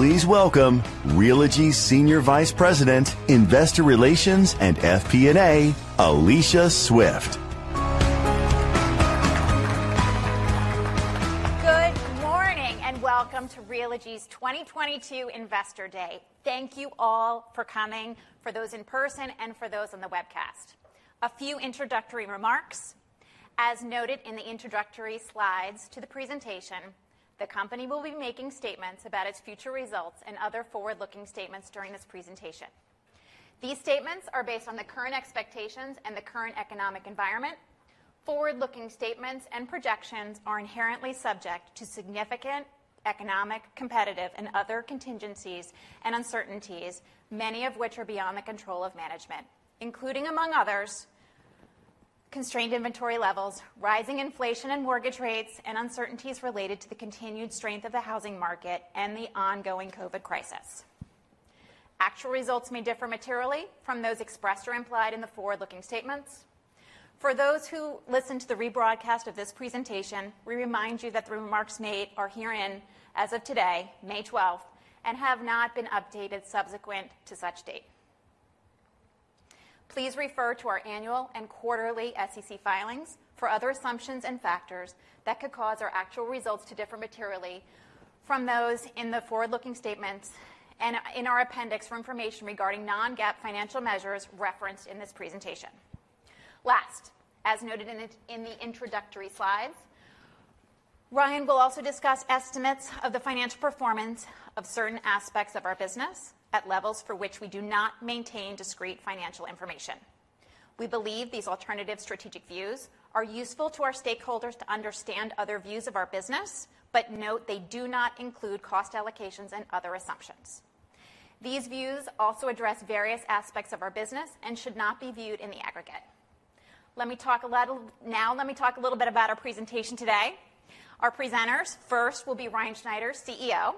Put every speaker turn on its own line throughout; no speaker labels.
Please welcome Realogy Senior Vice President, Investor Relations and FP&A, Alicia Swift.
Good morning, and welcome to Realogy's 2022 Investor Day. Thank you all for coming, for those in person and for those on the webcast. A few introductory remarks. As noted in the introductory slides to the presentation, the company will be making statements about its future results and other forward-looking statements during this presentation. These statements are based on the current expectations and the current economic environment. Forward-looking statements and projections are inherently subject to significant economic, competitive and other contingencies and uncertainties, many of which are beyond the control of management, including, among others, constrained inventory levels, rising inflation and mortgage rates, and uncertainties related to the continued strength of the housing market and the ongoing COVID crisis. Actual results may differ materially from those expressed or implied in the forward-looking statements. For those who listen to the rebroadcast of this presentation, we remind you that the remarks made are herein as of today, May 12th, and have not been updated subsequent to such date. Please refer to our annual and quarterly SEC filings for other assumptions and factors that could cause our actual results to differ materially from those in the forward-looking statements and in our appendix for information regarding non-GAAP financial measures referenced in this presentation. Last, as noted in the introductory slides, Ryan will also discuss estimates of the financial performance of certain aspects of our business at levels for which we do not maintain discrete financial information. We believe these alternative strategic views are useful to our stakeholders to understand other views of our business, but note they do not include cost allocations and other assumptions. These views also address various aspects of our business and should not be viewed in the aggregate. Now let me talk a little bit about our presentation today. Our presenters first will be Ryan Schneider, CEO,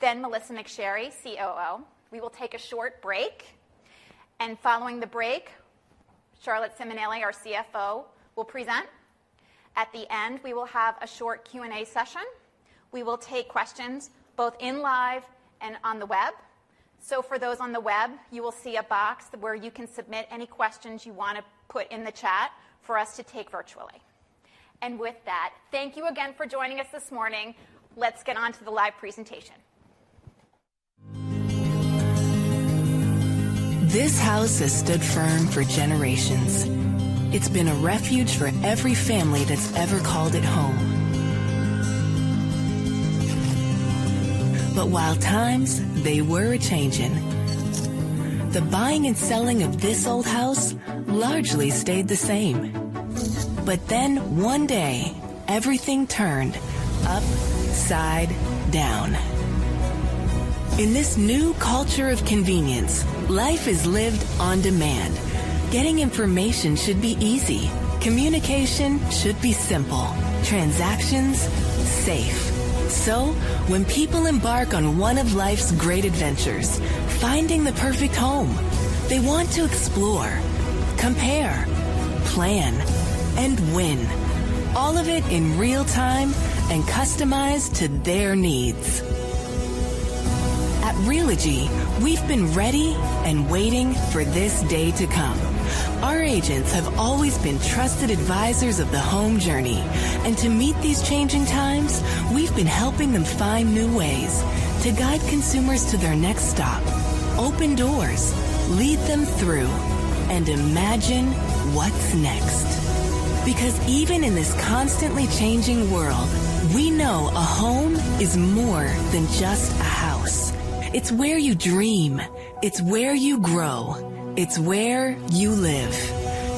then Melissa McSherry, COO. We will take a short break, and following the break, Charlotte Simonelli, our CFO, will present. At the end, we will have a short Q&A session. We will take questions both live and on the web. For those on the web, you will see a box where you can submit any questions you want to put in the chat for us to take virtually. With that, thank you again for joining us this morning. Let's get on to the live presentation.
This house has stood firm for generations. It's been a refuge for every family that's ever called it home. While times, they were a-changin', the buying and selling of this old house largely stayed the same. One day, everything turned upside down. In this new culture of convenience, life is lived on demand. Getting information should be easy. Communication should be simple. Transactions, safe. When people embark on one of life's great adventures, finding the perfect home, they want to explore, compare, plan, and win, all of it in real time and customized to their needs. At Realogy, we've been ready and waiting for this day to come. Our agents have always been trusted advisors of the home journey, and to meet these changing times, we've been helping them find new ways to guide consumers to their next stop, open doors, lead them through, and imagine what's next. Because even in this constantly changing world, we know a home is more than just a house. It's where you dream. It's where you grow. It's where you live.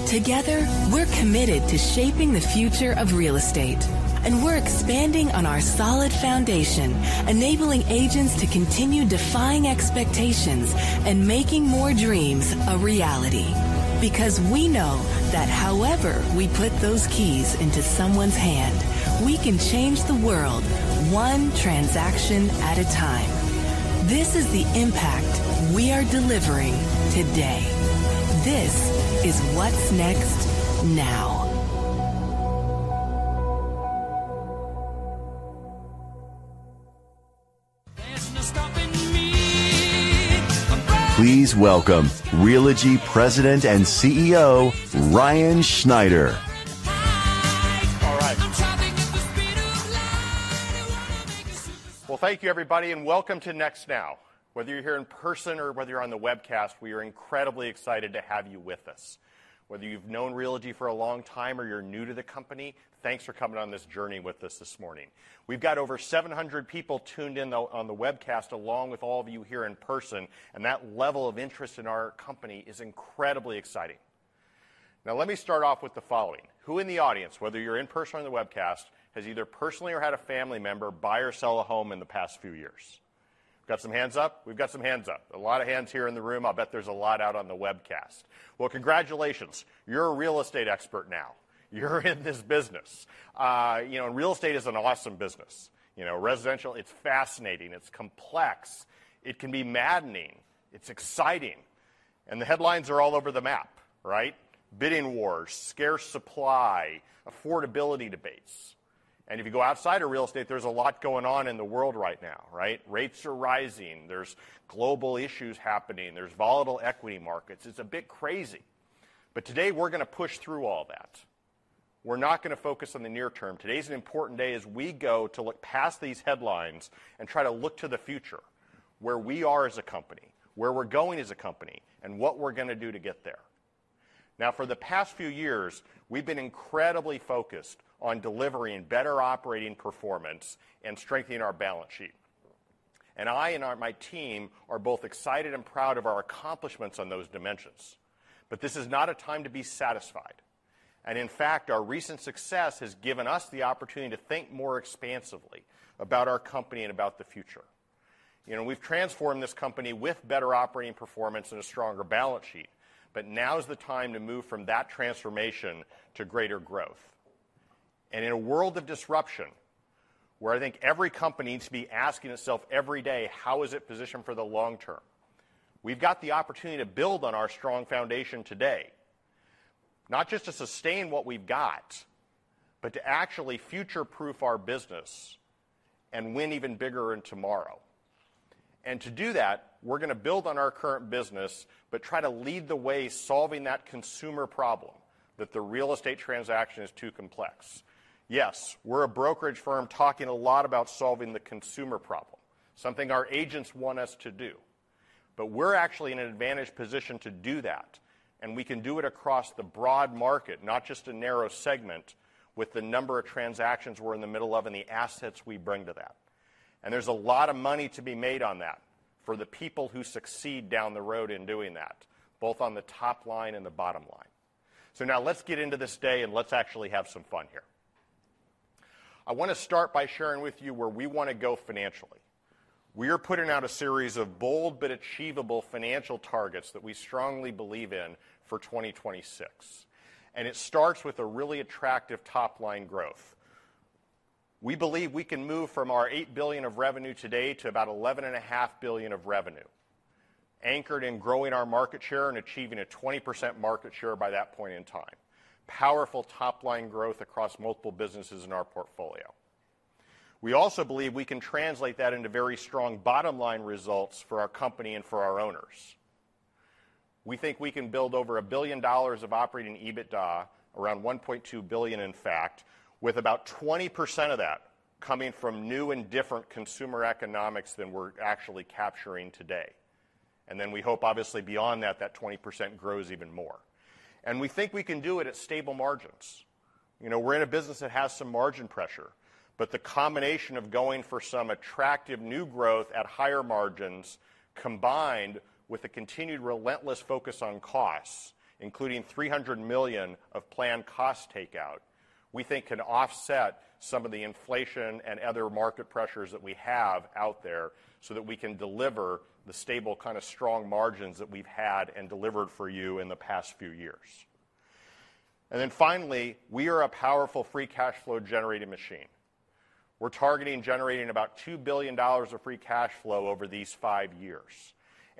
Together, we're committed to shaping the future of real estate, and we're expanding on our solid foundation, enabling agents to continue defying expectations and making more dreams a reality. Because we know that however we put those keys into someone's hand, we can change the world one transaction at a time. This is the impact we are delivering today. This is what's next now.
Please welcome Realogy President and CEO, Ryan Schneider.
All right. Well, thank you everybody, and welcome to Next Now. Whether you're here in person or whether you're on the webcast, we are incredibly excited to have you with us. Whether you've known Realogy for a long time or you're new to the company, thanks for coming on this journey with us this morning. We've got over 700 people tuned in on the webcast, along with all of you here in person, and that level of interest in our company is incredibly exciting. Now let me start off with the following. Who in the audience, whether you're in person or on the webcast, has either personally or had a family member buy or sell a home in the past few years? We've got some hands up. A lot of hands here in the room. I'll bet there's a lot out on the webcast. Well, congratulations. You're a real estate expert now. You're in this business. Real estate is an awesome business. Residential is fascinating. It's complex. It can be maddening. It's exciting. The headlines are all over the map. Bidding wars, scarce supply, and affordability debates. If you go outside of real estate, there's a lot going on in the world right now. Rates are rising. There's global issues happening. There's volatile equity markets. It's a bit crazy. Today, we're going to push through all that. We're not going to focus on the near-term. Today's an important day as we go to look past these headlines and try to look to the future, where we are as a company, where we're going as a company, and what we're going to do to get there. Now, for the past few years, we've been incredibly focused on delivering better operating performance and strengthening our balance sheet. I and my team are both excited and proud of our accomplishments on those dimensions. This is not a time to be satisfied. In fact, our recent success has given us the opportunity to think more expansively about our company and about the future. We've transformed this company with better operating performance and a stronger balance sheet, but now is the time to move from that transformation to greater growth. In a world of disruption, where I think every company needs to be asking itself every day how is it positioned for the long-term, we've got the opportunity to build on our strong foundation today, not just to sustain what we've got, but to actually future-proof our business and win even bigger in tomorrow. To do that, we're going to build on our current business, but try to lead the way solving that consumer problem that the real estate transaction is too complex. Yes, we're a brokerage firm talking a lot about solving the consumer problem, something our agents want us to do. But we're actually in an advantaged position to do that, and we can do it across the broad market, not just a narrow segment, with the number of transactions we're in the middle of and the assets we bring to that. There's a lot of money to be made on that for the people who succeed down the road in doing that, both on the top line and the bottom line. Now let's get into this day, and let's actually have some fun here. I want to start by sharing with you where we want to go financially. We are putting out a series of bold but achievable financial targets that we strongly believe in for 2026. It starts with a really attractive top-line growth. We believe we can move from our $8 billion of revenue today to about $11.5 billion of revenue, anchored in growing our market share and achieving a 20% market share by that point in time. Powerful top-line growth across multiple businesses in our portfolio. We also believe we can translate that into very strong bottom-line results for our company and for our owners. We think we can build over $1 billion of operating EBITDA, around $1.2 billion, in fact, with about 20% of that coming from new and different consumer economics than we're actually capturing today. Then we hope obviously beyond that 20% grows even more. We think we can do it at stable margins. We're in a business that has some margin pressure, but the combination of going for some attractive new growth at higher margins combined with the continued relentless focus on costs, including $300 million of planned cost takeout, we think can offset some of the inflation and other market pressures that we have out there so that we can deliver the stable kind of strong margins that we've had and delivered for you in the past few years. Finally, we are a powerful free cash flow generating machine. We're targeting generating about $2 billion of free cash flow over these five years.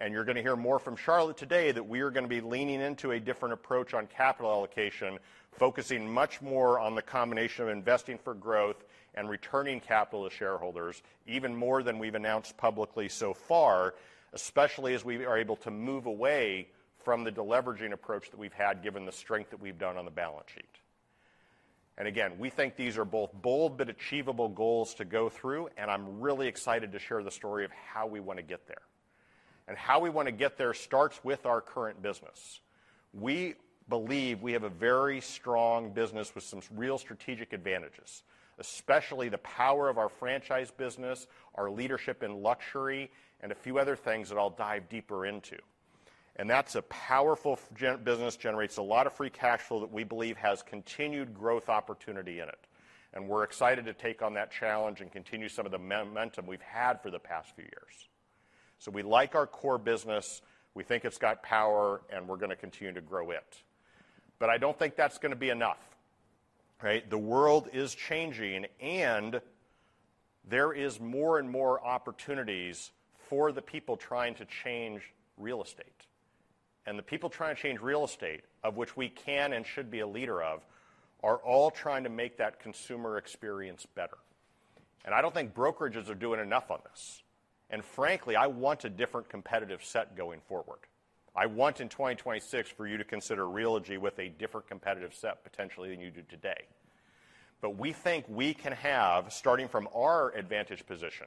You're going to hear more from Charlotte today that we are going to be leaning into a different approach on capital allocation, focusing much more on the combination of investing for growth and returning capital to shareholders even more than we've announced publicly so far, especially as we are able to move away from the deleveraging approach that we've had given the strength that we've done on the balance sheet. Again, we think these are both bold but achievable goals to go through, and I'm really excited to share the story of how we want to get there. How we want to get there starts with our current business. We believe we have a very strong business with some real strategic advantages, especially the power of our franchise business, our leadership in luxury, and a few other things that I'll dive deeper into. That's a powerful business, generates a lot of free cash flow that we believe has continued growth opportunity in it. We're excited to take on that challenge and continue some of the momentum we've had for the past few years. We like our core business, we think it's got power, and we're going to continue to grow it. I don't think that's going to be enough. The world is changing, and there is more and more opportunities for the people trying to change real estate. The people trying to change real estate, of which we can and should be a leader of, are all trying to make that consumer experience better. I don't think brokerages are doing enough on this. Frankly, I want a different competitive set going forward. I want in 2026 for you to consider Realogy with a different competitive set potentially than you do today. We think we can have, starting from our advantage position,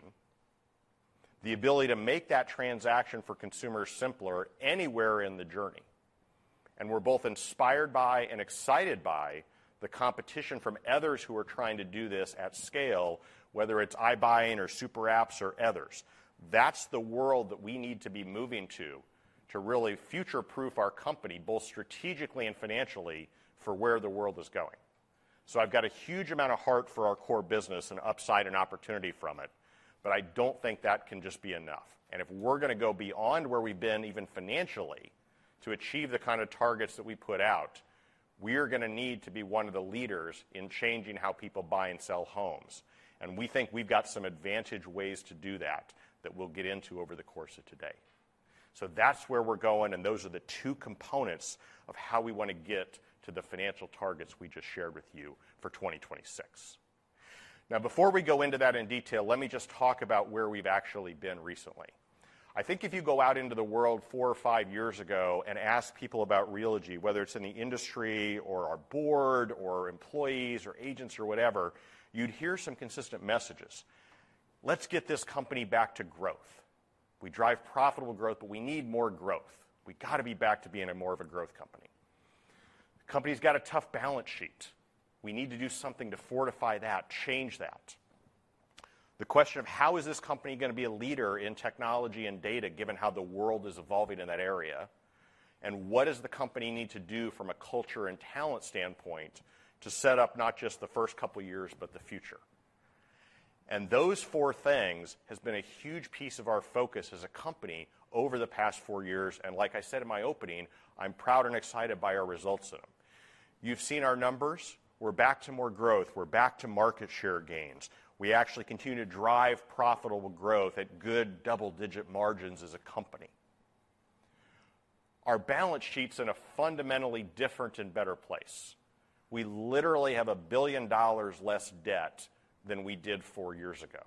the ability to make that transaction for consumers simpler anywhere in the journey. We're both inspired by and excited by the competition from others who are trying to do this at scale, whether it's iBuying or super apps or others. That's the world that we need to be moving to really future-proof our company, both strategically and financially, for where the world is going. I've got a huge amount of heart for our core business and upside and opportunity from it, but I don't think that can just be enough. If we're going to go beyond where we've been even financially to achieve the targets that we put out. We are going to need to be one of the leaders in changing how people buy and sell homes, and we think we've got some advantage ways to do that we'll get into over the course of today. That's where we're going, and those are the two components of how we want to get to the financial targets we just shared with you for 2026. Now, before we go into that in detail, let me just talk about where we've actually been recently. I think if you go out into the world four or five years ago and ask people about Realogy, whether it's in the industry, or our board, or employees, or agents, or whatever, you'd hear some consistent messages. Let's get this company back to growth. We drive profitable growth, but we need more growth. We got to be back to being a more of a growth company. The company's got a tough balance sheet. We need to do something to fortify that, change that. The question of how is this company going to be a leader in technology and data given how the world is evolving in that area, and what does the company need to do from a culture and talent standpoint to set up not just the first couple years, but the future? Those four things has been a huge piece of our focus as a company over the past four years, and like I said in my opening, I'm proud and excited by our results of them. You've seen our numbers. We're back to more growth. We're back to market share gains. We actually continue to drive profitable growth at good double-digit margins as a company. Our balance sheet's in a fundamentally different and better place. We literally have $1 billion less debt than we did four years ago,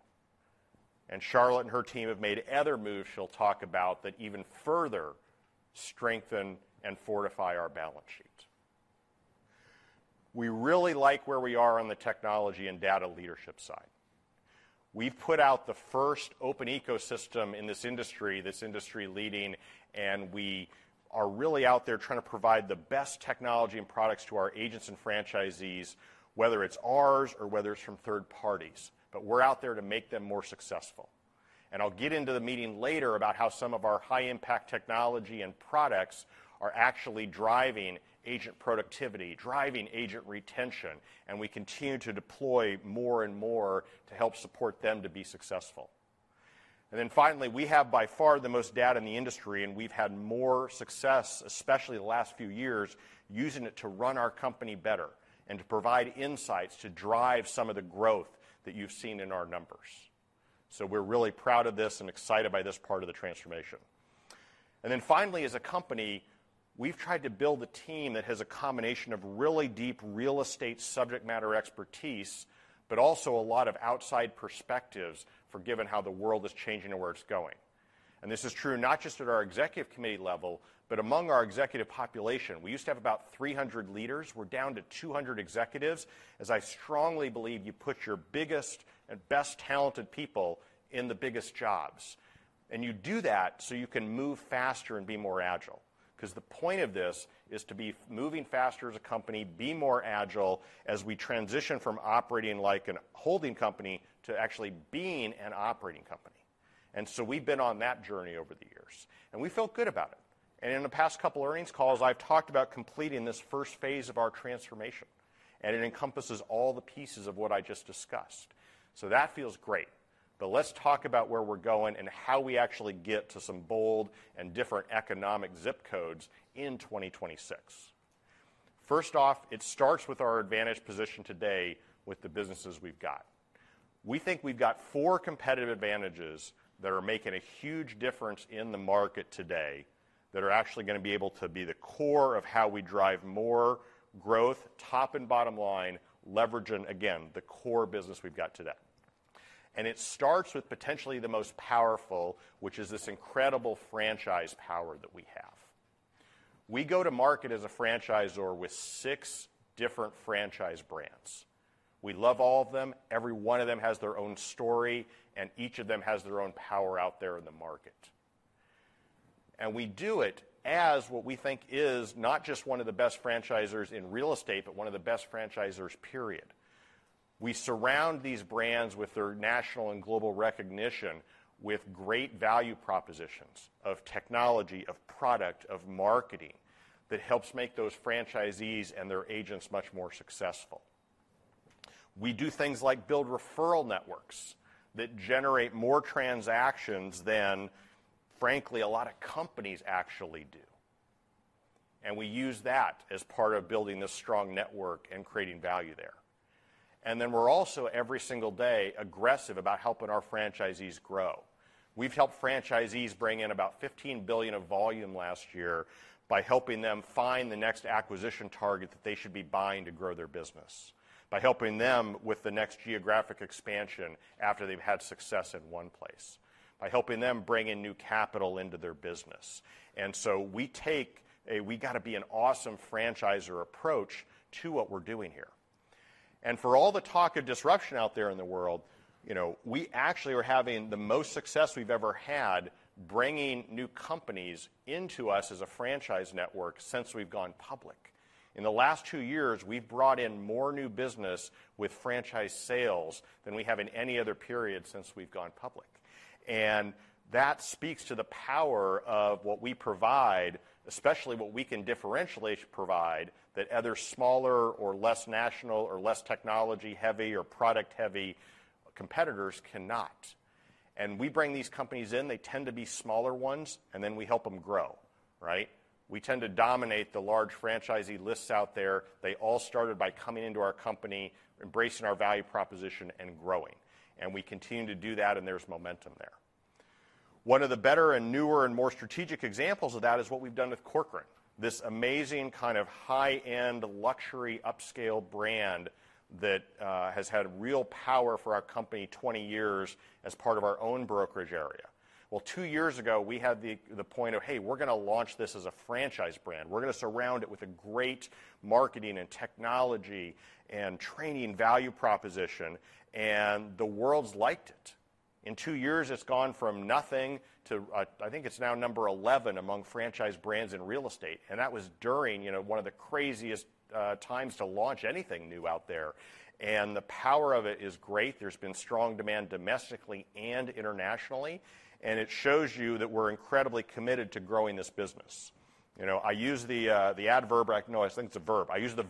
and Charlotte and her team have made other moves she'll talk about that even further strengthen and fortify our balance sheet. We really like where we are on the technology and data leadership side. We've put out the first open ecosystem in this industry that's industry leading, and we are really out there trying to provide the best technology and products to our agents and franchisees, whether it's ours or whether it's from third parties, but we're out there to make them more successful. I'll get into the meeting later about how some of our high impact technology and products are actually driving agent productivity, driving agent retention, and we continue to deploy more and more to help support them to be successful. Finally, we have by far the most data in the industry, and we've had more success, especially the last few years, using it to run our company better and to provide insights to drive some of the growth that you've seen in our numbers. We're really proud of this and excited by this part of the transformation. Finally, as a company, we've tried to build a team that has a combination of really deep real estate subject matter expertise, but also a lot of outside perspectives for given how the world is changing and where it's going. This is true not just at our executive committee level, but among our executive population. We used to have about 300 leaders. We're down to 200 executives, as I strongly believe you put your biggest and best talented people in the biggest jobs. You do that so you can move faster and be more agile, because the point of this is to be moving faster as a company, be more agile as we transition from operating like a holding company to actually being an operating company. We've been on that journey over the years, and we feel good about it. In the past couple of earnings calls, I've talked about completing this first phase of our transformation, and it encompasses all the pieces of what I just discussed. That feels great, but let's talk about where we're going and how we actually get to some bold and different economic zip codes in 2026. First off, it starts with our advantage position today with the businesses we've got. We think we've got four competitive advantages that are making a huge difference in the market today, that are actually going to be able to be the core of how we drive more growth, top and bottom line, leveraging, again, the core business we've got today. It starts with potentially the most powerful, which is this incredible franchise power that we have. We go to market as a franchisor with six different franchise brands. We love all of them. Every one of them has their own story, and each of them has their own power out there in the market. We do it as what we think is not just one of the best franchisors in real estate, but one of the best franchisors, period. We surround these brands with their national and global recognition with great value propositions of technology, of product, of marketing that helps make those franchisees and their agents much more successful. We do things like build referral networks that generate more transactions than, frankly, a lot of companies actually do, and we use that as part of building this strong network and creating value there. Then we're also every single day aggressive about helping our franchisees grow. We've helped franchisees bring in about $15 billion of volume last year by helping them find the next acquisition target that they should be buying to grow their business, by helping them with the next geographic expansion after they've had success in one place, by helping them bring in new capital into their business. We take a we-got-to-be-an-awesome-franchisor approach to what we're doing here. For all the talk of disruption out there in the world, we actually are having the most success we've ever had bringing new companies into us as a franchise network since we've gone public. In the last two years, we've brought in more new business with franchise sales than we have in any other period since we've gone public. That speaks to the power of what we provide, especially what we can differentially provide that other smaller or less national or less technology-heavy or product-heavy competitors cannot. We bring these companies in, they tend to be smaller ones, and then we help them grow. We tend to dominate the large franchisee lists out there. They all started by coming into our company, embracing our value proposition and growing. We continue to do that, and there's momentum there. One of the better and newer and more strategic examples of that is what we've done with Corcoran, this amazing high-end luxury upscale brand that has had real power for our company 20 years as part of our own brokerage area. Well, two years ago, we had the point of, hey, we're going to launch this as a franchise brand. We're going to surround it with a great marketing and technology and training value proposition, and the world's liked it. In two years, it's gone from nothing to, I think it's now number 11 among franchise brands in real estate, and that was during one of the craziest times to launch anything new out there. The power of it is great. There's been strong demand domestically and internationally, and it shows you that we're incredibly committed to growing this business. I use the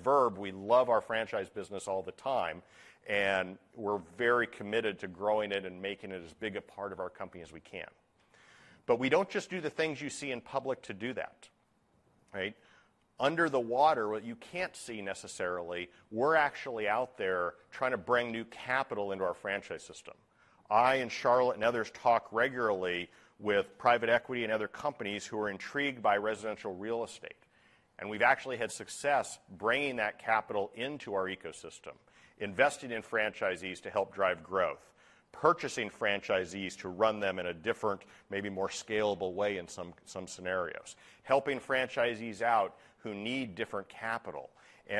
verb, we love our franchise business all the time, and we're very committed to growing it and making it as big a part of our company as we can. We don't just do the things you see in public to do that. Under the water, what you can't see necessarily, we're actually out there trying to bring new capital into our franchise system. I, Charlotte, and others talk regularly with private equity and other companies who are intrigued by residential real estate. We've actually had success bringing that capital into our ecosystem, investing in franchisees to help drive growth, purchasing franchisees to run them in a different, maybe more scalable way in some scenarios, helping franchisees out who need different capital.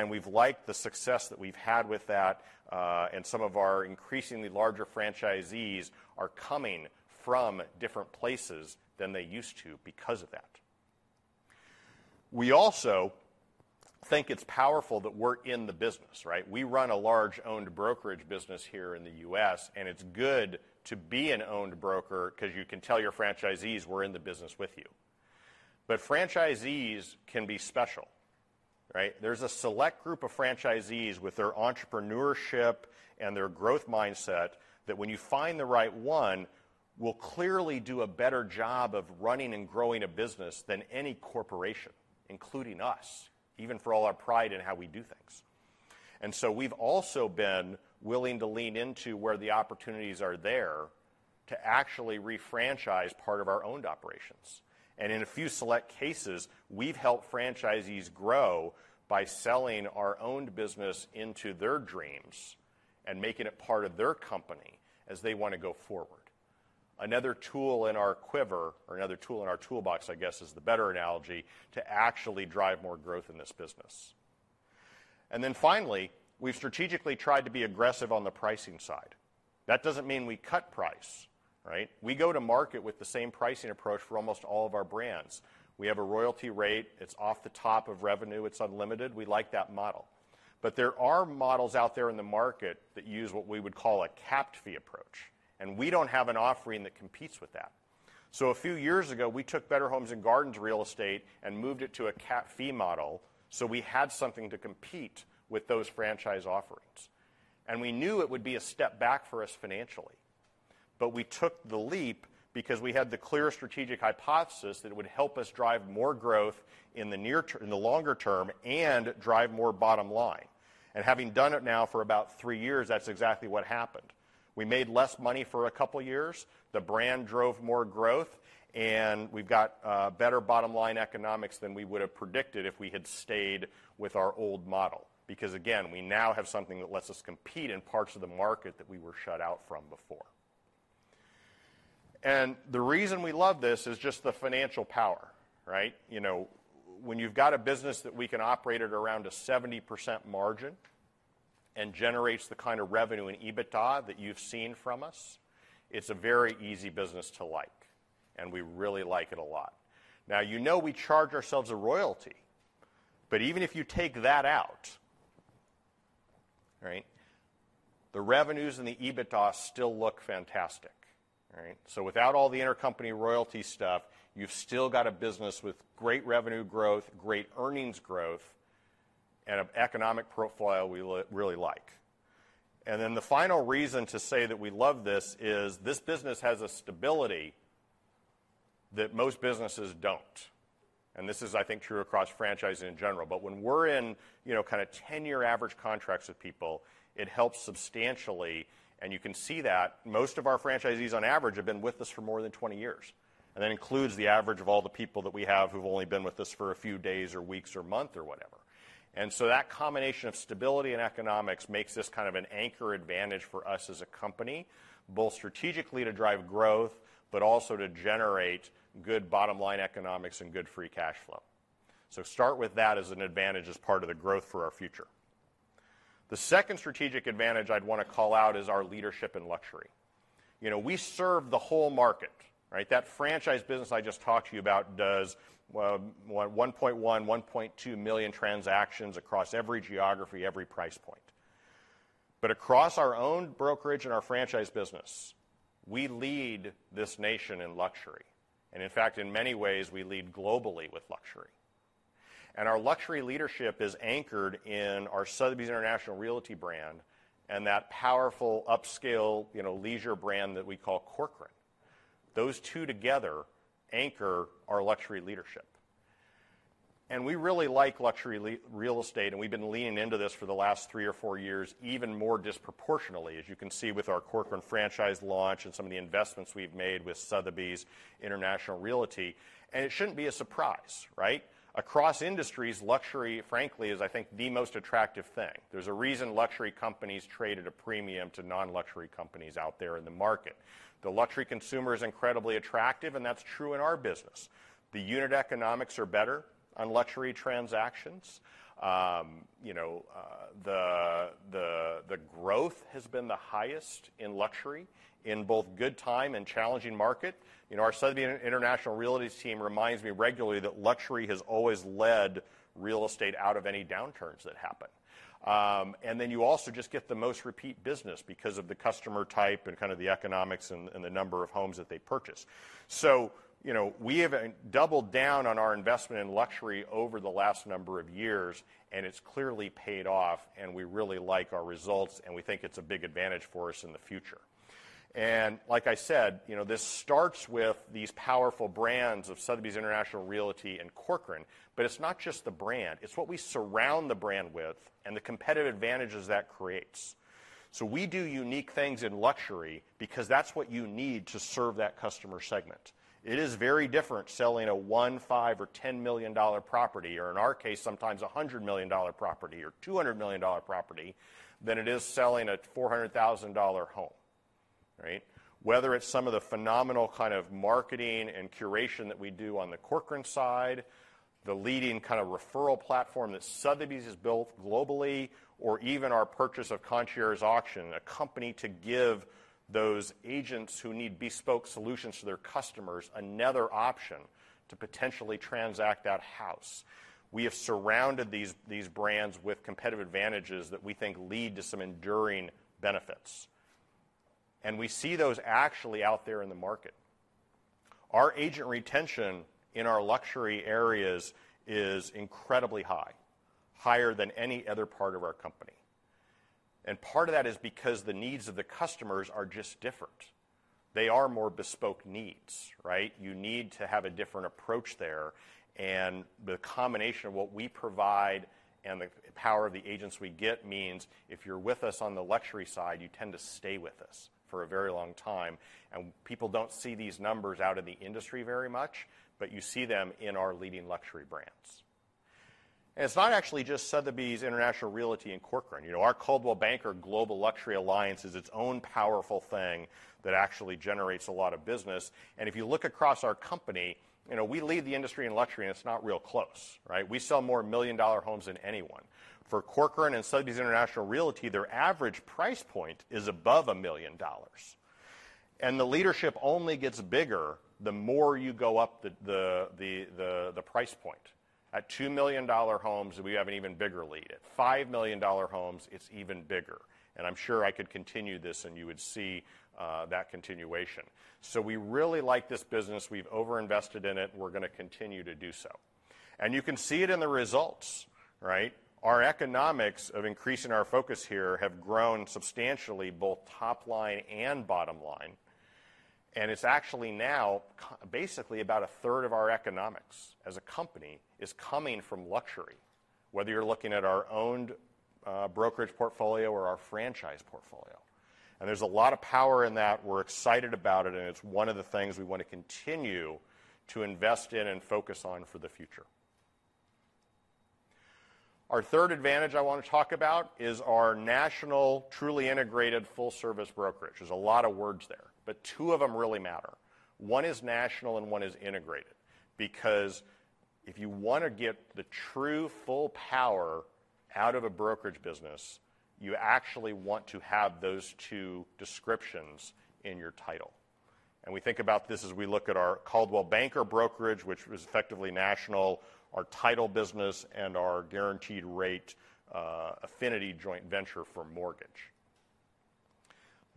We've liked the success that we've had with that, and some of our increasingly larger franchisees are coming from different places than they used to because of that. We also think it's powerful that we're in the business. We run a large owned brokerage business here in the U.S., and it's good to be an owned broker because you can tell your franchisees we're in the business with you. Franchisees can be special. There's a select group of franchisees with their entrepreneurship and their growth mindset that when you find the right one, will clearly do a better job of running and growing a business than any corporation, including us, even for all our pride in how we do things. We've also been willing to lean into where the opportunities are there to actually refranchise part of our owned operations. In a few select cases, we've helped franchisees grow by selling our owned business into their dreams and making it part of their company as they want to go forward. Another tool in our quiver or another tool in our toolbox, I guess is the better analogy, to actually drive more growth in this business. Then finally, we've strategically tried to be aggressive on the pricing side. That doesn't mean we cut price. We go to market with the same pricing approach for almost all of our brands. We have a royalty rate, it's off the top of revenue, it's unlimited. We like that model. There are models out there in the market that use what we would call a capped fee approach, and we don't have an offering that competes with that. A few years ago, we took Better Homes and Gardens Real Estate and moved it to a capped fee model, so we had something to compete with those franchise offerings. We knew it would be a step back for us financially. We took the leap because we had the clear strategic hypothesis that it would help us drive more growth in the longer term and drive more bottom line. Having done it now for about three years, that's exactly what happened. We made less money for a couple years, the brand drove more growth, and we've got better bottom-line economics than we would have predicted if we had stayed with our old model. Because again, we now have something that lets us compete in parts of the market that we were shut out from before. The reason we love this is just the financial power. When you've got a business that we can operate at around a 70% margin and generates the revenue and EBITDA that you've seen from us, it's a very easy business to like, and we really like it a lot. Now, you know we charge ourselves a royalty, but even if you take that out, the revenues and the EBITDA still look fantastic. Without all the intercompany royalty stuff, you've still got a business with great revenue growth, great earnings growth, and an economic profile we really like. The final reason to say that we love this is this business has a stability that most businesses don't. This is, I think, true across franchising in general. When we're in a 10-year average contracts with people, it helps substantially, and you can see that most of our franchisees on average have been with us for more than 20 years. That includes the average of all the people that we have who've only been with us for a few days or weeks or month or whatever. That combination of stability and economics makes this an anchor advantage for us as a company, both strategically to drive growth, but also to generate good bottom-line economics and good free cash flow. Start with that as an advantage as part of the growth for our future. The second strategic advantage I'd want to call out is our leadership in luxury. We serve the whole market. That franchise business I just talked to you about does 1.1.2 million transactions across every geography, every price point. Across our own brokerage and our franchise business, we lead this nation in luxury. In fact, in many ways, we lead globally with luxury. Our luxury leadership is anchored in our Sotheby's International Realty brand and that powerful upscale leisure brand that we call Corcoran. Those two together anchor our luxury leadership. We really like luxury real estate, and we've been leaning into this for the last three or four years even more disproportionately, as you can see with our Corcoran franchise launch and some of the investments we've made with Sotheby's International Realty. It shouldn't be a surprise. Across industries, luxury, frankly, is I think the most attractive thing. There's a reason luxury companies trade at a premium to non-luxury companies out there in the market. The luxury consumer is incredibly attractive, and that's true in our business. The unit economics are better on luxury transactions. The growth has been the highest in luxury in both good time and challenging market. Our Sotheby's International Realty team reminds me regularly that luxury has always led real estate out of any downturns that happen and then you also just get the most repeat business because of the customer type and the economics and the number of homes that they purchase. We have doubled down on our investment in luxury over the last number of years, and it's clearly paid off and we really like our results, and we think it's a big advantage for us in the future. Like I said, this starts with these powerful brands of Sotheby's International Realty and Corcoran, but it's not just the brand. It's what we surround the brand with and the competitive advantages that creates. We do unique things in luxury because that's what you need to serve that customer segment. It is very different selling a $1 million, $5 million, or $10 million property, or in our case sometimes a $100 million property or $200 million property, than it is selling a $400,000 home. Whether it's some of the phenomenal kind of marketing and curation that we do on the Corcoran side, the leading referral platform that Sotheby's has built globally, or even our purchase of Concierge Auctions, a company to give those agents who need bespoke solutions to their customers another option to potentially transact that house. We have surrounded these brands with competitive advantages that we think lead to some enduring benefits, and we see those actually out there in the market. Our agent retention in our luxury areas is incredibly high, higher than any other part of our company. Part of that is because the needs of the customers are just different. They are more bespoke needs. You need to have a different approach there, and the combination of what we provide and the power of the agents we get means if you're with us on the luxury side, you tend to stay with us for a very long time. People don't see these numbers out in the industry very much, but you see them in our leading luxury brands. It's not actually just Sotheby's International Realty and Corcoran. Our Coldwell Banker Global Luxury Alliance is its own powerful thing that actually generates a lot of business. If you look across our company, we lead the industry in luxury, and it's not real close. We sell more million-dollar homes than anyone. For Corcoran and Sotheby's International Realty, their average price point is above $1 million, and the leadership only gets bigger the more you go up the price point. At $2 million homes, we have an even bigger lead. At $5 million homes, it's even bigger. I'm sure I could continue this and you would see that continuation. We really like this business. We've over-invested in it, and we're going to continue to do so. You can see it in the results. Our economics of increasing our focus here have grown substantially, both top line and bottom line. It's actually now basically about a third of our economics as a company is coming from luxury, whether you're looking at our owned brokerage portfolio or our franchise portfolio. There's a lot of power in that. We're excited about it, and it's one of the things we want to continue to invest in and focus on for the future. Our third advantage I want to talk about is our national, truly integrated, full service brokerage. There's a lot of words there, but two of them really matter. One is national and one is integrated because if you want to get the true full power out of a brokerage business, you actually want to have those two descriptions in your title. We think about this as we look at our Coldwell Banker brokerage, which is effectively national, our title business, and our Guaranteed Rate Affinity joint venture for mortgage.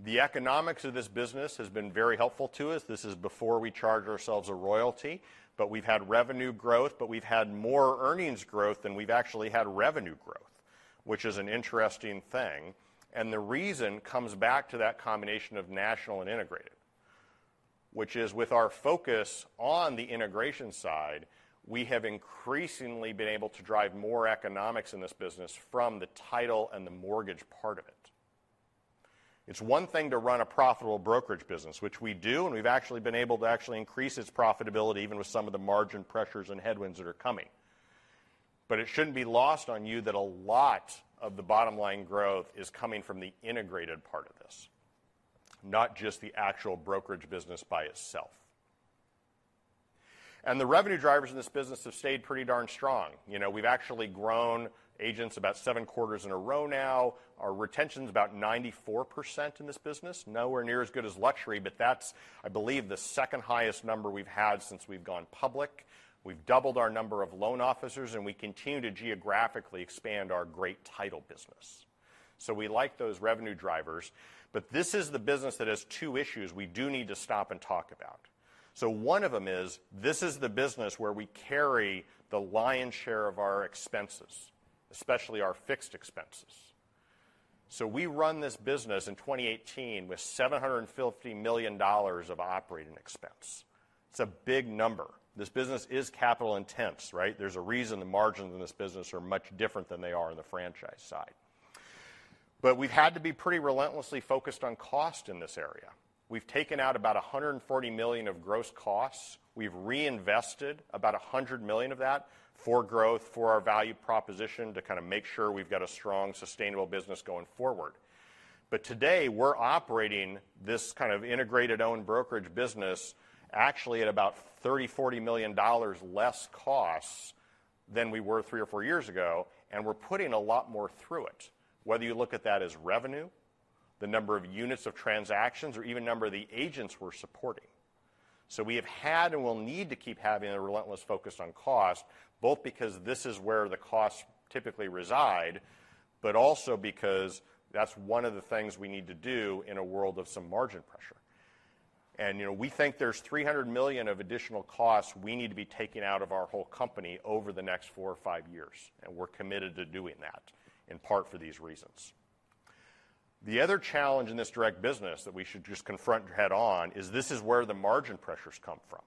The economics of this business has been very helpful to us. This is before we charged ourselves a royalty, but we've had revenue growth, but we've had more earnings growth than we've actually had revenue growth, which is an interesting thing. The reason comes back to that combination of national and integrated, which is with our focus on the integration side, we have increasingly been able to drive more economics in this business from the title and the mortgage part of it. It's one thing to run a profitable brokerage business, which we do, and we've actually been able to increase its profitability even with some of the margin pressures and headwinds that are coming. It shouldn't be lost on you that a lot of the bottom line growth is coming from the integrated part of this, not just the actual brokerage business by itself. The revenue drivers in this business have stayed pretty darn strong. We've actually grown agents about seven quarters in a row now. Our retention's about 94% in this business. Nowhere near as good as luxury, but that's, I believe, the second highest number we've had since we've gone public. We've doubled our number of loan officers, and we continue to geographically expand our great title business. We like those revenue drivers, but this is the business that has two issues we do need to stop and talk about. One of them is, this is the business where we carry the lion's share of our expenses, especially our fixed expenses. We run this business in 2018 with $750 million of operating expense. It's a big number. This business is capital intensive. There's a reason the margins in this business are much different than they are in the franchise side. We've had to be pretty relentlessly focused on cost in this area. We've taken out about $140 million of gross costs. We've reinvested about $100 million of that for growth, for our value proposition to kind of make sure we've got a strong, sustainable business going forward. Today we're operating this integrated owned brokerage business actually at about $30-$40 million less costs than we were three or four years ago, and we're putting a lot more through it, whether you look at that as revenue, the number of units of transactions or even number of the agents we're supporting. We have had and will need to keep having a relentless focus on cost, both because this is where the costs typically reside, but also because that's one of the things we need to do in a world of some margin pressure. We think there's $300 million of additional costs we need to be taking out of our whole company over the next four or five years, and we're committed to doing that, in part for these reasons. The other challenge in this direct business that we should just confront head-on is this is where the margin pressures come from.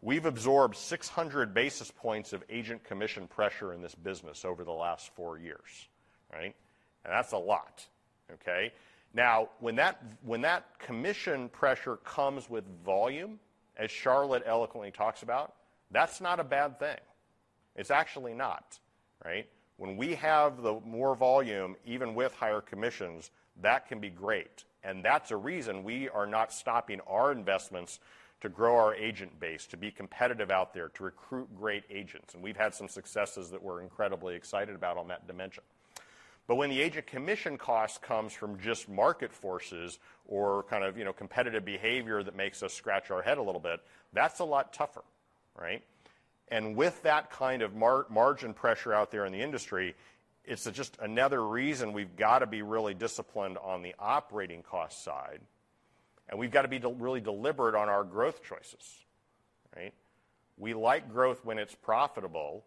We've absorbed 600 basis points of agent commission pressure in this business over the last four years. That's a lot. Now, when that commission pressure comes with volume, as Charlotte eloquently talks about, that's not a bad thing. It's actually not. When we have the more volume, even with higher commissions, that can be great, and that's a reason we are not stopping our investments to grow our agent base, to be competitive out there, to recruit great agents. We've had some successes that we're incredibly excited about on that dimension. When the agent commission cost comes from just market forces or competitive behavior that makes us scratch our head a little bit, that's a lot tougher. With that margin pressure out there in the industry, it's just another reason we've got to be really disciplined on the operating cost side, and we've got to be really deliberate on our growth choices. We like growth when it's profitable.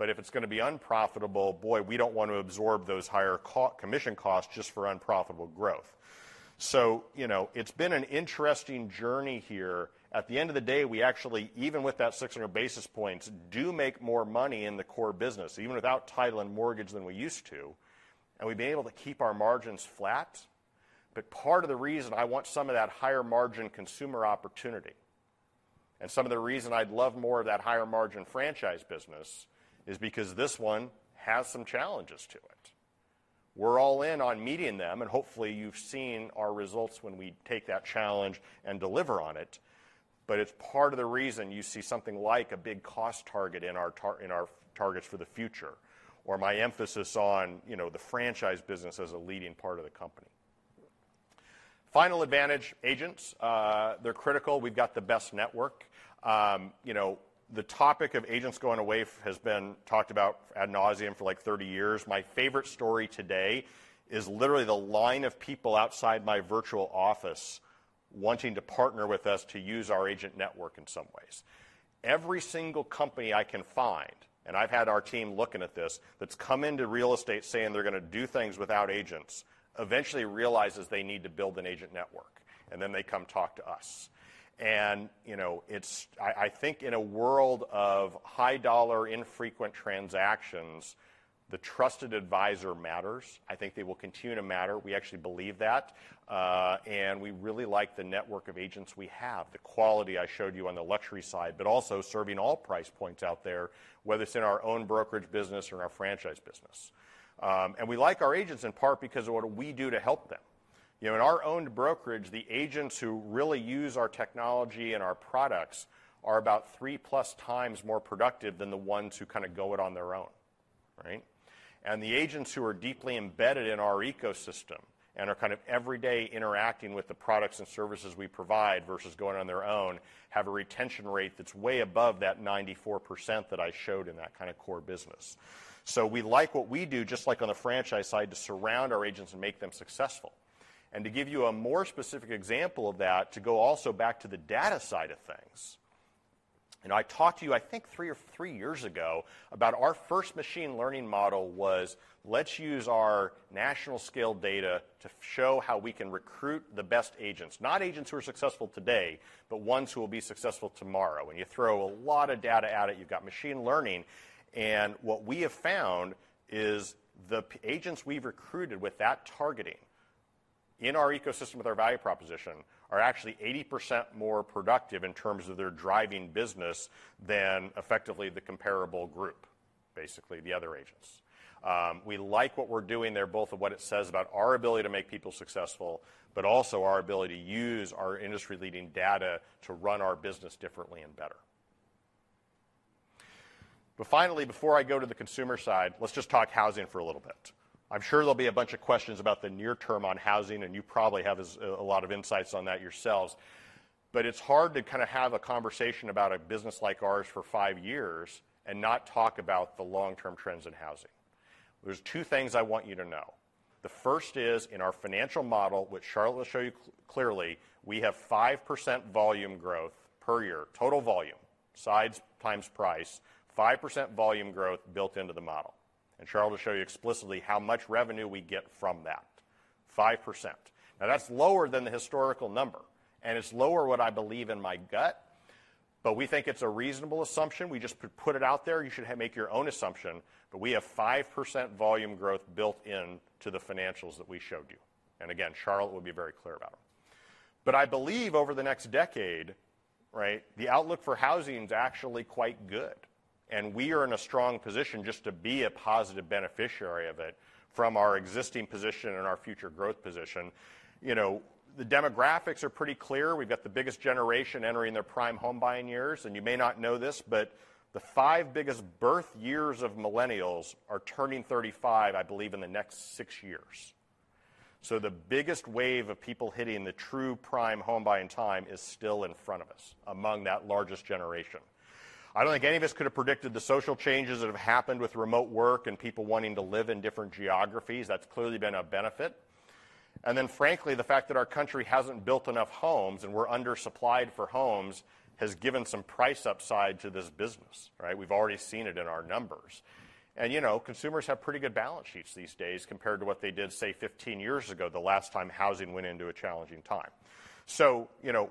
If it's going to be unprofitable, boy, we don't want to absorb those higher co-commission costs just for unprofitable growth. It's been an interesting journey here. At the end of the day, we actually, even with that 600 basis points, do make more money in the core business, even without title and mortgage, than we used to, and we've been able to keep our margins flat. Part of the reason I want some of that higher margin consumer opportunity and some of the reason I'd love more of that higher margin franchise business is because this one has some challenges to it. We're all in on meeting them, and hopefully you've seen our results when we take that challenge and deliver on it, but it's part of the reason you see something like a big cost target in our targets for the future or my emphasis on the franchise business as a leading part of the company. Final advantage, agents. They're critical. We've got the best network. The topic of agents going away has been talked about ad nauseam for like 30 years. My favorite story today is literally the line of people outside my virtual office wanting to partner with us to use our agent network in some ways. Every single company I can find, and I've had our team looking at this, that's come into real estate saying they're going to do things without agents eventually realizes they need to build an agent network, and then they come talk to us. I think in a world of high dollar infrequent transactions, the trusted advisor matters. I think they will continue to matter. We actually believe that. We really like the network of agents we have, the quality I showed you on the luxury side, but also serving all price points out there, whether it's in our own brokerage business or in our franchise business. We like our agents in part because of what we do to help them. In our owned brokerage, the agents who really use our technology and our products are about three plus times more productive than the ones who go it on their own. The agents who are deeply embedded in our ecosystem and are every day interacting with the products and services we provide versus going on their own have a retention rate that's way above that 94% that I showed in that core business. We like what we do, just like on the franchise side, to surround our agents and make them successful. To give you a more specific example of that, to go also back to the data side of things, and I talked to you I think three years ago about our first machine learning model was let's use our national scale data to show how we can recruit the best agents, not agents who are successful today, but ones who will be successful tomorrow. When you throw a lot of data at it, you've got machine learning, and what we have found is the top agents we've recruited with that targeting in our ecosystem with our value proposition are actually 80% more productive in terms of their driving business than effectively the comparable group, basically the other agents. We like what we're doing there, both of what it says about our ability to make people successful, but also our ability to use our industry-leading data to run our business differently and better. Finally, before I go to the consumer side, let's just talk housing for a little bit. I'm sure there'll be a bunch of questions about the near term on housing, and you probably have a lot of insights on that yourselves. It's hard to have a conversation about a business like ours for five years and not talk about the long-term trends in housing. There's two things I want you to know. The first is, in our financial model, which Charlotte will show you clearly, we have 5% volume growth per year, total volume, sides times price, 5% volume growth built into the model. Charlotte will show you explicitly how much revenue we get from that, 5%. Now, that's lower than the historical number, and it's lower than what I believe in my gut, but we think it's a reasonable assumption. We just put it out there. You should make your own assumption. We have 5% volume growth built into the financials that we showed you, and again, Charlotte will be very clear about it. I believe over the next decade, the outlook for housing's actually quite good, and we are in a strong position just to be a positive beneficiary of it from our existing position and our future growth position. The demographics are pretty clear. We've got the biggest generation entering their prime home buying years, and you may not know this, but the five biggest birth years of millennials are turning 35, I believe, in the next six years. The biggest wave of people hitting the true prime home buying time is still in front of us among that largest generation. I don't think any of us could have predicted the social changes that have happened with remote work and people wanting to live in different geographies. That's clearly been a benefit. Then frankly, the fact that our country hasn't built enough homes, and we're undersupplied for homes has given some price upside to this business. We've already seen it in our numbers. Consumers have pretty good balance sheets these days compared to what they did, say, 15 years ago, the last time housing went into a challenging time.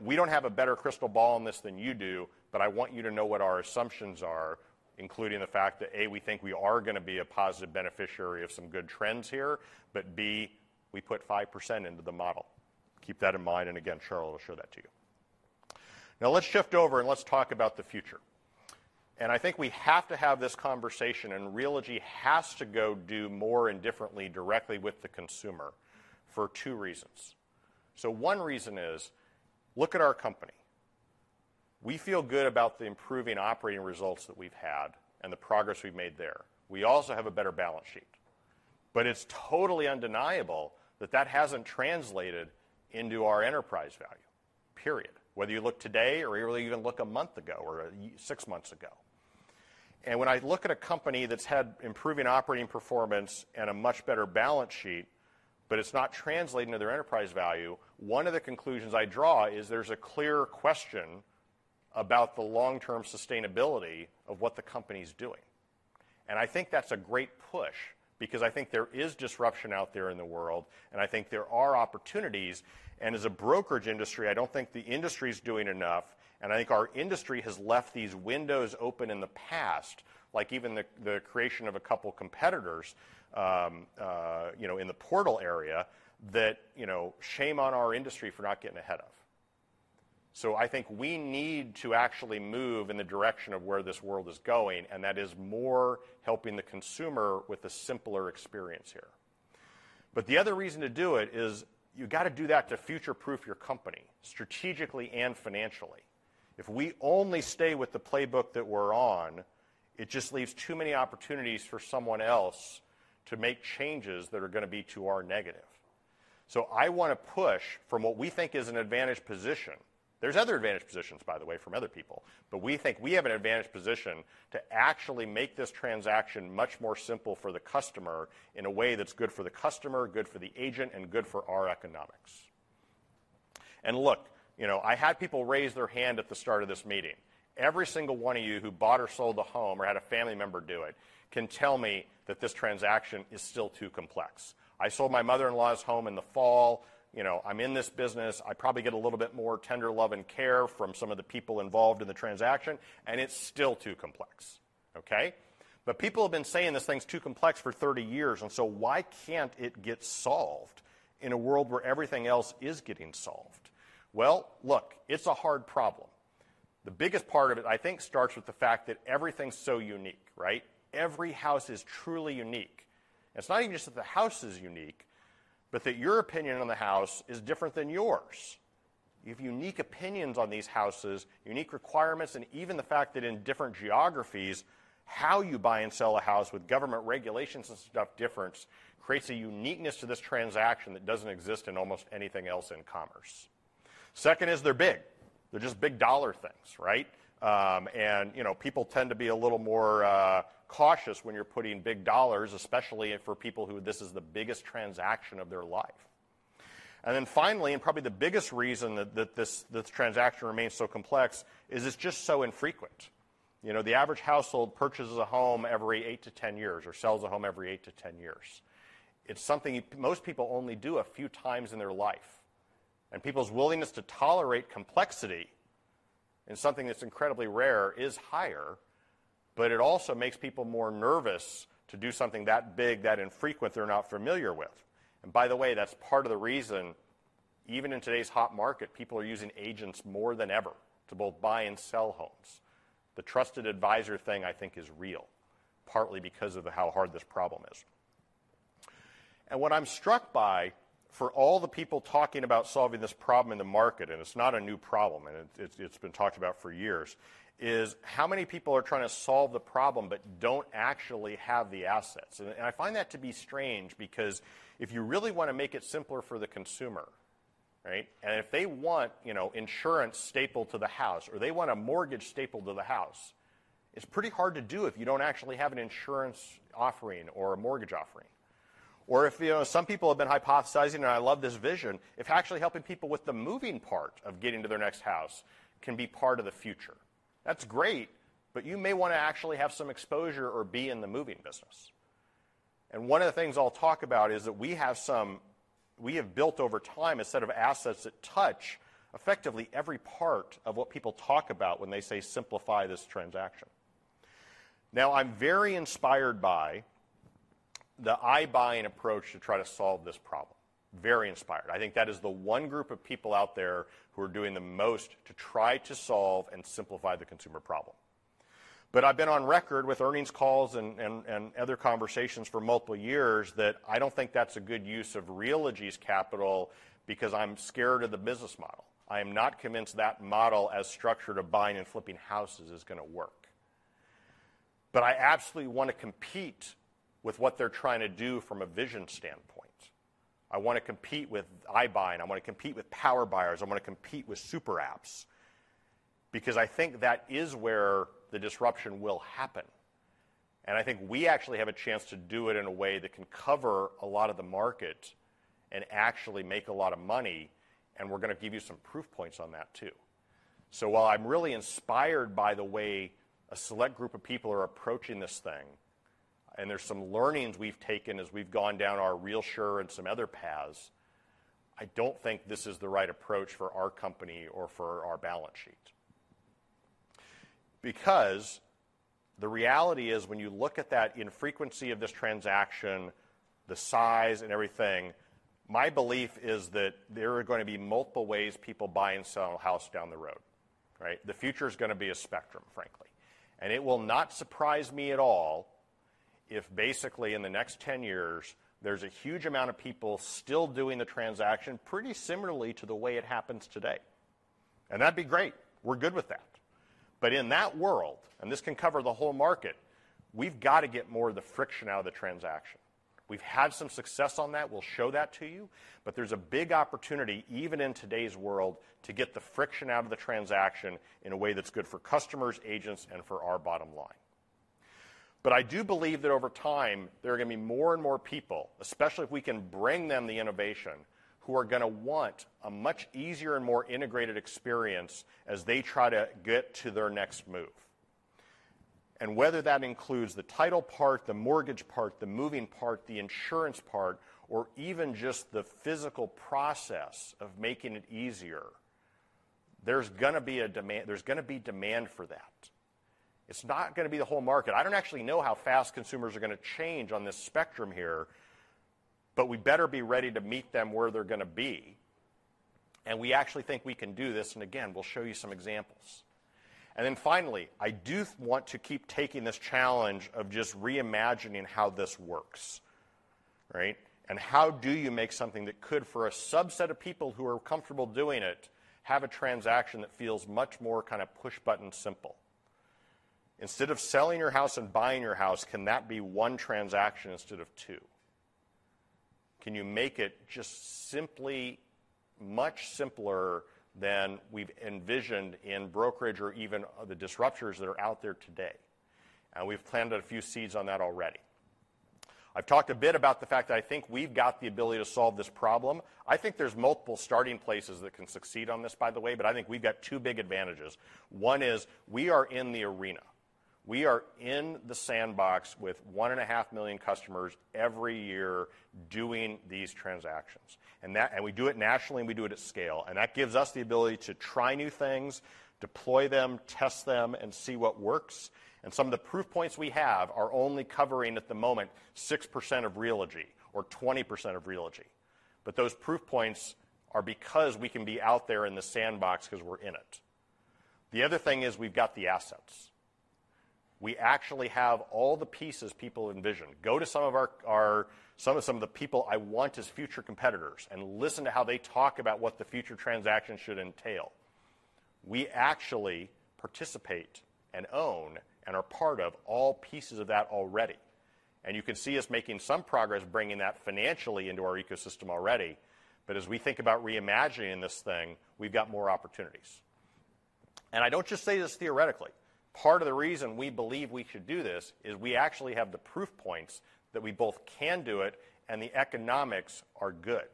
We don't have a better crystal ball on this than you do, but I want you to know what our assumptions are, including the fact that, A, we think we are going to be a positive beneficiary of some good trends here, but B, we put 5% into the model. Keep that in mind, and again, Charlotte will show that to you. Now, let's shift over, and let's talk about the future. I think we have to have this conversation, and Realogy has to go do more and differently directly with the consumer for two reasons. One reason is, look at our company. We feel good about the improving operating results that we've had and the progress we've made there. We also have a better balance sheet. It's totally undeniable that that hasn't translated into our enterprise value, period, whether you look today or you really even look a month ago or even six months ago. When I look at a company that's had improving operating performance and a much better balance sheet, but it's not translating to their enterprise value, one of the conclusions I draw is there's a clear question about the long-term sustainability of what the company's doing. I think that's a great push because I think there is disruption out there in the world, and I think there are opportunities. As a brokerage industry, I don't think the industry's doing enough, and I think our industry has left these windows open in the past, like even the creation of a couple of competitors in the portal area that shame on our industry for not getting ahead of. I think we need to actually move in the direction of where this world is going, and that is more helping the consumer with a simpler experience here. The other reason to do it is you gotta do that to future-proof your company strategically and financially. If we only stay with the playbook that we're on, it just leaves too many opportunities for someone else to make changes that are going to be to our negative. I want to push from what we think is an advantaged position. There's other advantaged positions, by the way, from other people, but we think we have an advantaged position to actually make this transaction much more simple for the customer in a way that's good for the customer, good for the agent, and good for our economics. Look, I had people raise their hand at the start of this meeting. Every single one of you who bought or sold a home or had a family member do it can tell me that this transaction is still too complex. I sold my mother-in-law's home in the fall. I'm in this business. I probably get a little bit more tender love and care from some of the people involved in the transaction, and it's still too complex. People have been saying this thing's too complex for 30 years, and so why can't it get solved in a world where everything else is getting solved? Well, look, it's a hard problem. The biggest part of it, I think, starts with the fact that everything's so unique. Every house is truly unique. It's not even just that the house is unique, but that your opinion on the house is different than yours. You have unique opinions on these houses, unique requirements, and even the fact that in different geographies, how you buy and sell a house with government regulations and such differences creates a uniqueness to this transaction that doesn't exist in almost anything else in commerce. Second is they're big. They're just big dollar things. People tend to be a little more cautious when you're putting big dollars, especially for people who this is the biggest transaction of their life. Finally, and probably the biggest reason that this transaction remains so complex is it's just so infrequent. The average household purchases a home every 8-10 years or sells a home every 8-10 years. It's something most people only do a few times in their life, and people's willingness to tolerate complexity in something that's incredibly rare is higher, but it also makes people more nervous to do something that big, that infrequent they're not familiar with. By the way, that's part of the reason, even in today's hot market, people are using agents more than ever to both buy and sell homes. The trusted advisor thing, I think, is real, partly because of how hard this problem is. What I'm struck by, for all the people talking about solving this problem in the market, and it's not a new problem, and it's been talked about for years, is how many people are trying to solve the problem but don't actually have the assets. I find that to be strange because if you really want to make it simpler for the consumer. If they want insurance stapled to the house or they want a mortgage stapled to the house, it's pretty hard to do if you don't actually have an insurance offering or a mortgage offering. Some people have been hypothesizing, and I love this vision, if actually helping people with the moving part of getting to their next house can be part of the future. That's great, but you may want to actually have some exposure or be in the moving business. One of the things I'll talk about is that we have built over time a set of assets that touch effectively every part of what people talk about when they say simplify this transaction. Now, I'm very inspired by the iBuying approach to try to solve this problem. Very inspired. I think that is the one group of people out there who are doing the most to try to solve and simplify the consumer problem. I've been on record with earnings calls and other conversations for multiple years that I don't think that's a good use of Realogy's capital because I'm scared of the business model. I am not convinced that model as structured of buying and flipping houses is going to work. I absolutely want to compete with what they're trying to do from a vision standpoint. I want to compete with iBuying, I want to compete with power buyers, I want to compete with super apps because I think that is where the disruption will happen. I think we actually have a chance to do it in a way that can cover a lot of the market and actually make a lot of money, and we're going to give you some proof points on that too. While I'm really inspired by the way a select group of people are approaching this thing, and there's some learnings we've taken as we've gone down our RealSure and some other paths, I don't think this is the right approach for our company or for our balance sheet because the reality is when you look at that infrequency of this transaction, the size and everything, my belief is that there are going to be multiple ways people buy and sell a house down the road. The future is going to be a spectrum, frankly. It will not surprise me at all if basically in the next 10 years, there's a huge amount of people still doing the transaction pretty similarly to the way it happens today. That'd be great. We're good with that. In that world, and this can cover the whole market, we've got to get more of the friction out of the transaction. We've had some success on that, we'll show that to you, but there's a big opportunity, even in today's world, to get the friction out of the transaction in a way that's good for customers, agents, and for our bottom line. I do believe that over time, there are going to be more and more people, especially if we can bring them the innovation, who are going to want a much easier and more integrated experience as they try to get to their next move. Whether that includes the title part, the mortgage part, the moving part, the insurance part, or even just the physical process of making it easier, there's going to be demand for that. It's not going to be the whole market. I don't actually know how fast consumers are going to change on this spectrum here, but we better be ready to meet them where they're going to be. We actually think we can do this, and again, we'll show you some examples. Then finally, I do want to keep taking this challenge of just reimagining how this works. How do you make something that could, for a subset of people who are comfortable doing it, have a transaction that feels much more push-button simple. Instead of selling your house and buying your house, can that be one transaction instead of two? Can you make it just simply much simpler than we've envisioned in brokerage or even the disruptors that are out there today? We've planted a few seeds on that already. I've talked a bit about the fact that I think we've got the ability to solve this problem. I think there's multiple starting places that can succeed on this, by the way, but I think we've got two big advantages. One is we are in the arena. We are in the sandbox with 1.5 million customers every year doing these transactions. We do it nationally, and we do it at scale. That gives us the ability to try new things, deploy them, test them, and see what works. Some of the proof points we have are only covering at the moment 6% of Realogy or 20% of Realogy. Those proof points are because we can be out there in the sandbox 'cause we're in it. The other thing is we've got the assets. We actually have all the pieces people envision. Go to some of the people I want as future competitors and listen to how they talk about what the future transaction should entail. We actually participate and own and are part of all pieces of that already. You can see us making some progress bringing that financially into our ecosystem already. As we think about reimagining this thing, we've got more opportunities. I don't just say this theoretically. Part of the reason we believe we should do this is we actually have the proof points that we both can do it and the economics are good.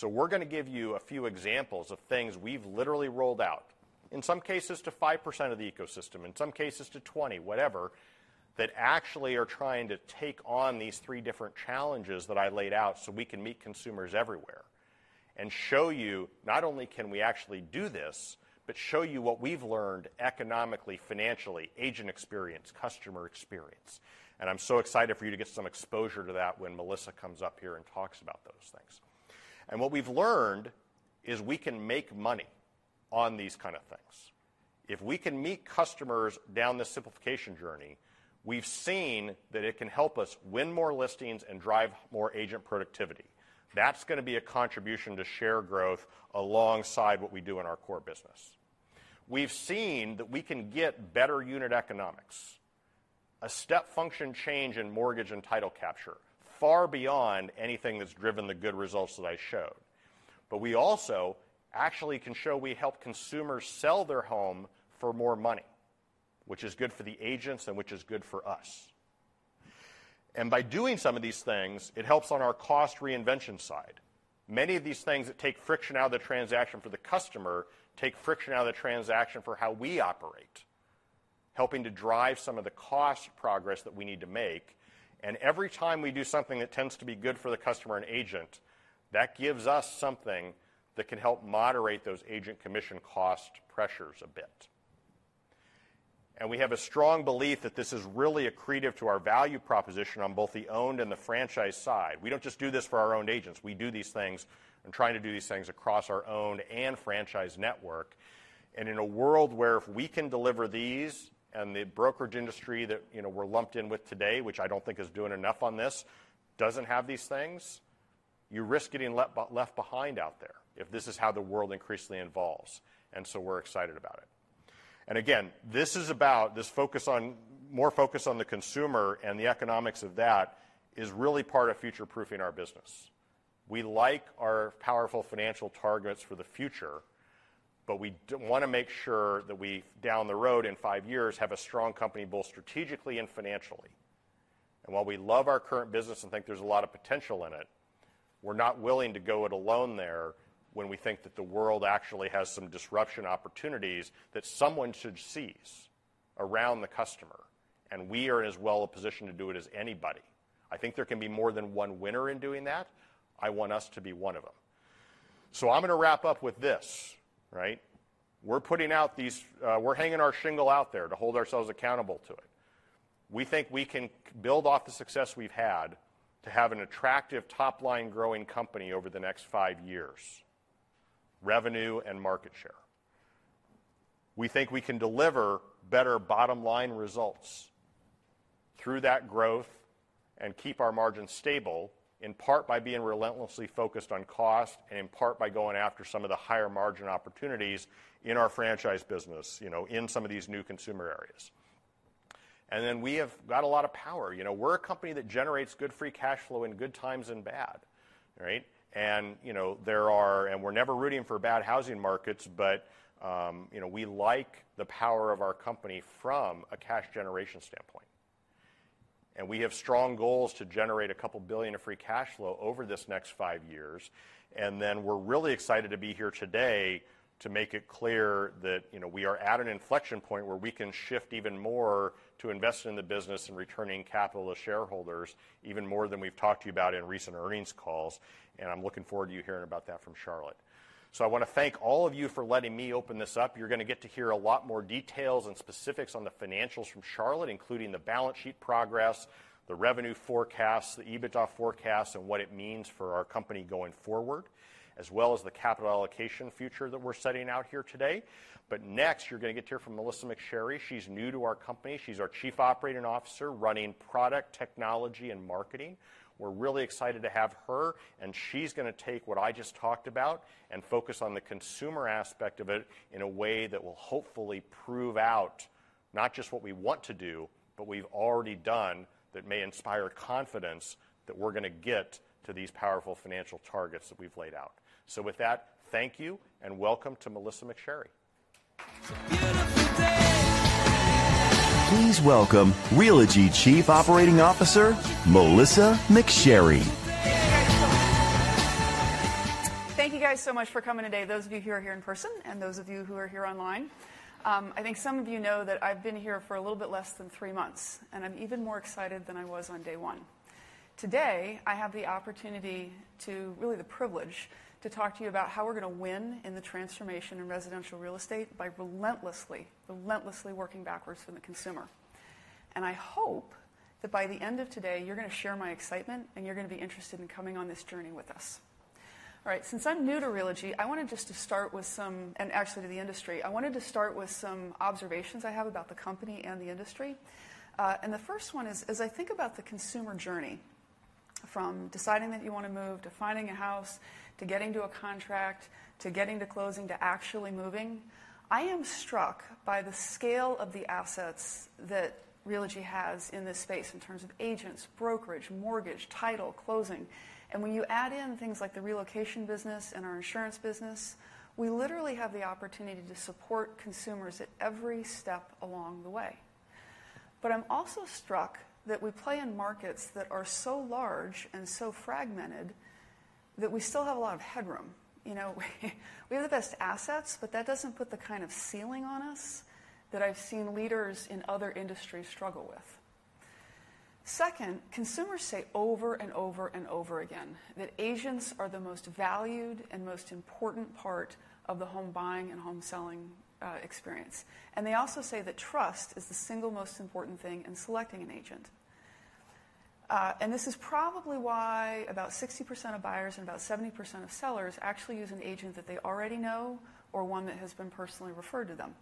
We're going to give you a few examples of things we've literally rolled out, in some cases to 5% of the ecosystem, in some cases to 20%, whatever, that actually are trying to take on these three different challenges that I laid out so we can meet consumers everywhere and show you not only can we actually do this, but show you what we've learned economically, financially, agent experience, customer experience. I'm so excited for you to get some exposure to that when Melissa comes up here and talks about those things. What we've learned is we can make money on these things. If we can meet customers down this simplification journey, we've seen that it can help us win more listings and drive more agent productivity. That's going to be a contribution to share growth alongside what we do in our core business. We've seen that we can get better unit economics. A step function change in mortgage and title capture far beyond anything that's driven the good results that I showed. We also actually can show we help consumers sell their home for more money, which is good for the agents and which is good for us. By doing some of these things, it helps on our cost reinvention side. Many of these things that take friction out of the transaction for the customer take friction out of the transaction for how we operate, helping to drive some of the cost progress that we need to make. Every time we do something that tends to be good for the customer and agent, that gives us something that can help moderate those agent commission cost pressures a bit. We have a strong belief that this is really accretive to our value proposition on both the owned and the franchise side. We don't just do this for our own agents. We do these things and trying to do these things across our own and franchise network. In a world where if we can deliver these and the brokerage industry that we're lumped in with today, which I don't think is doing enough on this, doesn't have these things, you risk getting left behind out there if this is how the world increasingly evolves. We're excited about it. Again, this is about this focus on more focus on the consumer and the economics of that is really part of future-proofing our business. We like our powerful financial targets for the future, but we want to make sure that we, down the road in five years, have a strong company, both strategically and financially. While we love our current business and think there's a lot of potential in it, we're not willing to go it alone there when we think that the world actually has some disruption opportunities that someone should seize around the customer, and we are in as well a position to do it as anybody. I think there can be more than one winner in doing that. I want us to be one of them. I'm going to wrap up with this. We're putting out these, we're hanging our shingle out there to hold ourselves accountable to it. We think we can build off the success we've had to have an attractive top-line growing company over the next five years, revenue and market share. We think we can deliver better bottom-line results through that growth and keep our margins stable, in part by being relentlessly focused on cost and in part by going after some of the higher-margin opportunities in our franchise business, in some of these new consumer areas. We have got a lot of power. We're a company that generates good free cash flow in good times and bad. We're never rooting for bad housing markets, but we like the power of our company from a cash generation standpoint. We have strong goals to generate $2 billion of free cash flow over this next five years. We're really excited to be here today to make it clear that we are at an inflection point where we can shift even more to investing in the business and returning capital to shareholders even more than we've talked to you about in recent earnings calls, and I'm looking forward to you hearing about that from Charlotte. I want to thank all of you for letting me open this up. You're going to get to hear a lot more details and specifics on the financials from Charlotte, including the balance sheet progress, the revenue forecasts, the EBITDA forecasts, and what it means for our company going forward, as well as the capital allocation future that we're setting out here today. Next, you're going to get to hear from Melissa McSherry. She's new to our company. She's our Chief Operating Officer running product, technology, and marketing. We're really excited to have her, and she's going to take what I just talked about and focus on the consumer aspect of it in a way that will hopefully prove out not just what we want to do, but we've already done that may inspire confidence that we're going to get to these powerful financial targets that we've laid out. With that, thank you, and welcome to Melissa McSherry.
Please welcome Realogy Chief Operating Officer, Melissa McSherry.
Thank you guys so much for coming today, those of you who are here in person and those of you who are here online. I think some of you know that I've been here for a little bit less than three months, and I'm even more excited than I was on day on. Today, I have the opportunity, really the privilege, to talk to you about how we're going to win in the transformation in residential real estate by relentlessly working backwards from the consumer. I hope that by the end of today you're going to share my excitement, and you're going to be interested in coming on this journey with us. All right. Since I'm new to Realogy, I wanted just to start with some, and actually to the industry, I wanted to start with some observations I have about the company and the industry. The first one is as I think about the consumer journey, from deciding that you want to move, to finding a house, to getting to a contract, to getting to closing, to actually moving, I am struck by the scale of the assets that Realogy has in this space in terms of agents, brokerage, mortgage, title, and closing. When you add in things like the relocation business and our insurance business, we literally have the opportunity to support consumers at every step along the way. I'm also struck that we play in markets that are so large and so fragmented that we still have a lot of headroom. We have the best assets, but that doesn't put the ceiling on us that I've seen leaders in other industries struggle with. Second, consumers say over and over and over again that agents are the most valued and most important part of the home buying and home selling experience. They also say that trust is the single most important thing in selecting an agent. This is probably why about 60% of buyers and about 70% of sellers actually use an agent that they already know or one that has been personally referred to them.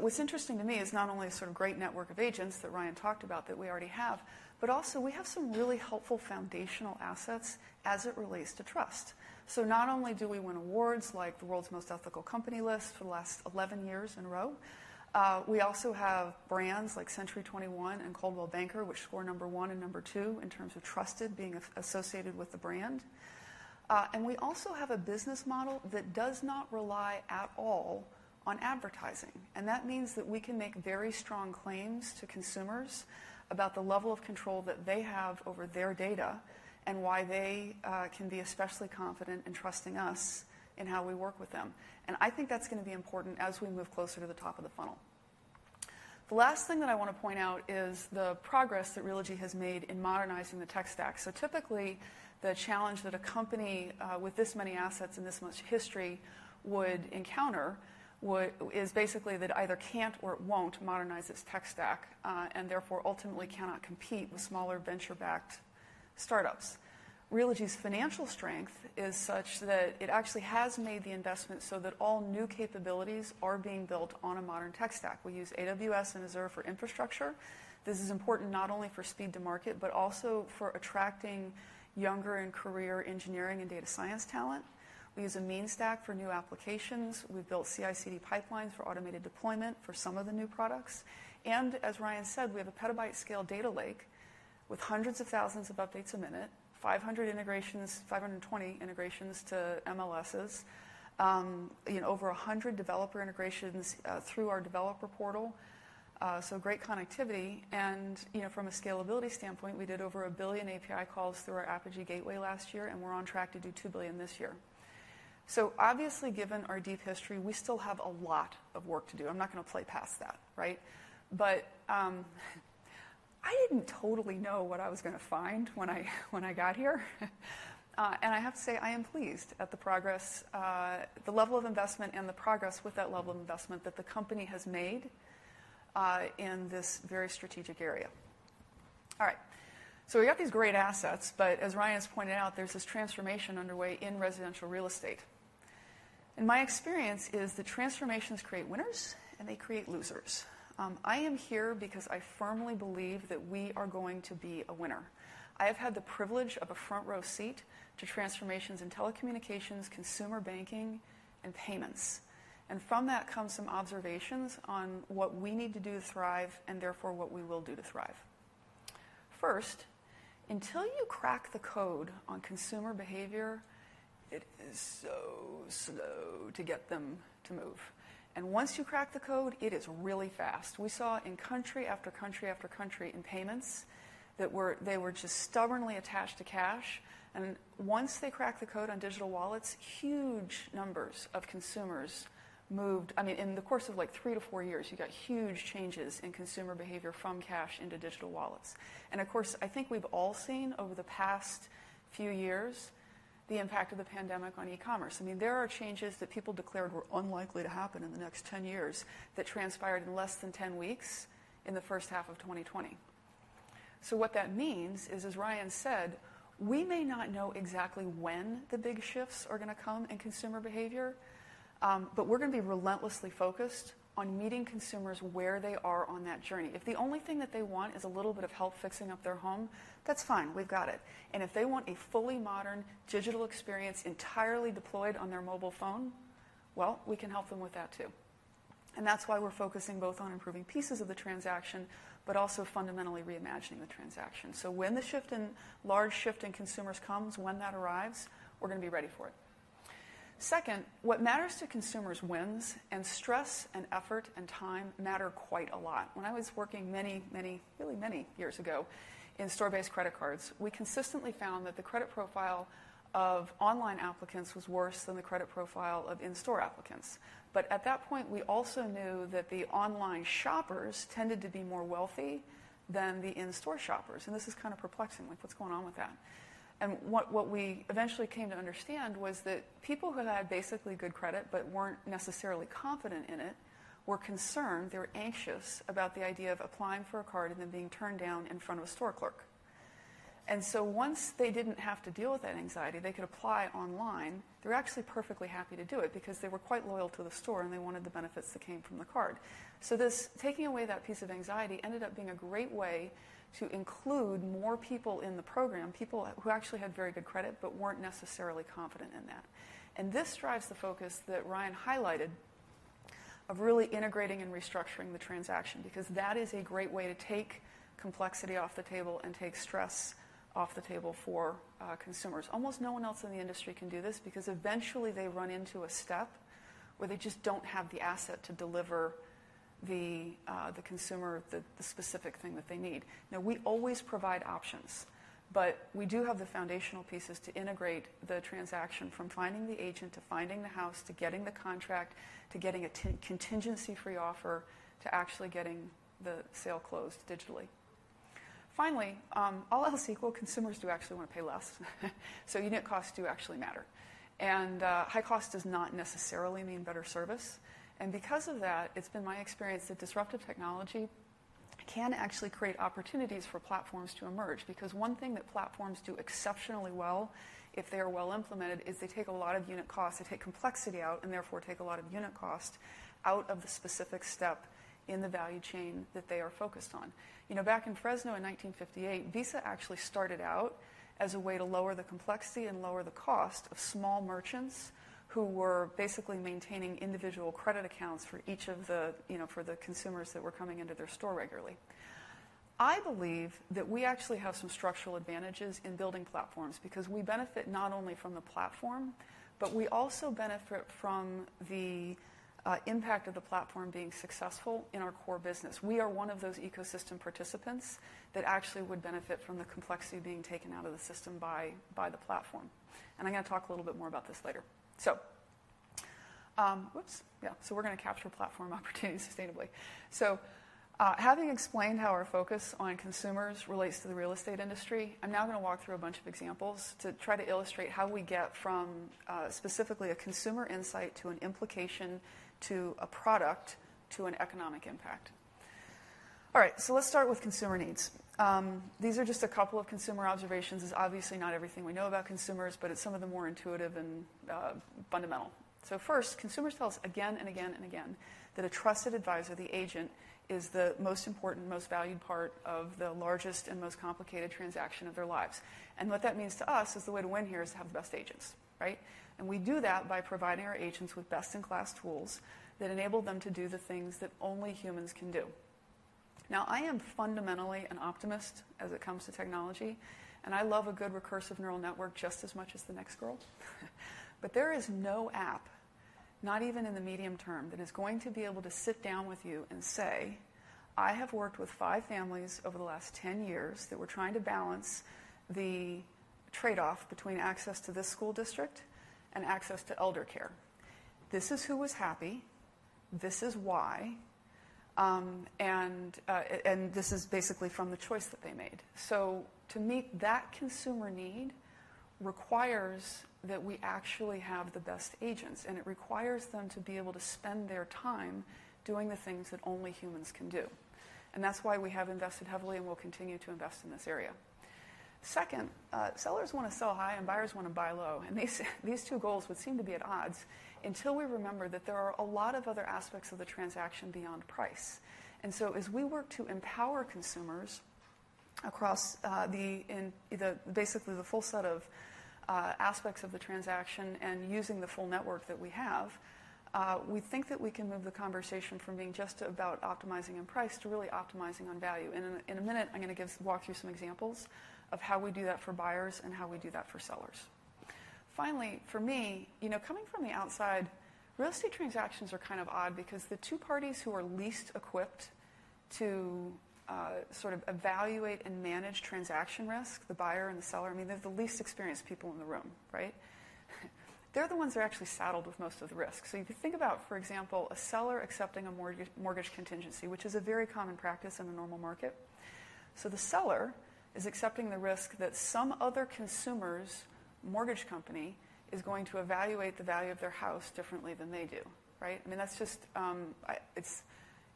What's interesting to me is not only a great network of agents that Ryan talked about that we already have, but also we have some really helpful foundational assets as it relates to trust. Not only do we win awards like the World's Most Ethical Companies list for the last 11 years in a row, we also have brands like CENTURY 21 and Coldwell Banker, which score number one and number two in terms of trusted, being associated with the brand. We also have a business model that does not rely at all on advertising. That means that we can make very strong claims to consumers about the level of control that they have over their data and why they can be especially confident in trusting us in how we work with them. I think that's going to be important as we move closer to the top of the funnel. The last thing that I want to point out is the progress that Realogy has made in modernizing the tech stack. Typically, the challenge that a company with this many assets and this much history would encounter is basically that it either can't or it won't modernize its tech stack, and therefore, ultimately cannot compete with smaller venture-backed startups. Realogy's financial strength is such that it actually has made the investment so that all new capabilities are being built on a modern tech stack. We use AWS and Azure for infrastructure. This is important not only for speed to market, but also for attracting younger and career engineering and data science talent. We use a MEAN stack for new applications. We've built CI/CD pipelines for automated deployment for some of the new products. As Ryan said, we have a petabyte-scale data lake with hundreds of thousands of updates a minute, 520 integrations to MLSs, over 100 developer integrations through our developer portal, so great connectivity. From a scalability standpoint, we did over 1 billion API calls through our Apigee gateway last year, and we're on track to do 2 billion this year. Obviously, given our deep history, we still have a lot of work to do. I'm not going to play past that. I didn't totally know what I was going to find when I got here. I have to say, I am pleased at the progress, the level of investment and the progress with that level of investment that the company has made, in this very strategic area. All right. We got these great assets, but as Ryan has pointed out, there's this transformation underway in residential real estate. My experience is that transformations create winners and they create losers. I am here because I firmly believe that we are going to be a winner. I have had the privilege of a front-row seat to transformations in telecommunications, consumer banking, and payments. From that comes some observations on what we need to do to thrive and therefore, what we will do to thrive. First, until you crack the code on consumer behavior, it is so slow to get them to move. Once you crack the code, it is really fast. We saw in country after country after country in payments that they were just stubbornly attached to cash, and once they cracked the code on digital wallets, huge numbers of consumers moved. In the course of three or four years, you got huge changes in consumer behavior from cash into digital wallets. Of course, I think we've all seen over the past few years the impact of the pandemic on e-commerce. There are changes that people declared were unlikely to happen in the next 10 years that transpired in less than 10 weeks in the first half of 2020. What that means is, as Ryan said, we may not know exactly when the big shifts are going to come in consumer behavior, but we're going to be relentlessly focused on meeting consumers where they are on that journey. If the only thing that they want is a little bit of help fixing up their home, that's fine, we've got it. If they want a fully modern digital experience entirely deployed on their mobile phone, well, we can help them with that too. That's why we're focusing both on improving pieces of the transaction, but also fundamentally reimagining the transaction. When the large shift in consumers comes, when that arrives, we're going to be ready for it. Second, what matters to consumers wins, and stress and effort and time matter quite a lot. When I was working many years ago in store-based credit cards, we consistently found that the credit profile of online applicants was worse than the credit profile of in-store applicants. At that point, we also knew that the online shoppers tended to be more wealthy than the in-store shoppers. This is perplexing, like, what's going on with that? What we eventually came to understand was that people who had basically good credit but weren't necessarily confident in it were concerned, they were anxious about the idea of applying for a card and then being turned down in front of a store clerk. Once they didn't have to deal with that anxiety, they could apply online, they were actually perfectly happy to do it because they were quite loyal to the store, and they wanted the benefits that came from the card. This taking away that piece of anxiety ended up being a great way to include more people in the program, people who actually had very good credit but weren't necessarily confident in that. This drives the focus that Ryan highlighted of really integrating and restructuring the transaction, because that is a great way to take complexity off the table and take stress off the table for consumers. Almost no one else in the industry can do this because eventually they run into a step where they just don't have the asset to deliver the consumer the specific thing that they need. Now, we always provide options, but we do have the foundational pieces to integrate the transaction from finding the agent to finding the house to getting the contract to getting a contingency-free offer to actually getting the sale closed digitally. Finally, all else equal, consumers do actually want to pay less. Unit costs do actually matter. High cost does not necessarily mean better service. Because of that, it's been my experience that disruptive technology can actually create opportunities for platforms to emerge, because one thing that platforms do exceptionally well, if they are well implemented, is they take a lot of unit costs, they take complexity out and therefore take a lot of unit cost out of the specific step in the value chain that they are focused on. Back in Fresno in 1958, Visa actually started out as a way to lower the complexity and lower the cost of small merchants who were basically maintaining individual credit accounts for the consumers that were coming into their store regularly. I believe that we actually have some structural advantages in building platforms because we benefit not only from the platform, but we also benefit from the impact of the platform being successful in our core business. We are one of those ecosystem participants that actually would benefit from the complexity being taken out of the system by the platform. I'm going to talk a little bit more about this later. We're going to capture platform opportunities sustainably. Having explained how our focus on consumers relates to the real estate industry, I'm now going to walk through a bunch of examples to try to illustrate how we get from specifically a consumer insight to an implication, to a product, to an economic impact. All right, let's start with consumer needs. These are just a couple of consumer observations. It's obviously not everything we know about consumers, but it's some of the more intuitive and fundamental. First, consumers tell us again and again and again that a trusted advisor, the agent, is the most important, most valued part of the largest and most complicated transaction of their lives. What that means to us is the way to win here is to have the best agents. We do that by providing our agents with best-in-class tools that enable them to do the things that only humans can do. Now, I am fundamentally an optimist as it comes to technology, and I love a good recursive neural network just as much as the next girl. There is no app, not even in the medium term, that is going to be able to sit down with you and say, "I have worked with five families over the last 10 years that were trying to balance the trade-off between access to this school district and access to elder care. This is who was happy, this is why, and this is basically from the choice that they made." To meet that consumer need requires that we actually have the best agents, and it requires them to be able to spend their time doing the things that only humans can do. That's why we have invested heavily and will continue to invest in this area. Second, sellers want to sell high and buyers want to buy low. These two goals would seem to be at odds until we remember that there are a lot of other aspects of the transaction beyond price. As we work to empower consumers across, basically the full set of aspects of the transaction and using the full network that we have, we think that we can move the conversation from being just about optimizing on price to really optimizing on value. In a minute, I'm going to walk through some examples of how we do that for buyers and how we do that for sellers. Finally, for me, coming from the outside, real estate transactions are odd because the two parties who are least equipped to evaluate and manage transaction risk, the buyer and the seller, they're the least experienced people in the room. They're the ones that are actually saddled with most of the risk. If you think about, for example, a seller accepting a mortgage contingency, which is a very common practice in a normal market. The seller is accepting the risk that some other consumer's mortgage company is going to evaluate the value of their house differently than they do.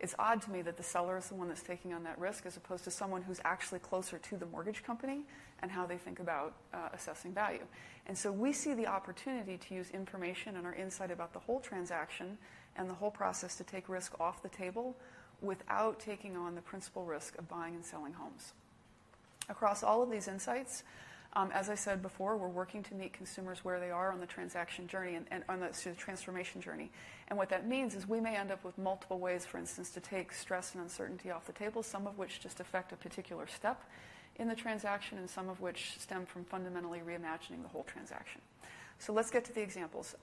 It's odd to me that the seller is the one that's taking on that risk as opposed to someone who's actually closer to the mortgage company and how they think about assessing value. We see the opportunity to use information and our insight about the whole transaction and the whole process to take risk off the table without taking on the principal risk of buying and selling homes. Across all of these insights, as I said before, we're working to meet consumers where they are on the transaction journey and on the transformation journey. What that means is we may end up with multiple ways, for instance, to take stress and uncertainty off the table, some of which just affect a particular step in the transaction and some of which stem from fundamentally reimagining the whole transaction. Let's get to the examples.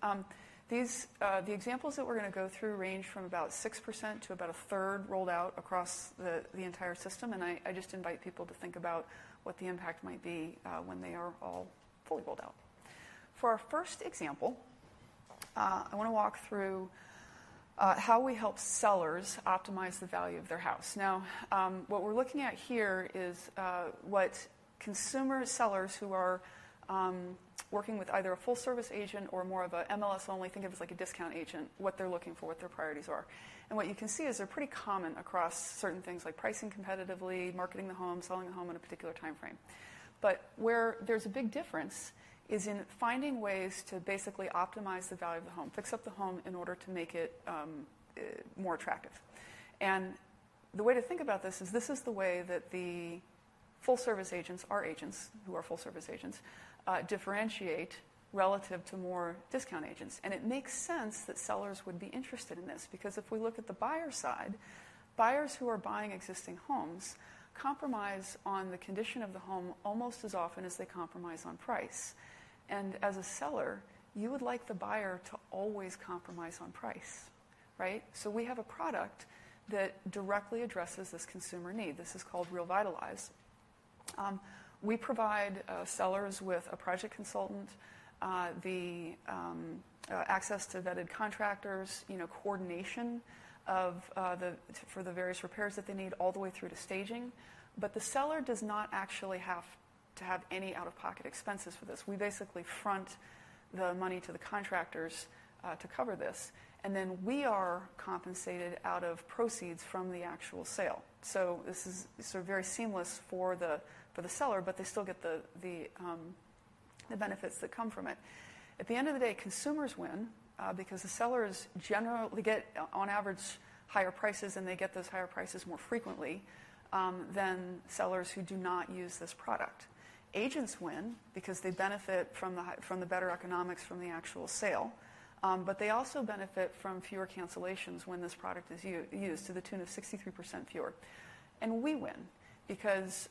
These examples that we're going to go through range from about 6% to about a third rolled out across the entire system. I just invite people to think about what the impact might be when they are all fully rolled out. For our first example, I want to walk through how we help sellers optimize the value of their house. Now, what we're looking at here is consumer sellers who are working with either a full-service agent or more of a MLS only, think of it as a discount agent, what they're looking for, what their priorities are. What you can see is they're pretty common across certain things like pricing competitively, marketing the home, selling the home in a particular timeframe. Where there's a big difference is in finding ways to basically optimize the value of the home, fix up the home in order to make it more attractive. The way to think about this is this is the way that the full service agents or agents who are full service agents, differentiate relative to more discount agents. It makes sense that sellers would be interested in this because if we look at the buyer side, buyers who are buying existing homes compromise on the condition of the home almost as often as they compromise on price. As a seller, you would like the buyer to always compromise on price. We have a product that directly addresses this consumer need. This is called RealVitalize. We provide sellers with a project consultant, access to vetted contractors, coordination of the various repairs that they need all the way through to staging, but the seller does not actually have to have any out-of-pocket expenses for this. We basically front the money to the contractors to cover this, and then we are compensated out of proceeds from the actual sale. This is very seamless for the seller, but they still get the benefits that come from it. At the end of the day, consumers win, because the sellers generally get on average higher prices, and they get those higher prices more frequently, than sellers who do not use this product. Agents win because they benefit from the better economics from the actual sale, but they also benefit from fewer cancellations when this product is used to the tune of 63% fewer. We win because,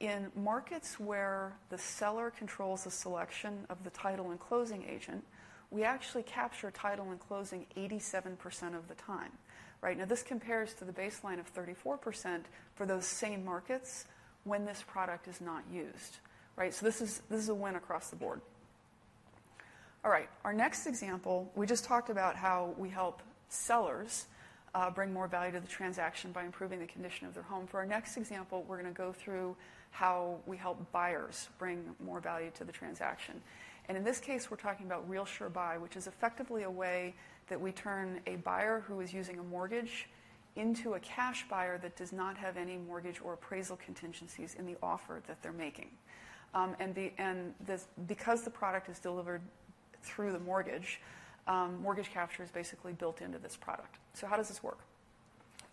in markets where the seller controls the selection of the title and closing agent, we actually capture title and closing 87% of the time. Now, his compares to the baseline of 34% for those same markets when this product is not used. This is a win across the board. All right. Our next example, we just talked about how we help sellers bring more value to the transaction by improving the condition of their home. For our next example, we're going to go through how we help buyers bring more value to the transaction. In this case, we're talking about RealSure Buy, which is effectively a way that we turn a buyer who is using a mortgage into a cash buyer that does not have any mortgage or appraisal contingencies in the offer that they're making because the product is delivered through the mortgage capture is basically built into this product. How does this work?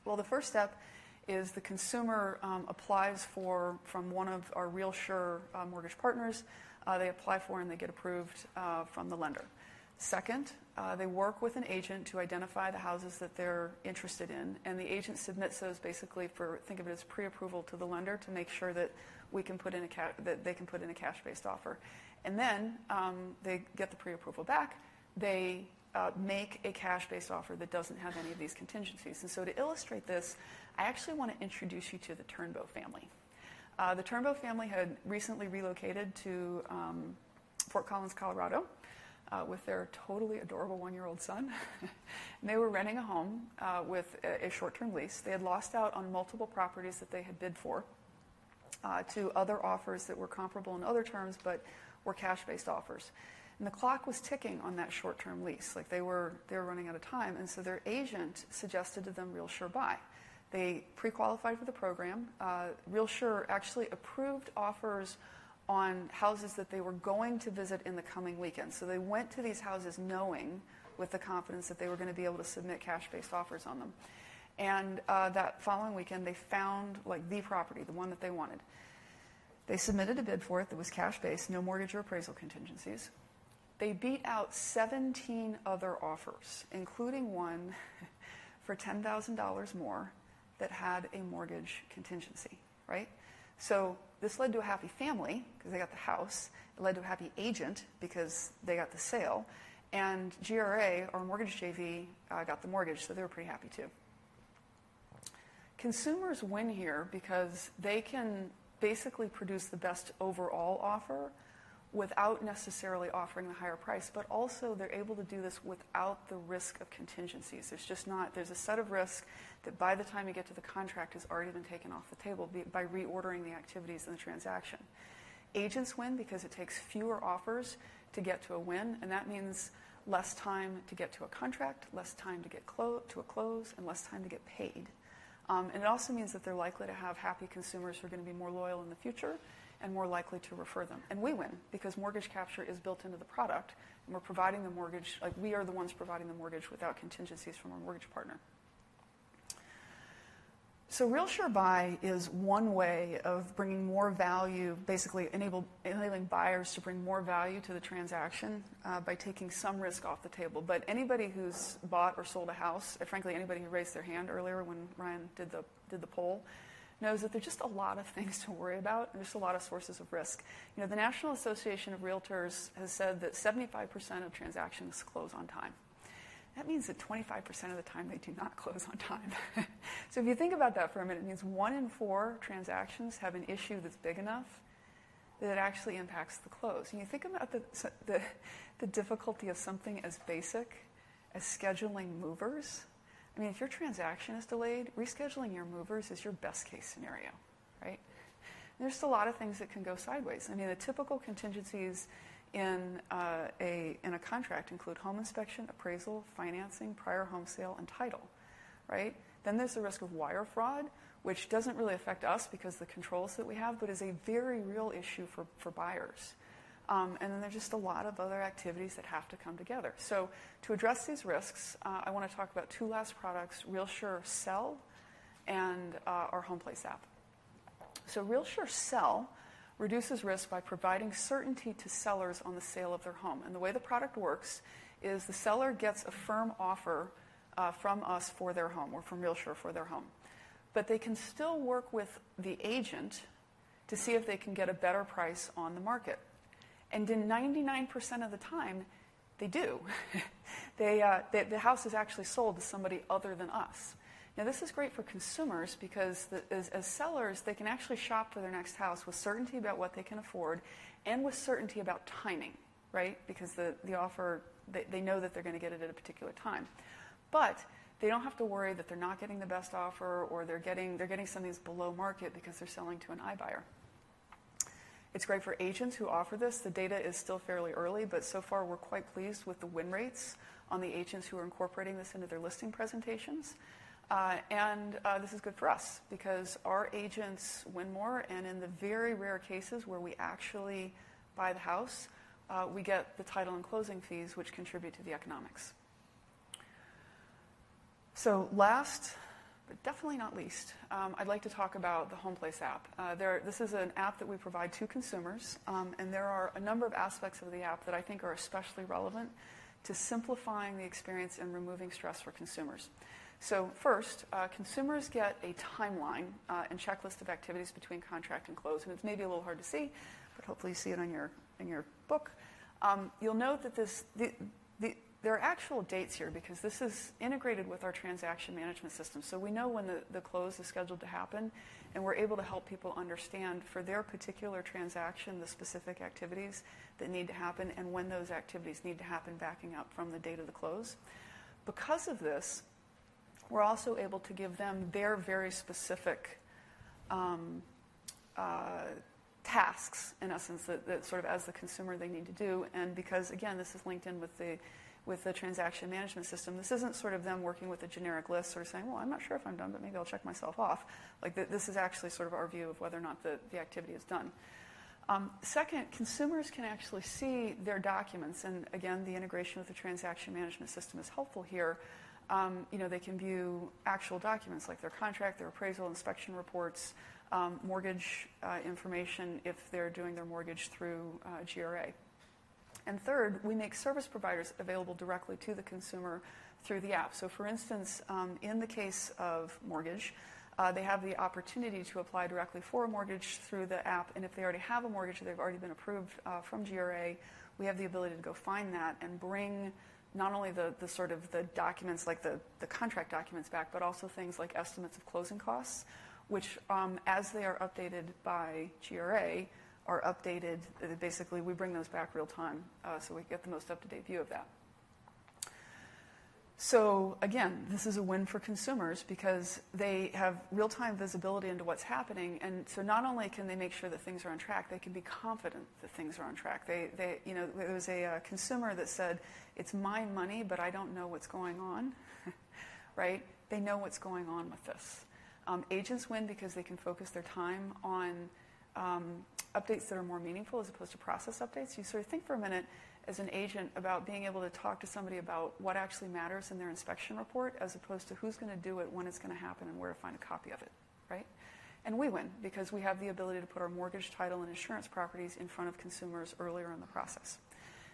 Well, the first step is the consumer applies from one of our RealSure mortgage partners. They apply for and they get approved from the lender. Second, they work with an agent to identify the houses that they're interested in, and the agent submits those basically for, think of it as preapproval to the lender to make sure that they can put in a cash-based offer. They get the preapproval back. They make a cash-based offer that doesn't have any of these contingencies. To illustrate this, I actually want to introduce you to the Turnbow family. The Turnbow family had recently relocated to Fort Collins, Colorado, with their totally adorable one-year-old son. They were renting a home with a short-term lease. They had lost out on multiple properties that they had bid for, to other offers that were comparable in other terms but were cash-based offers. The clock was ticking on that short-term lease. They were running out of time. Their agent suggested to them RealSure Buy. They pre-qualified for the program. RealSure actually approved offers on houses that they were going to visit in the coming weekend. They went to these houses knowing with the confidence that they were going to be able to submit cash-based offers on them. That following weekend, they found the property, the one that they wanted. They submitted a bid for it that was cash-based, no mortgage or appraisal contingencies. They beat out 17 other offers, including one for $10,000 more that had a mortgage contingency. This led to a happy family because they got the house. It led to a happy agent because they got the sale. GRA, our mortgage JV got the mortgage, so they were pretty happy too. Consumers win here because they can basically produce the best overall offer without necessarily offering a higher price. Also, they're able to do this without the risk of contingencies. There's a set of risk that by the time you get to the contract has already been taken off the table by reordering the activities in the transaction. Agents win because it takes fewer offers to get to a win, and that means less time to get to a contract, less time to get to a close, and less time to get paid. It also means that they're likely to have happy consumers who are going to be more loyal in the future and more likely to refer them. We win because mortgage capture is built into the product, and we're providing the mortgage. We are the ones providing the mortgage without contingencies from our mortgage partner. RealSure Buy is one way of bringing more value, basically enabling buyers to bring more value to the transaction by taking some risk off the table. Anybody who's bought or sold a house, and frankly, anybody who raised their hand earlier when Ryan did the poll, knows that there are just a lot of things to worry about, and there's a lot of sources of risk. The National Association of Realtors has said that 75% of transactions close on time. That means that 25% of the time they do not close on time. If you think about that for a minute, it means one in four transactions have an issue that's big enough that it actually impacts the close. When you think about the difficulty of something as basic as scheduling movers, if your transaction is delayed, rescheduling your movers is your best-case scenario. There's a lot of things that can go sideways. The typical contingencies in a contract include home inspection, appraisal, financing, prior home sale, and title. There's the risk of wire fraud, which doesn't really affect us because the controls that we have, but is a very real issue for buyers. There are just a lot of other activities that have to come together. To address these risks, I want to talk about two last products: RealSure Sell and our HomePlace app. RealSure Sell reduces risk by providing certainty to sellers on the sale of their home. The way the product works is the seller gets a firm offer from us for their home or from RealSure for their home. They can still work with the agent to see if they can get a better price on the market. In 99% of the time, they do. The house is actually sold to somebody other than us. Now, this is great for consumers because as sellers, they can actually shop for their next house with certainty about what they can afford and with certainty about timing. They know that they're going to get it at a particular time. They don't have to worry that they're not getting the best offer or they're getting something that's below market because they're selling to an iBuyer. It's great for agents who offer this. The data is still fairly early, but so far we're quite pleased with the win rates on the agents who are incorporating this into their listing presentations. This is good for us because our agents win more, and in the very rare cases where we actually buy the house, we get the title and closing fees which contribute to the economics. Last, but definitely not least, I'd like to talk about the HomePlace app. This is an app that we provide to consumers, and there are a number of aspects of the app that I think are especially relevant to simplifying the experience and removing stress for consumers. First, consumers get a timeline and checklist of activities between contract and close. It's maybe a little hard to see, but hopefully you see it in your book. You'll note that there are actual dates here because this is integrated with our transaction management system. We know when the close is scheduled to happen, and we're able to help people understand, for their particular transaction, the specific activities that need to happen and when those activities need to happen, backing up from the date of the close. Because of this, we're also able to give them their very specific tasks, in essence, that as the consumer they need to do. Because, again, this is linked in with the transaction management system, this isn't them working with a generic list or saying, "Well, I'm not sure if I'm done, but maybe I'll check myself off." This is actually our view of whether or not the activity is done. Second, consumers can actually see their documents, and again, the integration with the transaction management system is helpful here. They can view actual documents like their contract, their appraisal, inspection reports, mortgage information if they're doing their mortgage through GRA. Third, we make service providers available directly to the consumer through the app. For instance, in the case of mortgage, they have the opportunity to apply directly for a mortgage through the app, and if they already have a mortgage or they've already been approved from GRA, we have the ability to go find that and bring not only the documents like the contract documents back, but also things like estimates of closing costs, which, as they are updated by GRA, are updated. Basically, we bring those back real time so we can get the most up-to-date view of that. Again, this is a win for consumers because they have real-time visibility into what's happening. Not only can they make sure that things are on track, they can be confident that things are on track. There was a consumer that said, "It's my money, but I don't know what's going on." They know what's going on with this. Agents win because they can focus their time on updates that are more meaningful as opposed to process updates. You think for a minute as an agent about being able to talk to somebody about what actually matters in their inspection report, as opposed to who's going to do it, when it's going to happen, and where to find a copy of it. We win because we have the ability to put our mortgage, title, and insurance properties in front of consumers earlier in the process.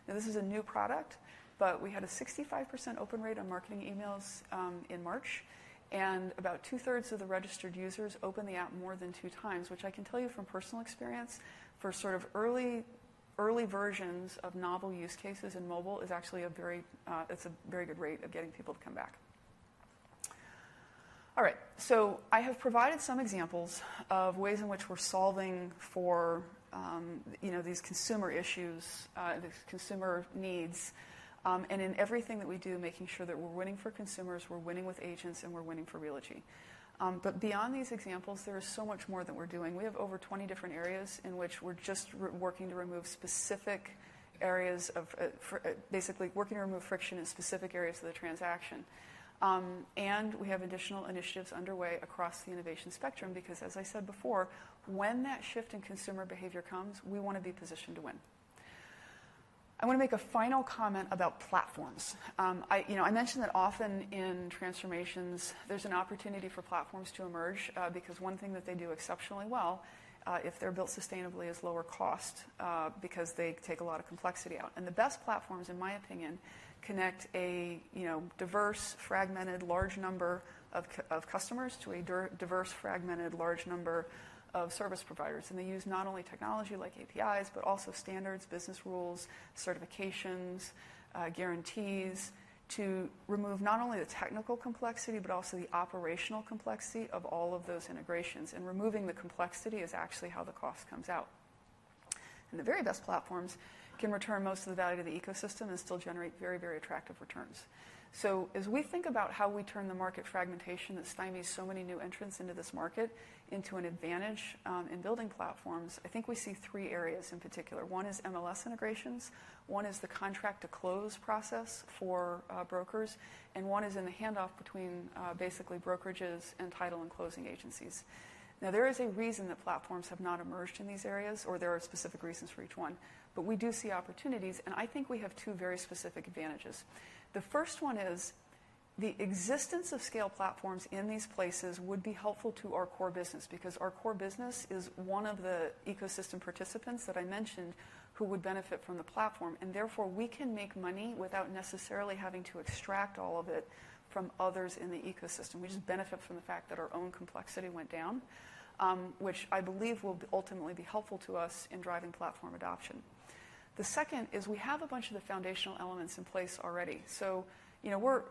Now, this is a new product, but we had a 65% open rate on marketing emails in March, and about two-thirds of the registered users open the app more than two times, which I can tell you from personal experience for early versions of novel use cases in mobile is actually a very good rate of getting people to come back. All right. I have provided some examples of ways in which we're solving for these consumer issues, these consumer needs, and in everything that we do, making sure that we're winning for consumers, we're winning with agents, and we're winning for Realogy. Beyond these examples, there is so much more that we're doing. We have over 20 different areas in which we're just working to remove friction in specific areas of the transaction. We have additional initiatives underway across the innovation spectrum because, as I said before, when that shift in consumer behavior comes, we want to be positioned to win. I want to make a final comment about platforms. I mentioned that often in transformations, there's an opportunity for platforms to emerge, because one thing that they do exceptionally well, if they're built sustainably, is lower cost, because they take a lot of complexity out. The best platforms, in my opinion, connect a diverse, fragmented, large number of customers to a diverse, fragmented, large number of service providers. They use not only technology like APIs, but also standards, business rules, certifications, guarantees to remove not only the technical complexity, but also the operational complexity of all of those integrations. Removing the complexity is actually how the cost comes out. The very best platforms can return most of the value to the ecosystem and still generate very, very attractive returns. As we think about how we turn the market fragmentation that's finding so many new entrants into this market into an advantage, in building platforms, I think we see three areas in particular. One is MLS integrations, one is the contract-to-close process for brokers, and one is in the handoff between basically brokerages and title and closing agencies. Now, there is a reason that platforms have not emerged in these areas, or there are specific reasons for each one, but we do see opportunities, and I think we have two very specific advantages. The first one is the existence of scale platforms in these places would be helpful to our core business, because our core business is one of the ecosystem participants that I mentioned who would benefit from the platform, and therefore, we can make money without necessarily having to extract all of it from others in the ecosystem. We just benefit from the fact that our own complexity went down, which I believe will ultimately be helpful to us in driving platform adoption. The second is we have a bunch of the foundational elements in place already. We're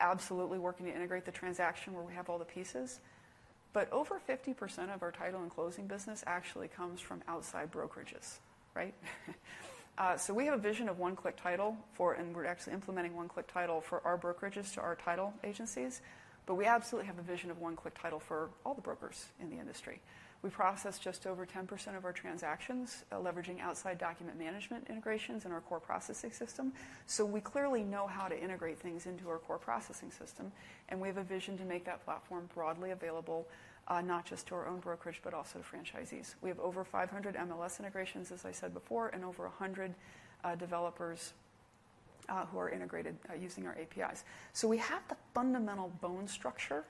absolutely working to integrate the transaction where we have all the pieces, but over 50% of our title and closing business actually comes from outside brokerages. We have a vision of one-click title, and we're actually implementing one-click title for our brokerages to our title agencies, but we absolutely have a vision of one-click title for all the brokers in the industry. We process just over 10% of our transactions, leveraging outside document management integrations in our core processing system. We clearly know how to integrate things into our core processing system, and we have a vision to make that platform broadly available, not just to our own brokerage, but also to franchisees. We have over 500 MLS integrations, as I said before, and over 100 developers who are integrated using our APIs. We have the fundamental bone structure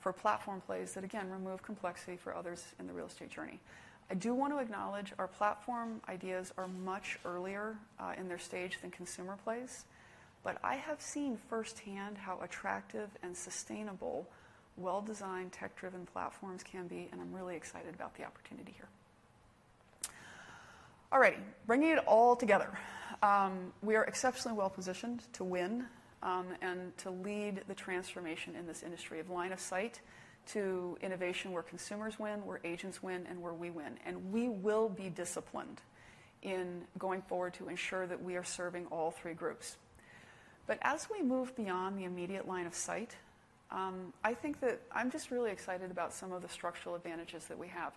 for platform plays that again remove complexity for others in the real estate journey. I do want to acknowledge our platform ideas are much earlier in their stage than consumer plays, but I have seen firsthand how attractive and sustainable well-designed, tech-driven platforms can be, and I'm really excited about the opportunity here. All right, bringing it all together. We are exceptionally well-positioned to win and to lead the transformation in this industry of line of sight to innovation where consumers win, where agents win, and where we win. We will be disciplined in going forward to ensure that we are serving all three groups. As we move beyond the immediate line of sight, I think that I'm just really excited about some of the structural advantages that we have.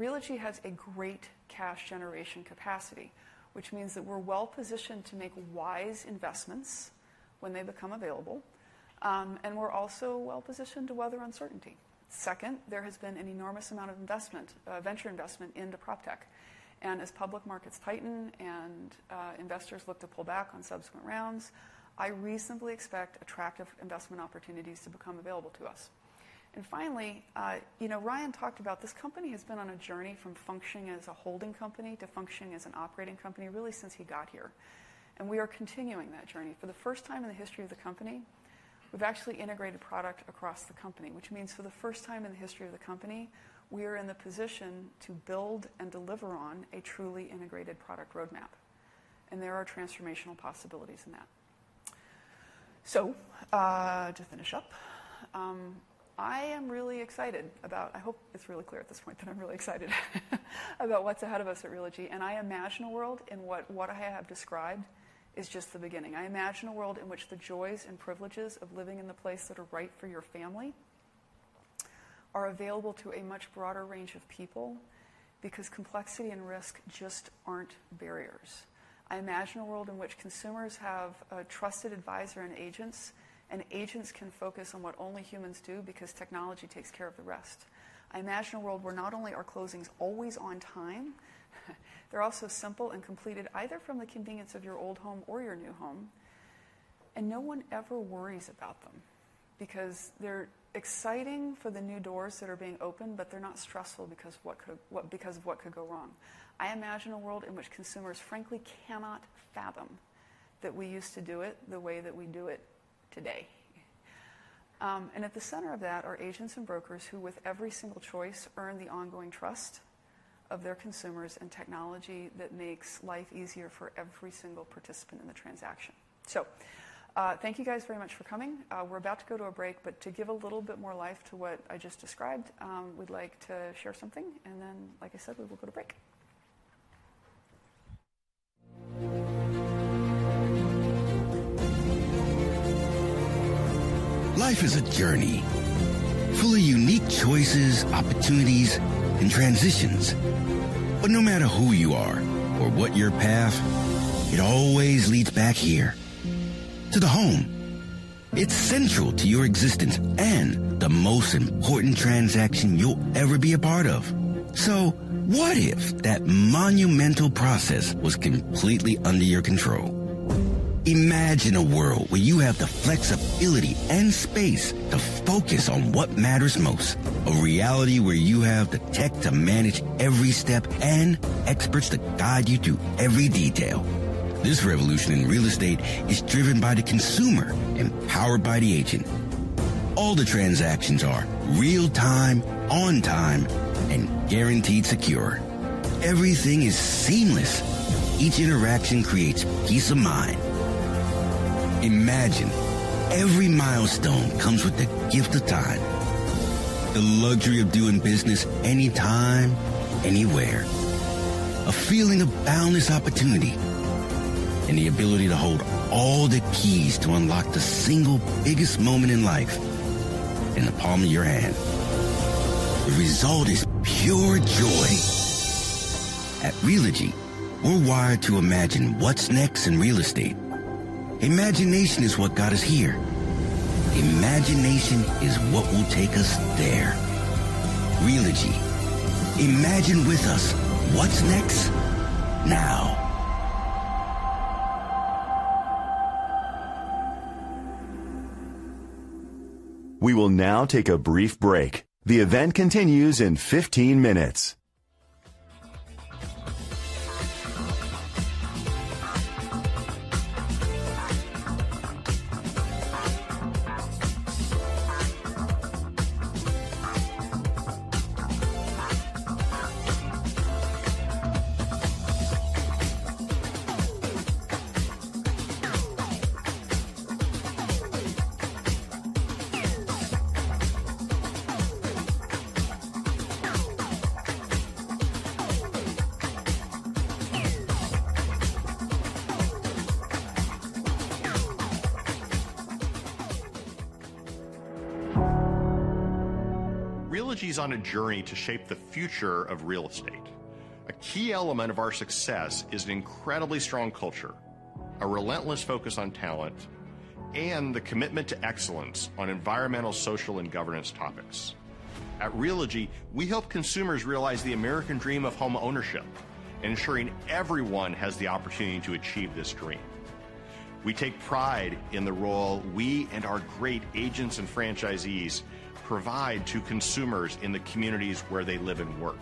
Realogy has a great cash generation capacity, which means that we're well-positioned to make wise investments when they become available. We're also well-positioned to weather uncertainty. Second, there has been an enormous amount of investment, venture investment into proptech. As public markets tighten and investors look to pull back on subsequent rounds, I reasonably expect attractive investment opportunities to become available to us. Finally, Ryan talked about this company has been on a journey from functioning as a holding company to functioning as an operating company really since he got here, and we are continuing that journey. For the first time in the history of the company, we've actually integrated product across the company, which means for the first time in the history of the company, we are in the position to build and deliver on a truly integrated product roadmap, and there are transformational possibilities in that. To finish up, I am really excited. I hope it's really clear at this point that I'm really excited about what's ahead of us at Realogy, and what I have described is just the beginning. I imagine a world in which the joys and privileges of living in the place that are right for your family are available to a much broader range of people because complexity and risk just aren't barriers. I imagine a world in which consumers have a trusted advisor and agents, and agents can focus on what only humans do because technology takes care of the rest. I imagine a world where not only are closings always on time, they're also simple and completed either from the convenience of your old home or your new home, and no one ever worries about them because they're exciting for the new doors that are being opened, but they're not stressful because of what could go wrong. I imagine a world in which consumers frankly cannot fathom that we used to do it the way that we do it today. At the center of that are agents and brokers who, with every single choice, earn the ongoing trust of their consumers and technology that makes life easier for every single participant in the transaction. Thank you guys very much for coming. We're about to go to a break, but to give a little bit more life to what I just described, we'd like to share something, and then, like I said, we will go to break.
Life is a journey full of unique choices, opportunities, and transitions. No matter who you are or what your path, it always leads back here to the home. It's central to your existence and the most important transaction you'll ever be a part of. What if that monumental process was completely under your control? Imagine a world where you have the flexibility and space to focus on what matters most, a reality where you have the tech to manage every step and experts to guide you through every detail. This revolution in real estate is driven by the consumer, empowered by the agent. All the transactions are real-time, on time, and guaranteed secure. Everything is seamless. Each interaction creates peace of mind. Imagine every milestone comes with the gift of time, the luxury of doing business anytime, anywhere, a feeling of boundless opportunity, and the ability to hold all the keys to unlock the single biggest moment in life in the palm of your hand. The result is pure joy. At Realogy, we're wired to imagine what's next in real estate. Imagination is what got us here. Imagination is what will take us there. Realogy. Imagine with us what's next now.
We will now take a brief break. The event continues in 15 minutes.
Realogy's on a journey to shape the future of real estate. A key element of our success is an incredibly strong culture, a relentless focus on talent, and the commitment to excellence on environmental, social, and governance topics. At Realogy, we help consumers realize the American dream of homeownership, ensuring everyone has the opportunity to achieve this dream. We take pride in the role we and our great agents and franchisees provide to consumers in the communities where they live and work.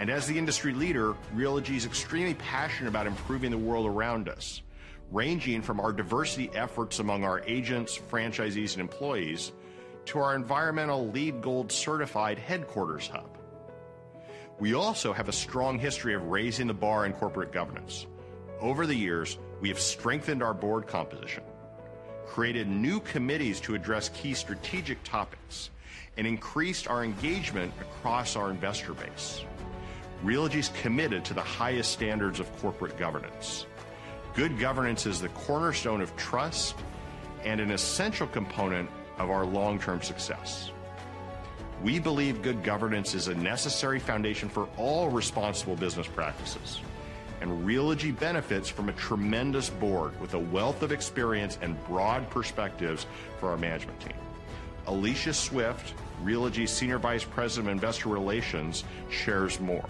As the industry leader, Realogy is extremely passionate about improving the world around us, ranging from our diversity efforts among our agents, franchisees, and employees to our environmental LEED Gold-certified headquarters hub. We also have a strong history of raising the bar in corporate governance. Over the years, we have strengthened our board composition, created new committees to address key strategic topics, and increased our engagement across our investor base. Realogy's committed to the highest standards of corporate governance. Good governance is the cornerstone of trust and an essential component of our long-term success. We believe good governance is a necessary foundation for all responsible business practices, and Realogy benefits from a tremendous board with a wealth of experience and broad perspectives for our management team. Alicia Swift, Realogy's Senior Vice President of Investor Relations, shares more.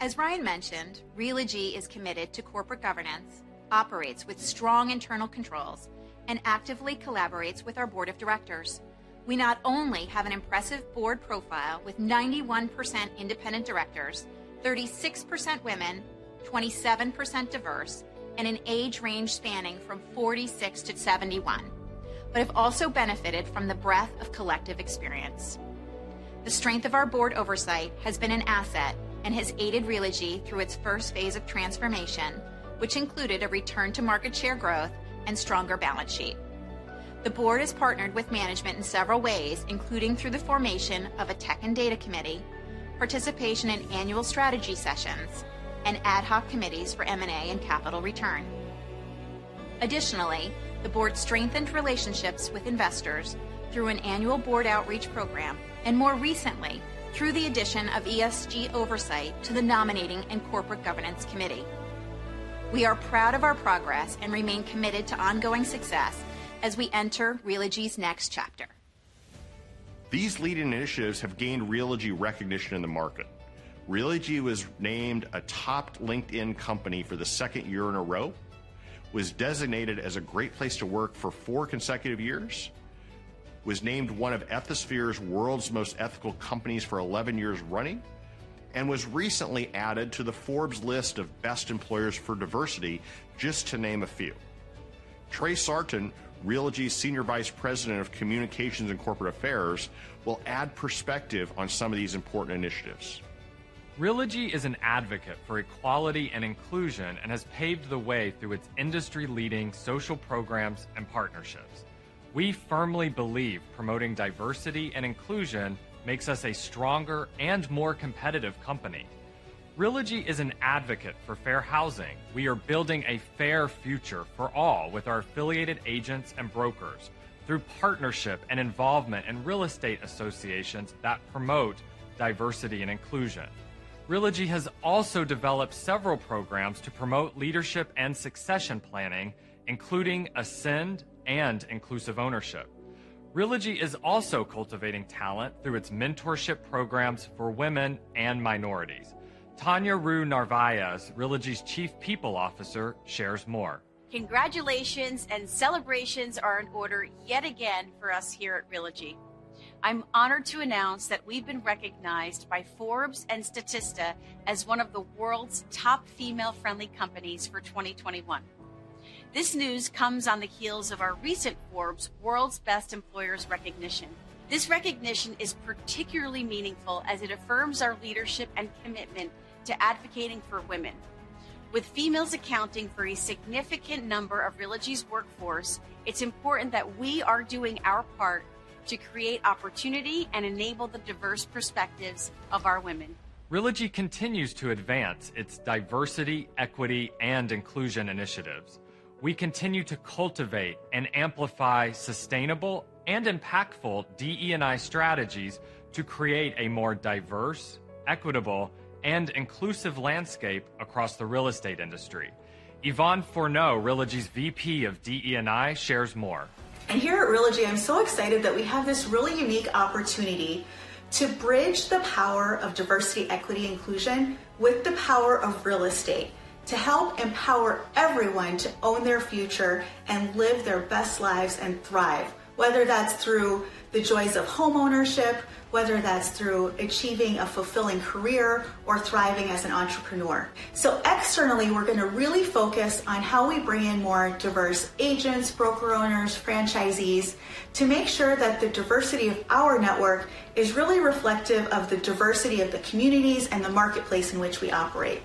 As Ryan mentioned, Realogy is committed to corporate governance, operates with strong internal controls, and actively collaborates with our board of directors. We not only have an impressive board profile with 91% independent directors, 36% women, 27% diverse, and an age range spanning from 46 to 71, but have also benefited from the breadth of collective experience. The strength of our board oversight has been an asset and has aided Realogy through its first phase of transformation, which included a return to market share growth and stronger balance sheet. The board has partnered with management in several ways, including through the formation of a tech and data committee, participation in annual strategy sessions, and ad hoc committees for M&A and capital return. Additionally, the board strengthened relationships with investors through an annual board outreach program and more recently through the addition of ESG oversight to the nominating and corporate governance committee. We are proud of our progress and remain committed to ongoing success as we enter Realogy's next chapter.
These leading initiatives have gained Realogy recognition in the market. Realogy was named a top LinkedIn company for the second year in a row, was designated as a great place to work for four consecutive years, was named one of Ethisphere's World's Most Ethical Companies for eleven years running, and was recently added to the Forbes list of Best Employers for Diversity, just to name a few. Trey Sarten, Realogy's Senior Vice President of Communications and Corporate Affairs, will add perspective on some of these important initiatives.
Realogy is an advocate for equality and inclusion and has paved the way through its industry-leading social programs and partnerships. We firmly believe promoting diversity and inclusion makes us a stronger and more competitive company. Realogy is an advocate for fair housing. We are building a fair future for all with our affiliated agents and brokers through partnership and involvement in real estate associations that promote diversity and inclusion. Realogy has also developed several programs to promote leadership and succession planning, including Ascend and Inclusive Ownership. Realogy is also cultivating talent through its mentorship programs for women and minorities. Tanya Reu-Narvaez, Realogy's Chief People Officer, shares more.
Congratulations and celebrations are in order yet again for us here at Realogy. I'm honored to announce that we've been recognized by Forbes and Statista as one of the world's top female-friendly companies for 2021. This news comes on the heels of our recent Forbes World's Best Employers recognition. This recognition is particularly meaningful as it affirms our leadership and commitment to advocating for women. With females accounting for a significant number of Realogy's workforce, it's important that we are doing our part to create opportunity and enable the diverse perspectives of our women.
Realogy continues to advance its diversity, equity, and inclusion initiatives. We continue to cultivate and amplify sustainable and impactful DE&I strategies to create a more diverse, equitable, and inclusive landscape across the real estate industry. Yvonne Furneaux, Realogy's VP of DE&I, shares more.
Here at Realogy, I'm so excited that we have this really unique opportunity to bridge the power of diversity, equity, inclusion with the power of real estate to help empower everyone to own their future and live their best lives and thrive, whether that's through the joys of homeownership, whether that's through achieving a fulfilling career or thriving as an entrepreneur. Externally, we're going to really focus on how we bring in more diverse agents, broker owners, franchisees to make sure that the diversity of our network is really reflective of the diversity of the communities and the marketplace in which we operate.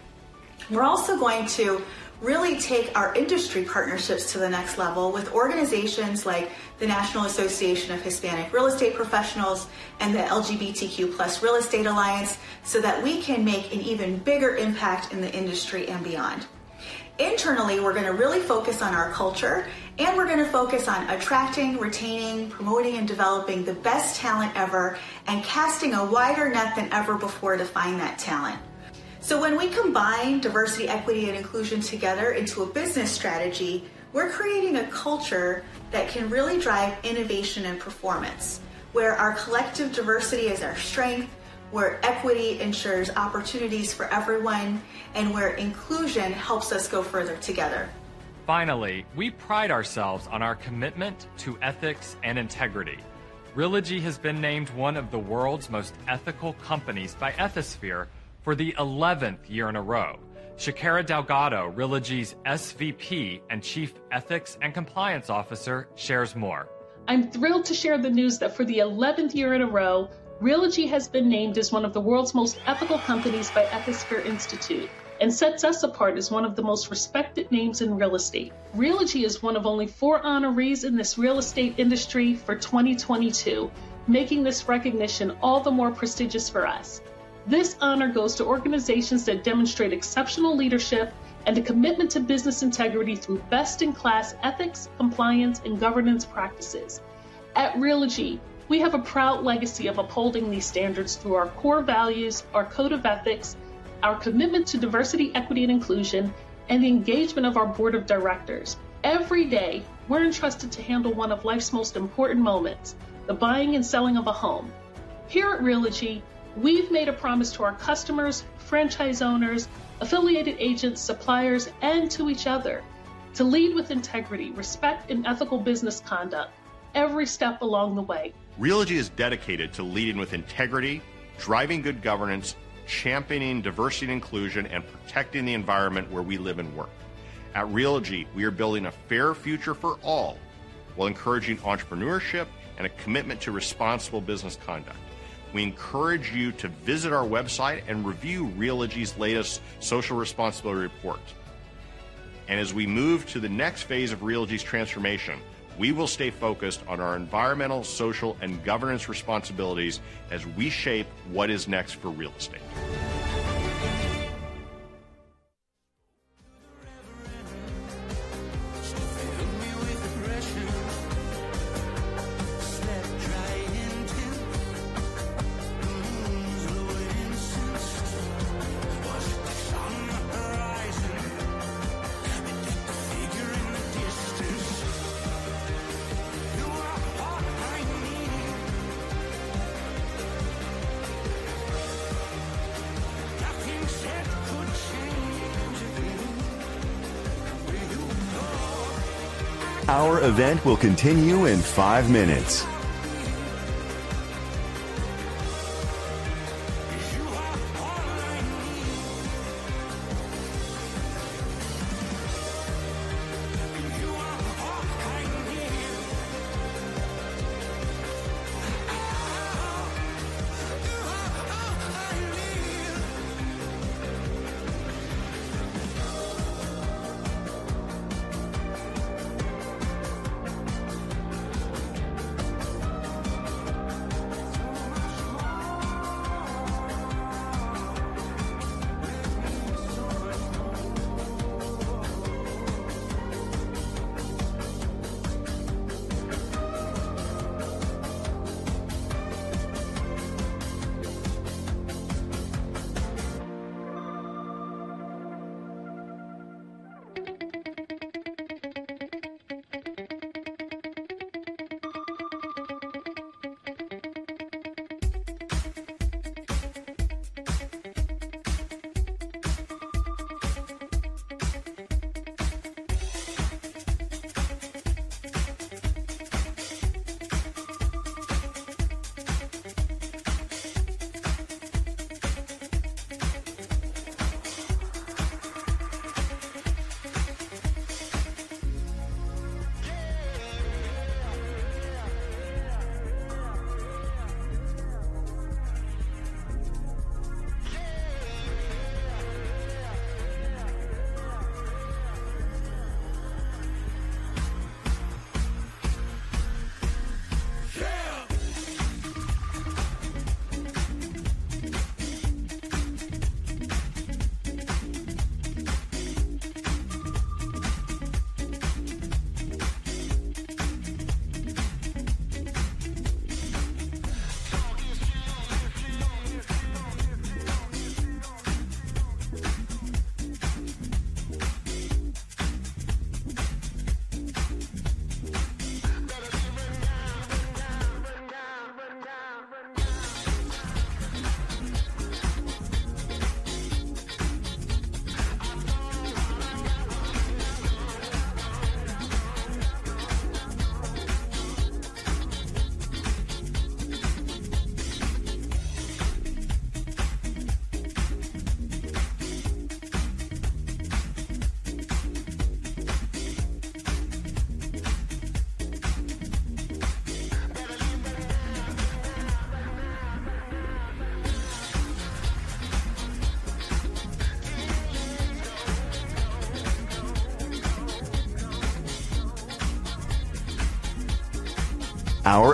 We're also going to really take our industry partnerships to the next level with organizations like the National Association of Hispanic Real Estate Professionals and the LGBTQ+ Real Estate Alliance so that we can make an even bigger impact in the industry and beyond. Internally, we're going to really focus on our culture, and we're going to focus on attracting, retaining, promoting, and developing the best talent ever and casting a wider net than ever before to find that talent. When we combine diversity, equity, and inclusion together into a business strategy, we're creating a culture that can really drive innovation and performance, where our collective diversity is our strength, where equity ensures opportunities for everyone, and where inclusion helps us go further together.
Finally, we pride ourselves on our commitment to ethics and integrity. Realogy has been named one of the World's Most Ethical Companies by Ethisphere for the 11th year in a row. Shacara Delgado, Realogy's SVP and Chief Ethics & Compliance Officer shares more.
I'm thrilled to share the news that for the eleventh year in a row, Realogy has been named as one of the world's most ethical companies by Ethisphere Institute and sets us apart as one of the most respected names in real estate. Realogy is one of only four honorees in this real estate industry for 2022, making this recognition all the more prestigious for us. This honor goes to organizations that demonstrate exceptional leadership and a commitment to business integrity through best-in-class ethics, compliance, and governance practices. At Realogy, we have a proud legacy of upholding these standards through our core values, our code of ethics, our commitment to diversity, equity, and inclusion, and the engagement of our board of directors. Every day, we're entrusted to handle one of life's most important moments, the buying and selling of a home. Here at Realogy, we've made a promise to our customers, franchise owners, affiliated agents, suppliers, and to each other to lead with integrity, respect, and ethical business conduct every step along the way.
Realogy is dedicated to leading with integrity, driving good governance, championing diversity and inclusion, and protecting the environment where we live and work. At Realogy, we are building a fair future for all while encouraging entrepreneurship and a commitment to responsible business conduct. We encourage you to visit our website and review Realogy's latest social responsibility report. As we move to the next phase of Realogy's transformation, we will stay focused on our environmental, social, and governance responsibilities as we shape what is next for real estate.
Our event will continue in five minutes.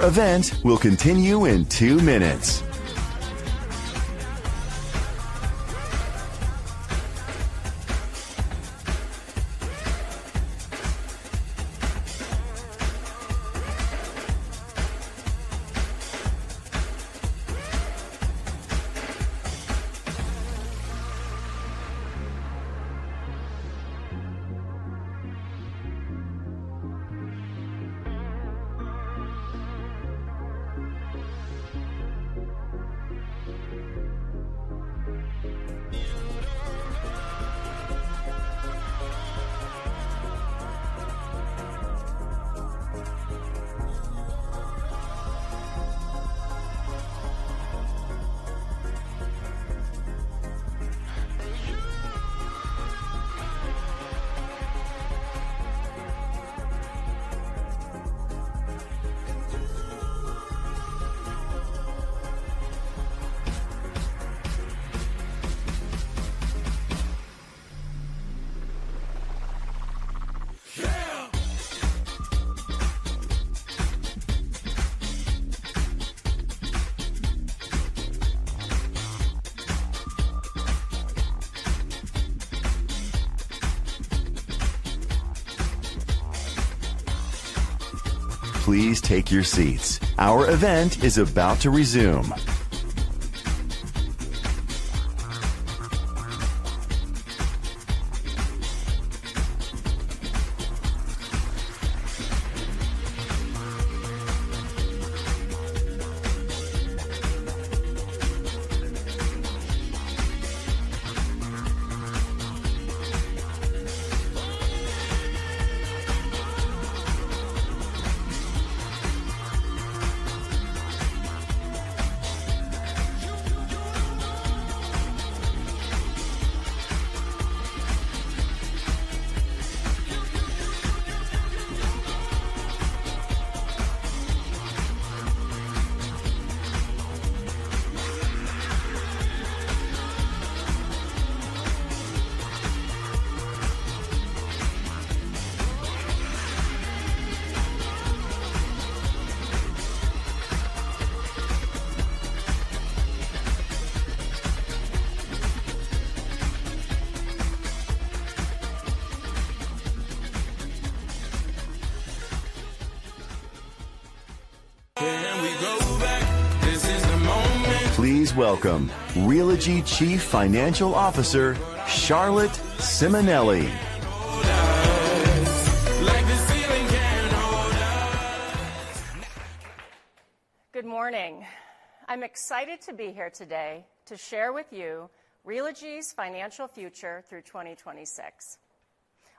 Our event will continue in two minutes. Please take your seats. Our event is about to resume. Please welcome Realogy Chief Financial Officer Charlotte Simonelli.
Good morning. I'm excited to be here today to share with you Realogy's financial future through 2026.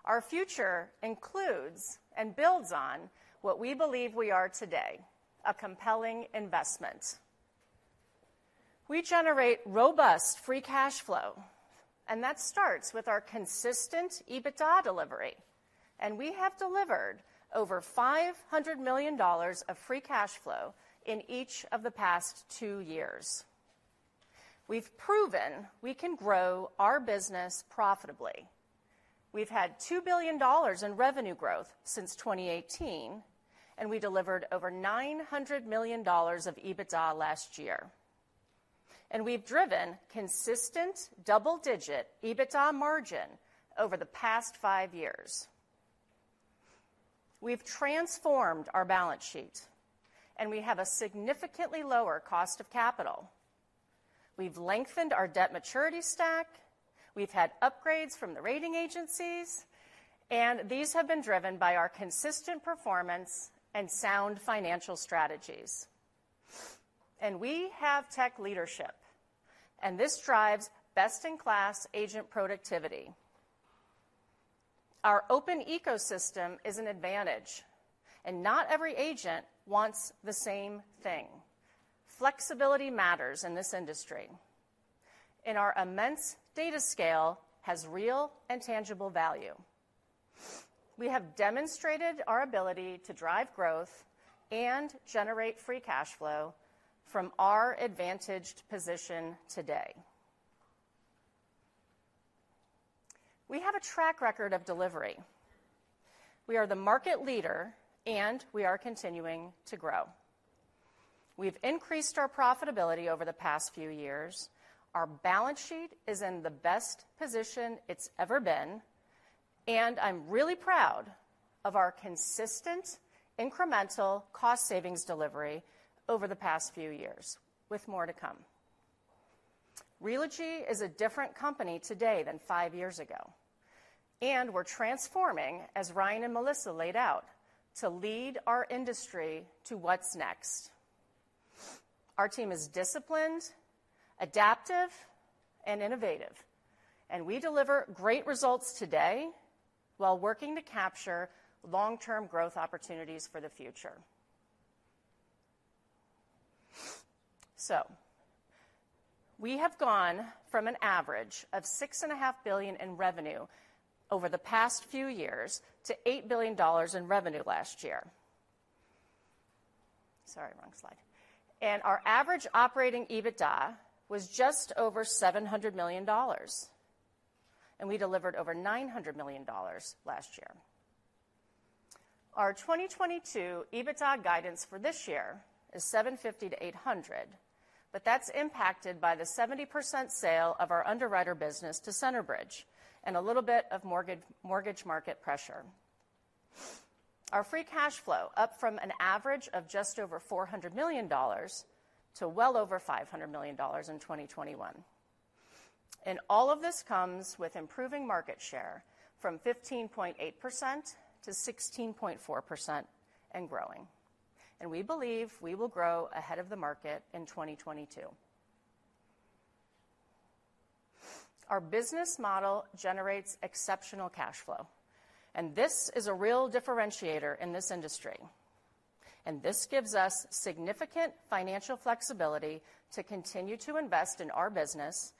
Our future includes and builds on what we believe we are today, a compelling investment. We generate robust free cash flow, and that starts with our consistent EBITDA delivery, and we have delivered over $500 million of free cash flow in each of the past two years. We've proven we can grow our business profitably. We've had $2 billion in revenue growth since 2018, and we delivered over $900 million of EBITDA last year. We've driven consistent double-digit EBITDA margin over the past five years. We've transformed our balance sheet, and we have a significantly lower cost of capital. We've lengthened our debt maturity stack. We've had upgrades from the rating agencies, and these have been driven by our consistent performance and sound financial strategies. We have tech leadership, and this drives best-in-class agent productivity. Our open ecosystem is an advantage, and not every agent wants the same thing. Flexibility matters in this industry, and our immense data scale has real and tangible value. We have demonstrated our ability to drive growth and generate free cash flow from our advantaged position today. We have a track record of delivery. We are the market leader, and we are continuing to grow. We've increased our profitability over the past few years. Our balance sheet is in the best position it's ever been, and I'm really proud of our consistent incremental cost savings delivery over the past few years with more to come. Realogy is a different company today than five years ago, and we're transforming, as Ryan and Melissa laid out, to lead our industry to what's next. Our team is disciplined, adaptive, and innovative, and we deliver great results today while working to capture long-term growth opportunities for the future. We have gone from an average of $6.5 billion in revenue over the past few years to $8 billion in revenue last year. Our average operating EBITDA was just over $700 million, and we delivered over $900 million last year. Our 2022 EBITDA guidance for this year is $750 million-$800 million, but that's impacted by the 70% sale of our underwriter business to Centerbridge and a little bit of mortgage market pressure. Our free cash flow up from an average of just over $400 million to well over $500 million in 2021. All of this comes with improving market share from 15.8%-16.4% and growing. We believe we will grow ahead of the market in 2022. Our business model generates exceptional cash flow, and this is a real differentiator in this industry. This gives us significant financial flexibility to continue to invest in our business,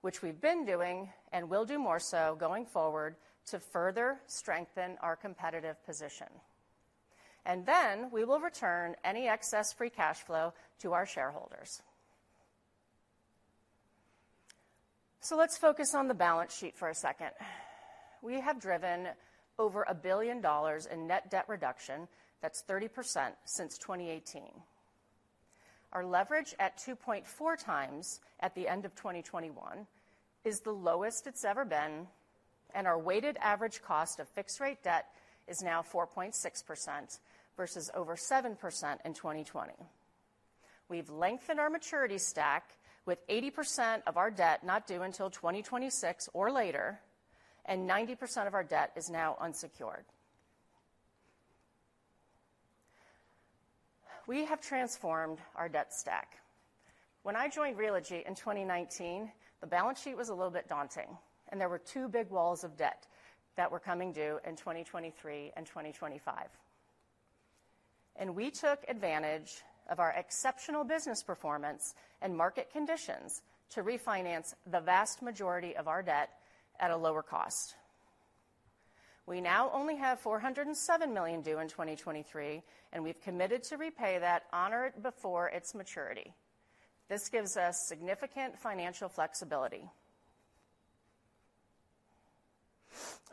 which we've been doing and will do more so going forward to further strengthen our competitive position. We will return any excess free cash flow to our shareholders. Let's focus on the balance sheet for a second. We have driven over $1 billion in net debt reduction. That's 30% since 2018. Our leverage at 2.4x at the end of 2021 is the lowest it's ever been, and our weighted average cost of fixed rate debt is now 4.6% versus over 7% in 2020. We've lengthened our maturity stack with 80% of our debt not due until 2026 or later, and 90% of our debt is now unsecured. We have transformed our debt stack. When I joined Realogy in 2019, the balance sheet was a little bit daunting, and there were two big walls of debt that were coming due in 2023 and 2025. We took advantage of our exceptional business performance and market conditions to refinance the vast majority of our debt at a lower cost. We now only have $407 million due in 2023, and we've committed to repay that on or before its maturity. This gives us significant financial flexibility.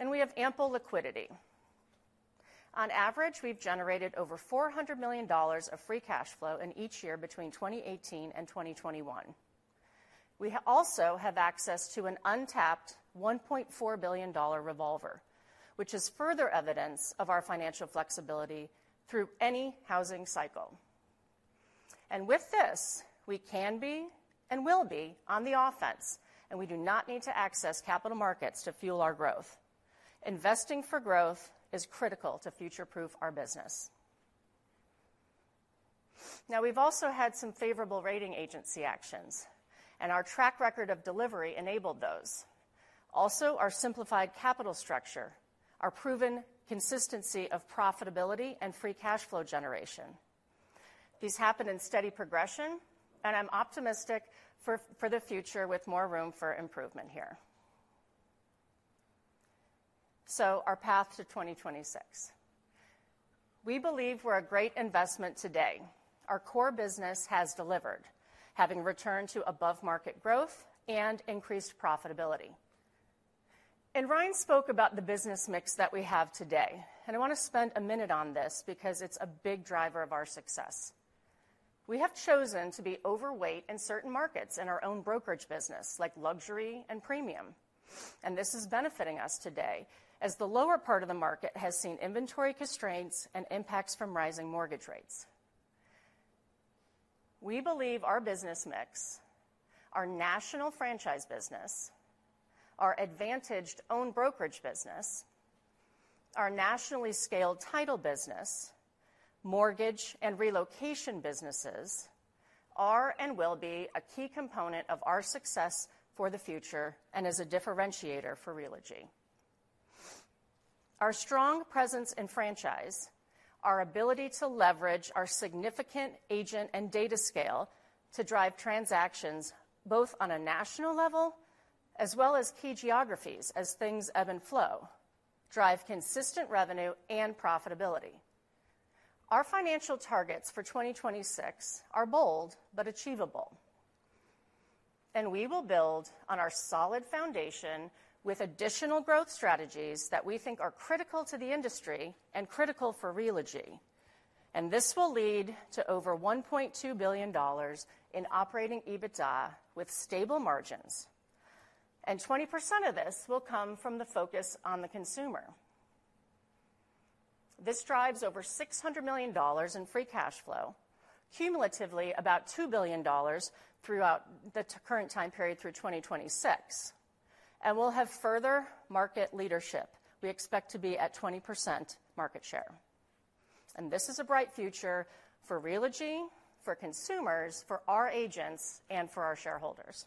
We have ample liquidity. On average, we've generated over $400 million of free cash flow in each year between 2018 and 2021. We also have access to an untapped $1.4 billion revolver, which is further evidence of our financial flexibility through any housing cycle. With this, we can be and will be on the offense, and we do not need to access capital markets to fuel our growth. Investing for growth is critical to future-proof our business. Now, we've also had some favorable rating agency actions, and our track record of delivery enabled those. Also, our simplified capital structure, our proven consistency of profitability and free cash flow generation. These happened in steady progression, and I'm optimistic for the future with more room for improvement here. Our path to 2026. We believe we're a great investment today. Our core business has delivered, having returned to above market growth and increased profitability. Ryan spoke about the business mix that we have today. I want to spend a minute on this because it's a big driver of our success. We have chosen to be overweight in certain markets in our own brokerage business, like luxury and premium. This is benefiting us today as the lower part of the market has seen inventory constraints and impacts from rising mortgage rates. We believe our business mix, our national franchise business, our advantaged own brokerage business, our nationally scaled title business, mortgage and relocation businesses are and will be a key component of our success for the future and as a differentiator for Realogy. Our strong presence in franchise, our ability to leverage our significant agent and data scale to drive transactions both on a national level as well as key geographies as things ebb and flow, drive consistent revenue and profitability. Our financial targets for 2026 are bold but achievable, and we will build on our solid foundation with additional growth strategies that we think are critical to the industry and critical for Realogy. This will lead to over $1.2 billion in operating EBITDA with stable margins. 20% of this will come from the focus on the consumer. This drives over $600 million in free cash flow, cumulatively about $2 billion throughout the current time period through 2026. We'll have further market leadership. We expect to be at 20% market share. This is a bright future for Realogy, for consumers, for our agents, and for our shareholders.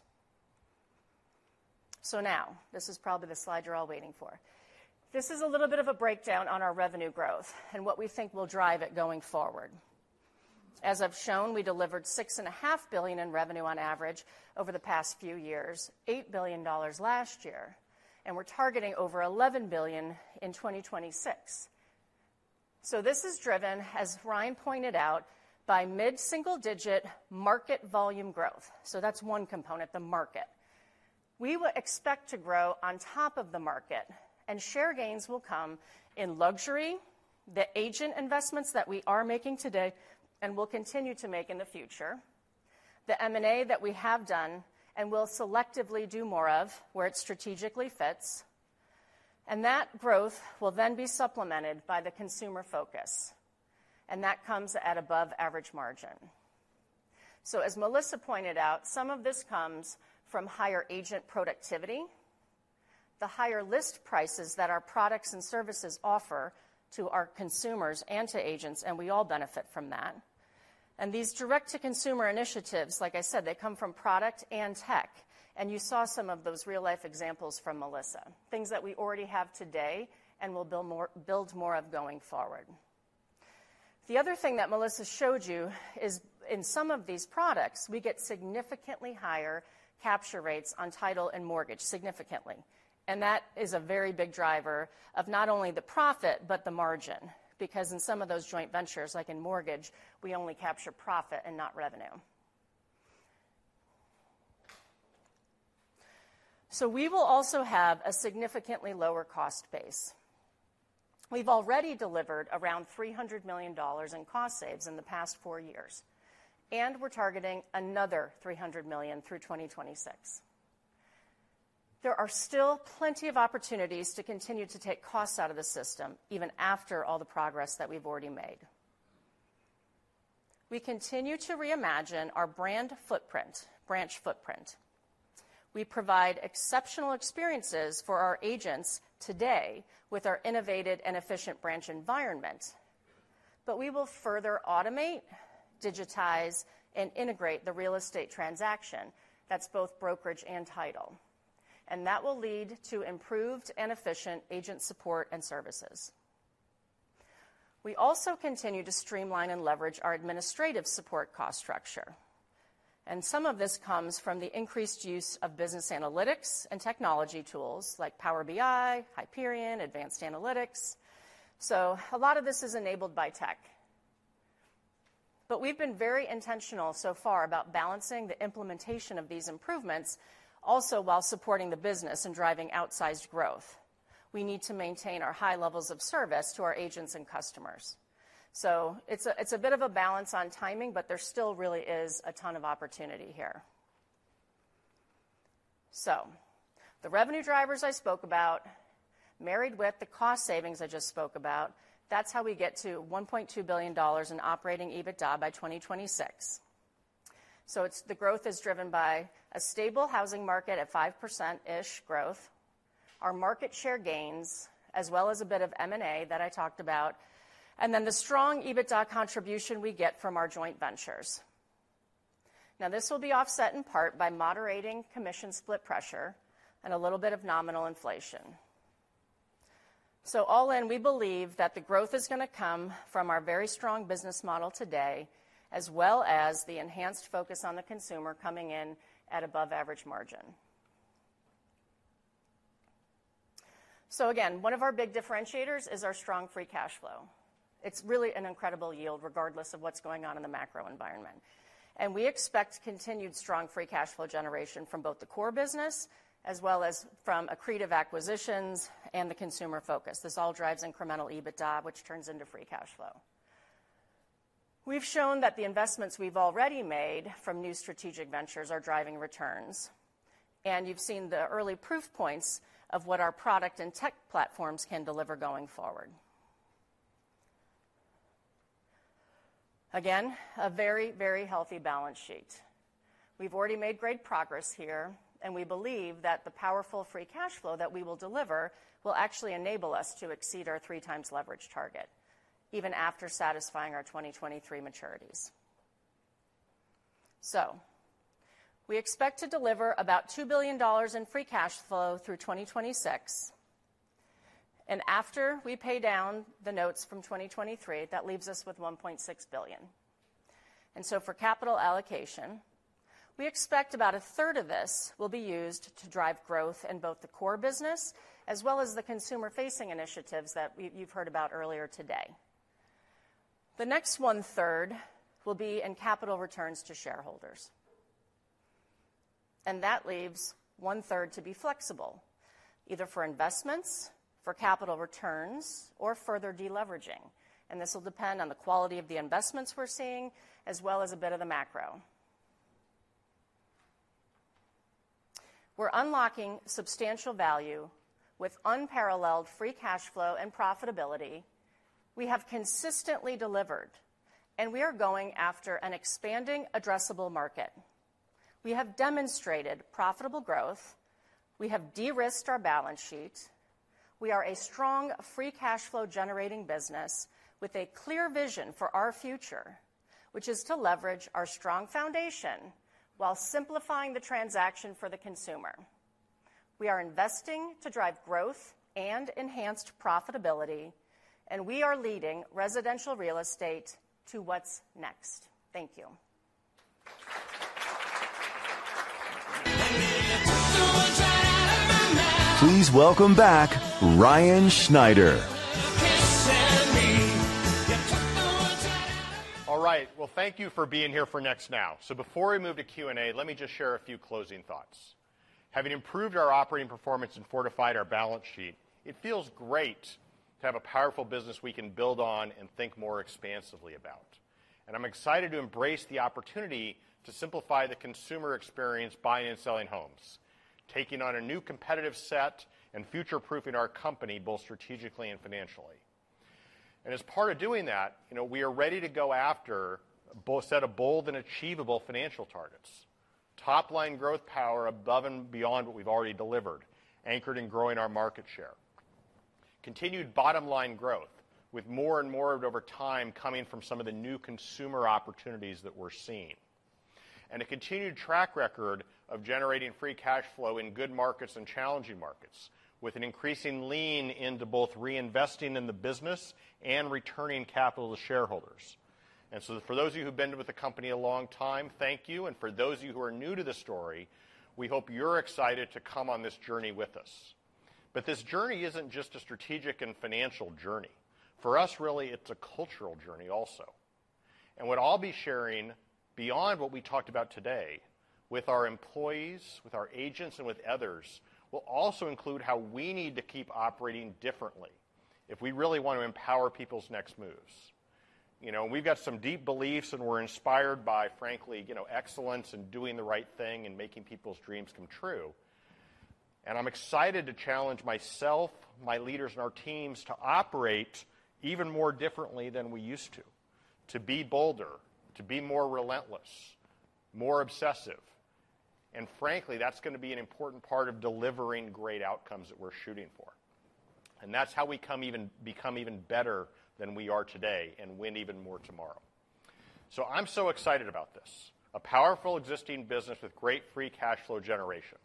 Now this is probably the slide you're all waiting for. This is a little bit of a breakdown on our revenue growth and what we think will drive it going forward. As I've shown, we delivered $6.5 billion in revenue on average over the past few years, $8 billion last year, and we're targeting over $11 billion in 2026. This is driven, as Ryan pointed out, by mid-single-digit market volume growth. That's one component, the market. We will expect to grow on top of the market and share gains will come in luxury, the agent investments that we are making today and will continue to make in the future, the M&A that we have done and will selectively do more of where it strategically fits, and that growth will then be supplemented by the consumer focus, and that comes at above-average margin. As Melissa pointed out, some of this comes from higher agent productivity, the higher list prices that our products and services offer to our consumers and to agents, and we all benefit from that. These direct-to-consumer initiatives, like I said, they come from product and tech, and you saw some of those real-life examples from Melissa. Things that we already have today and we'll build more of going forward. The other thing that Melissa showed you is in some of these products, we get significantly higher capture rates on title and mortgage, significantly. That is a very big driver of not only the profit but the margin, because in some of those joint ventures, like in mortgage, we only capture profit and not revenue. We will also have a significantly lower cost base. We've already delivered around $300 million in cost saves in the past four years, and we're targeting another $300 million through 2026. There are still plenty of opportunities to continue to take costs out of the system even after all the progress that we've already made. We continue to reimagine our brand footprint, branch footprint. We provide exceptional experiences for our agents today with our innovative and efficient branch environment. We will further automate, digitize, and integrate the real estate transaction, that's both brokerage and title, and that will lead to improved and efficient agent support and services. We also continue to streamline and leverage our administrative support cost structure. Some of this comes from the increased use of business analytics and technology tools like Power BI, Hyperion, and Advanced Analytics. A lot of this is enabled by tech. We've been very intentional so far about balancing the implementation of these improvements also while supporting the business and driving outsized growth. We need to maintain our high levels of service to our agents and customers. It's a bit of a balance on timing, but there still really is a ton of opportunity here. The revenue drivers I spoke about, married with the cost savings I just spoke about, that's how we get to $1.2 billion in operating EBITDA by 2026. The growth is driven by a stable housing market at 5%-ish growth, our market share gains, as well as a bit of M&A that I talked about, and then the strong EBITDA contribution we get from our joint ventures. Now, this will be offset in part by moderating commission split pressure and a little bit of nominal inflation. All in, we believe that the growth is going to come from our very strong business model today, as well as the enhanced focus on the consumer coming in at above-average margin. Again, one of our big differentiators is our strong free cash flow. It's really an incredible yield regardless of what's going on in the macro environment. We expect continued strong free cash flow generation from both the core business as well as from accretive acquisitions and the consumer focus. This all drives incremental EBITDA, which turns into free cash flow. We've shown that the investments we've already made from new strategic ventures are driving returns, and you've seen the early proof points of what our product and tech platforms can deliver going forward. Again, a very, very healthy balance sheet. We've already made great progress here, and we believe that the powerful free cash flow that we will deliver will actually enable us to exceed our 3x leverage target even after satisfying our 2023 maturities. We expect to deliver about $2 billion in free cash flow through 2026. After we pay down the notes from 2023, that leaves us with $1.6 billion. For capital allocation, we expect about a third of this will be used to drive growth in both the core business as well as the consumer-facing initiatives that you've heard about earlier today. The next one-third will be in capital returns to shareholders, and that leaves one-third to be flexible, either for investments, for capital returns, or further deleveraging. This will depend on the quality of the investments we're seeing as well as a bit of the macro. We're unlocking substantial value with unparalleled free cash flow and profitability. We have consistently delivered, and we are going after an expanding addressable market. We have demonstrated profitable growth. We have de-risked our balance sheet. We are a strong, free cash flow generating business with a clear vision for our future, which is to leverage our strong foundation while simplifying the transaction for the consumer. We are investing to drive growth and enhanced profitability, and we are leading residential real estate to what's next. Thank you.
Please welcome back Ryan Schneider.
All right. Well, thank you for being here for Next Now. Before we move to Q&A, let me just share a few closing thoughts. Having improved our operating performance and fortified our balance sheet, it feels great to have a powerful business we can build on and think more expansively about. I'm excited to embrace the opportunity to simplify the consumer experience buying and selling homes, taking on a new competitive set, and future-proofing our company, both strategically and financially. As part of doing that, we are ready to go after both set of bold and achievable financial targets. Top line growth power above and beyond what we've already delivered, anchored in growing our market share. Continued bottom line growth with more and more over time coming from some of the new consumer opportunities that we're seeing. A continued track record of generating free cash flow in good markets and challenging markets with an increasing lean into both reinvesting in the business and returning capital to shareholders. For those of you who've been with the company a long time, thank you. For those of you who are new to the story, we hope you're excited to come on this journey with us. This journey isn't just a strategic and financial journey. For us, really, it's a cultural journey also. What I'll be sharing beyond what we talked about today with our employees, with our agents, and with others, will also include how we need to keep operating differently if we really want to empower people's next moves. We've got some deep beliefs, and we're inspired by, frankly, excellence and doing the right thing and making people's dreams come true. I'm excited to challenge myself, my leaders, and our teams to operate even more differently than we used to be bolder, to be more relentless, more obsessive. Frankly, that's going to be an important part of delivering great outcomes that we're shooting for. That's how we become even better than we are today and win even more tomorrow. I'm so excited about this. A powerful existing business with great free cash flow generation.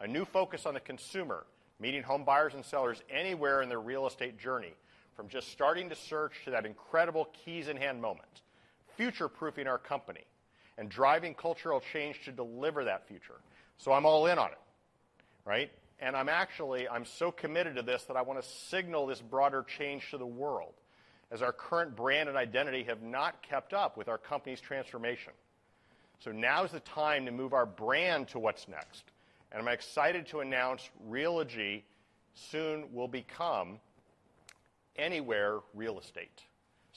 A new focus on the consumer, meeting home buyers and sellers anywhere in their real estate journey, from just starting to search to that incredible keys in hand moment, future-proofing our company and driving cultural change to deliver that future. I'm all in on it. Actually, I'm so committed to this that I want to signal this broader change to the world as our current brand and identity have not kept up with our company's transformation. Now is the time to move our brand to what's next. I'm excited to announce Realogy soon will become Anywhere Real Estate.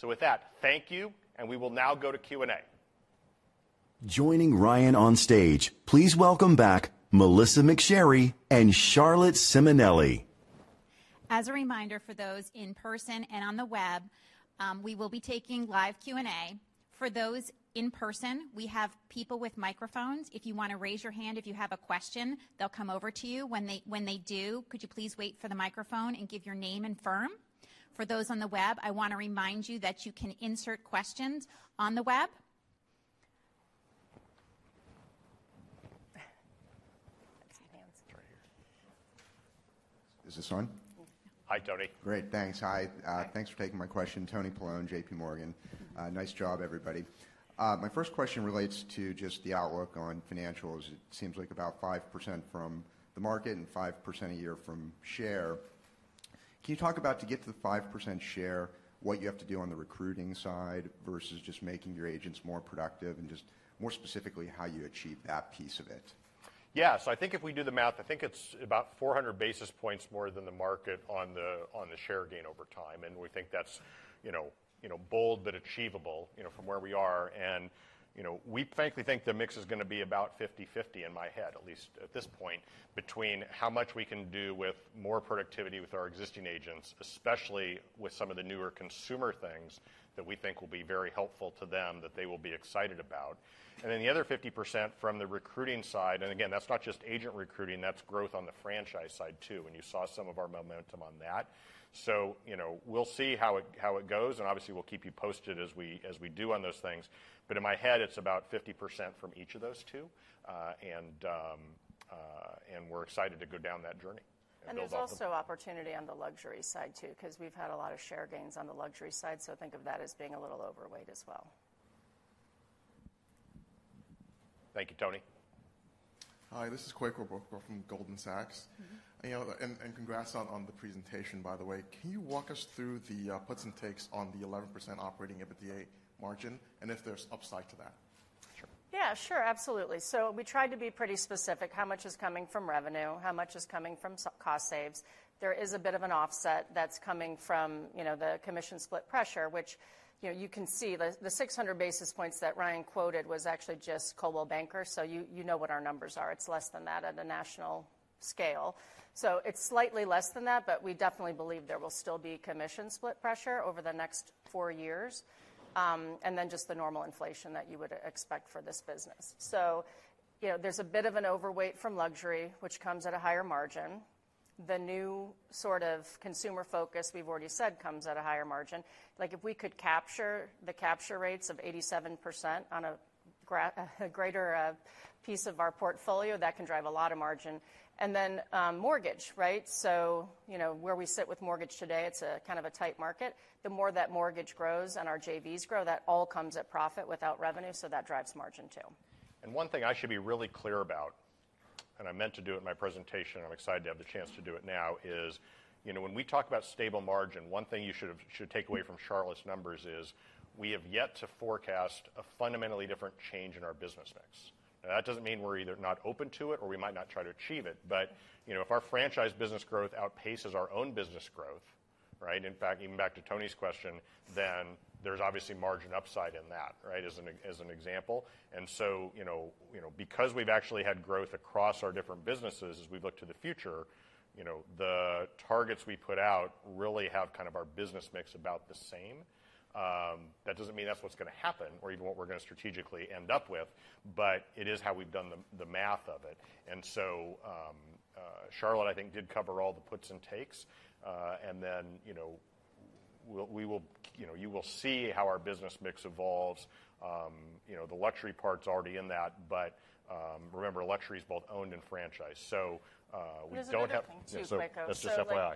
With that, thank you, and we will now go to Q&A.
Joining Ryan on stage, please welcome back Melissa McSherry and Charlotte Simonelli.
As a reminder for those in person and on the web, we will be taking live Q&A. For those in person, we have people with microphones. If you want to raise your hand if you have a question, they'll come over to you. When they do, could you please wait for the microphone and give your name and firm? For those on the web, I want to remind you that you can insert questions on the web.
Is this on?
Hi, Tony.
Great. Thanks. Hi. Thanks for taking my question. Anthony Paolone, JPMorgan. Nice job, everybody. My first question relates to just the outlook on financials. It seems like about 5% from the market and 5% a year from share. Can you talk about to get to the 5% share, what you have to do on the recruiting side versus just making your agents more productive and just more specifically, how you achieve that piece of it?
Yes. I think if we do the math, I think it's about 400 basis points more than the market on the share gain over time. We think that's bold but achievable from where we are. We frankly think the mix is going to be about 50/50 in my head, at least at this point, between how much we can do with more productivity with our existing agents, especially with some of the newer consumer things that we think will be very helpful to them that they will be excited about. Then the other 50% from the recruiting side, and again, that's not just agent recruiting, that's growth on the franchise side too, and you saw some of our momentum on that. We'll see how it goes, and obviously we'll keep you posted as we do on those things. In my head, it's about 50% from each of those two. We're excited to go down that journey and build up.
There's also opportunity on the luxury side too, 'cause we've had a lot of share gains on the luxury side. Think of that as being a little overweight as well.
Thank you, Tony.
Hi, this is Kweku Baokye from Goldman Sachs. Congrats on the presentation, by the way. Can you walk us through the puts and takes on the 11% operating EBITDA margin and if there's upside to that?
Yes. Sure. Absolutely. We tried to be pretty specific how much is coming from revenue, how much is coming from cost saves. There is a bit of an offset that's coming from the commission split pressure, which you can see the 600 basis points that Ryan quoted was actually just Coldwell Banker. You know what our numbers are. It's less than that at a national scale. It's slightly less than that, but we definitely believe there will still be commission split pressure over the next four years, and then just the normal inflation that you would expect for this business. There's a bit of an overweight from luxury, which comes at a higher margin. The new consumer focus, we've already said, comes at a higher margin. If we could capture the capture rates of 87% on a greater piece of our portfolio, that can drive a lot of margin. Mortgage. Where we sit with mortgage today, it's a tight market. The more that mortgage grows and our JVs grow, that all comes at profit without revenue, so that drives margin too.
One thing I should be really clear about, and I meant to do it in my presentation, and I'm excited to have the chance to do it now is, when we talk about stable margin, one thing you should take away from Charlotte's numbers is, we have yet to forecast a fundamentally different change in our business mix. Now, that doesn't mean we're either not open to it or we might not try to achieve it, but if our franchise business growth outpaces our own business growth. In fact, even back to Tony's question, then there's obviously margin upside in that, as an example. Because we've actually had growth across our different businesses as we look to the future, the targets we put out really have our business mix about the same. That doesn't mean that's what's going to happen or even what we're going to strategically end up with, but it is how we've done the math of it. Charlotte, I think, did cover all the puts and takes. Then, you will see how our business mix evolves. The luxury part's already in that, but remember, luxury is both owned and franchised. We don't have...
There's another thing too, Kweku.
That's just FI.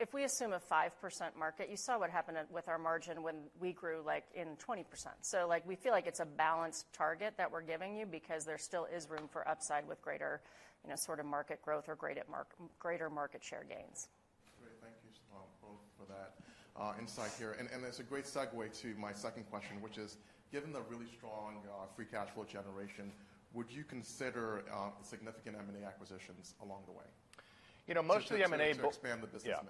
If we assume a 5% market, you saw what happened with our margin when we grew in 20%. We feel like it's a balanced target that we're giving you because there still is room for upside with greater market growth or greater market share gains.
Great. Thank you both for that insight here. That's a great segue to my second question, which is, given the really strong free cash flow generation, would you consider significant M&A acquisitions along the way?
Most of the M&A...
To expand the business mix.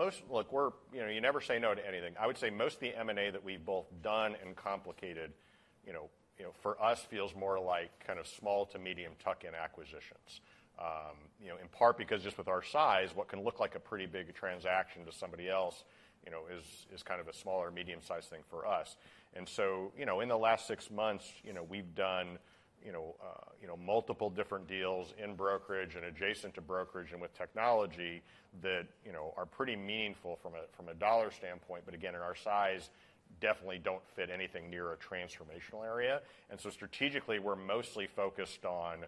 Yes. Look, you never say no to anything. I would say most of the M&A that we've done is complicated, for us feels more like small to medium tuck-in acquisitions. In part because just with our size, what can look like a pretty big transaction to somebody else is a small or medium-sized thing for us. In the last six months, we've done multiple different deals in brokerage and adjacent to brokerage and with technology that are pretty meaningful from a dollar standpoint, but again, in our size, definitely don't fit anything near a transformational area. Strategically, we're mostly focused on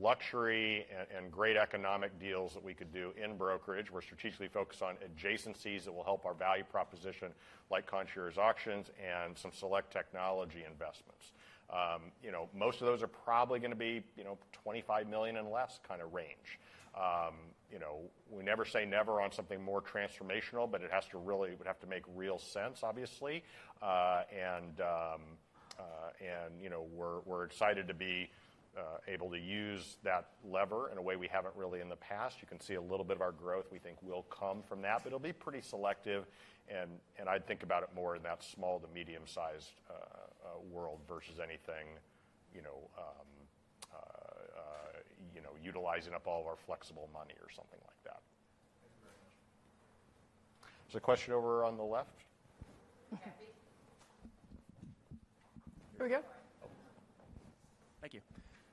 luxury and great economic deals that we could do in brokerage. We're strategically focused on adjacencies that will help our value proposition, like Concierge Auctions and some select technology investments. Most of those are probably going to be $25 million and less range. We never say never on something more transformational, but it would have to make real sense, obviously. We're excited to be able to use that lever in a way we haven't really in the past. You can see a little bit of our growth, we think, will come from that, but it'll be pretty selective and I'd think about it more in that small- to medium-sized world versus anything utilizing up all of our flexible money or something like that.
Thank you very much.
There's a question over on the left.
Here we go.
Thank you.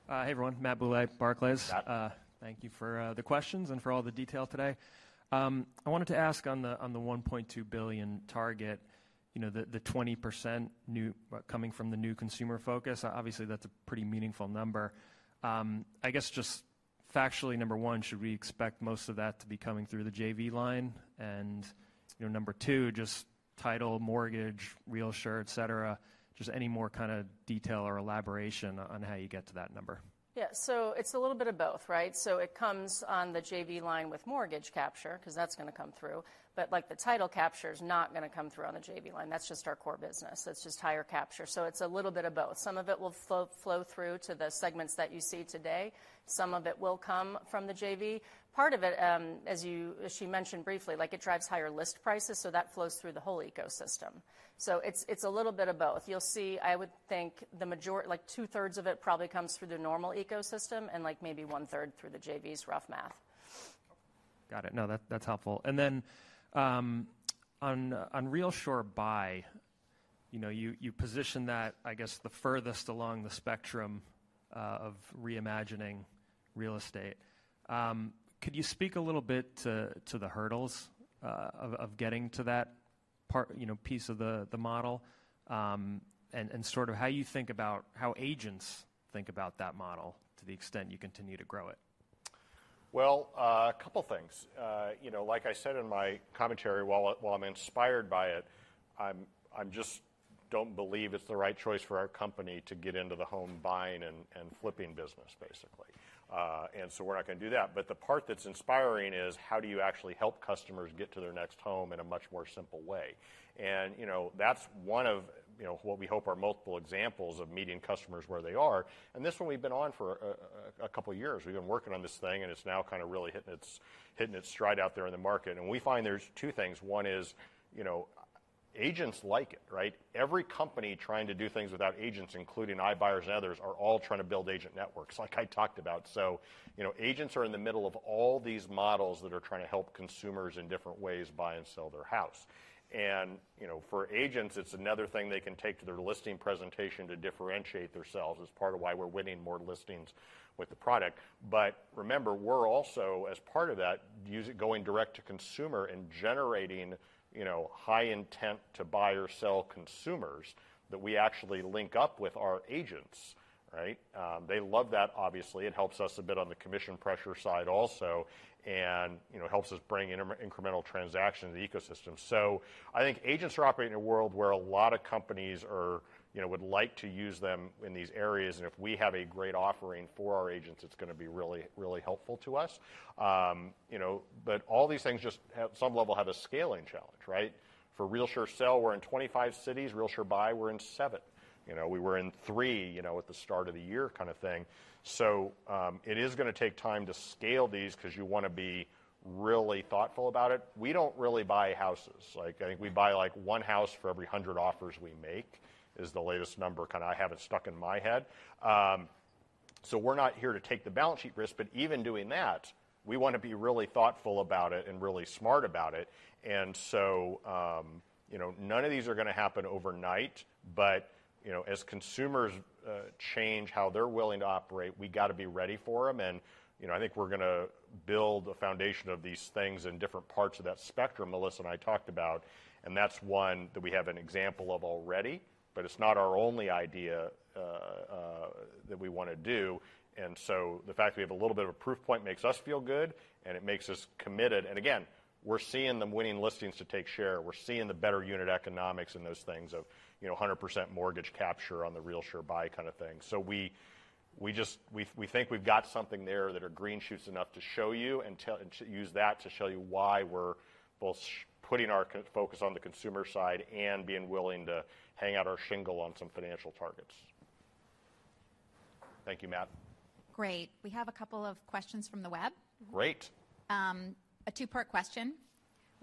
Hey, everyone. Matthew Bouley, at Barclays.
Hi Matt.
Thank you for the questions and for all the detail today. I wanted to ask on the $1.2 billion target the 20% coming from the new consumer focus. Obviously, that's a pretty meaningful number. Just factually, number one, should we expect most of that to be coming through the JV line? Number two, just title, mortgage, RealSure, etc., just any more detail or elaboration on how you get to that number.
Yes. It's a little bit of both. It comes on the JV line with mortgage capture because that's going to come through. The title capture is not going to come through on the JV line. That's just our core business. That's just higher capture. It's a little bit of both. Some of it will flow through to the segments that you see today. Some of it will come from the JV. Part of it, as she mentioned briefly, like it drives higher list prices, so that flows through the whole ecosystem. It's a little bit of both. You'll see, I would think, two-thirds of it probably comes through the normal ecosystem and like maybe one-third through the JVs, rough math.
Got it. That's helpful. On RealSure Buy, you position that the furthest along the spectrum of reimagining real estate. Could you speak a little bit to the hurdles of getting to that piece of the model and how agents think about that model to the extent you continue to grow it?
Well, a couple of things. Like I said in my commentary, while I'm inspired by it, I just don't believe it's the right choice for our company to get into the home buying and flipping business, basically. We're not going to do that. The part that's inspiring is how do you actually help customers get to their next home in a much more simple way? That's one of what we hope are multiple examples of meeting customers where they are. This one we've been on for a couple of years. We've been working on this thing, and it's now really hitting its stride out there in the market. We find there's two things. One is, agents like it. Every company trying to do things without agents, including iBuyers and others, are all trying to build agent networks like I talked about. Agents are in the middle of all these models that are trying to help consumers in different ways buy and sell their house. For agents, it's another thing they can take to their listing presentation to differentiate theirselves. It's part of why we're winning more listings with the product. Remember, we're also, as part of that, us going direct to consumer and generating high intent to buy or sell consumers that we actually link up with our agents. They love that, obviously. It helps us a bit on the commission pressure side also and helps us bring inter-incremental transaction to the ecosystem. I think agents are operating in a world where a lot of companies would like to use them in these areas, and if we have a great offering for our agents, it's going to be really helpful to us. All these things just at some level have a scaling challenge. For RealSure Sell, we're in 25 cities. RealSure Buy, we're in seven. We were in three at the start of the year kind of thing. It is going to take time to scale these because you want to be really thoughtful about it. We don't really buy houses. I think we buy one house for every 100 offers we make, is the latest number I have it stuck in my head. We're not here to take the balance sheet risk, but even doing that, we want to be really thoughtful about it and really smart about it. None of these are going to happen overnight, but as consumers change how they're willing to operate, we got to be ready for them and I think we're going to build a foundation of these things in different parts of that spectrum Melissa and I talked about, and that's one that we have an example of already, but it's not our only idea that we want to do. The fact that we have a little bit of a proof point makes us feel good, and it makes us committed. Again, we're seeing them winning listings to take share. We're seeing the better unit economics and those things of 100% mortgage capture on the RealSure Buy kind of thing. We just think we've got something there that are green shoots enough to show you and to use that to show you why we're both putting our focus on the consumer side and being willing to hang out our shingle on some financial targets. Thank you, Matt.
Great. We have a couple of questions from the web.
Great.
A two-part question.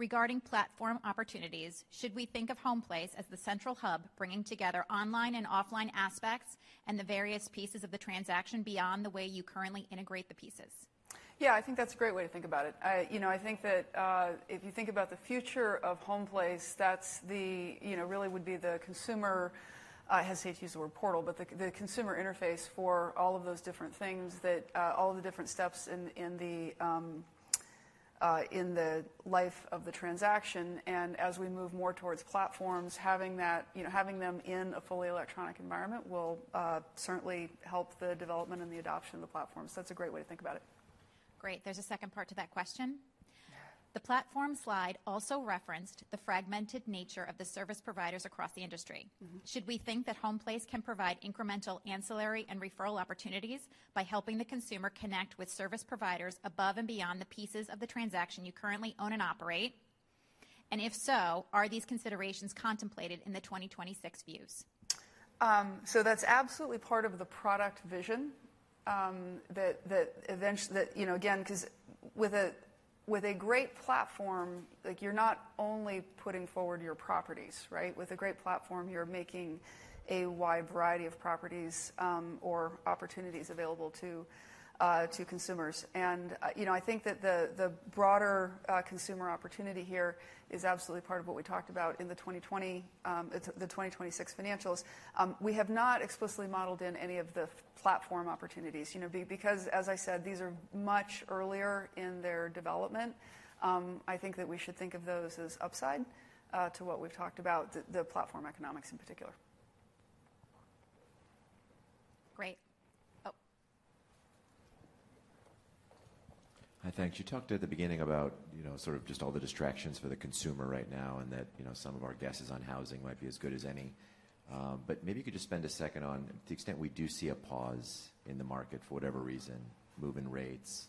Regarding platform opportunities, should we think of HomePlace as the central hub bringing together online and offline aspects and the various pieces of the transaction beyond the way you currently integrate the pieces?
Yes, I think that's a great way to think about it. I think that, if you think about the future of HomePlace, that really would be the consumer, I hate to use the word portal, but the consumer interface for all of those different things that, all of the different steps in the life of the transaction and as we move more towards platforms, having them in a fully electronic environment will certainly help the development and the adoption of the platform. That's a great way to think about it.
Great. There's a second part to that question. The platform slide also referenced the fragmented nature of the service providers across the industry. Should we think that HomePlace can provide incremental ancillary and referral opportunities by helping the consumer connect with service providers above and beyond the pieces of the transaction you currently own and operate? If so, are these considerations contemplated in the 2026 views?
That's absolutely part of the product vision. Again, with a great platform, you're not only putting forward your properties. With a great platform, you're making a wide variety of properties, or opportunities available to consumers. I think that the broader consumer opportunity here is absolutely part of what we talked about in the 2020, it's the 2026 financials. We have not explicitly modeled in any of the platform opportunities, because as I said, these are much earlier in their development. I think that we should think of those as upside to what we've talked about, the platform economics in particular.
Great.
Hi. Thanks. You talked at the beginning about just all the distractions for the consumer right now and that some of our guesses on housing might be as good as any, but maybe you could just spend a second on the extent we do see a pause in the market for whatever reason, mortgage rates,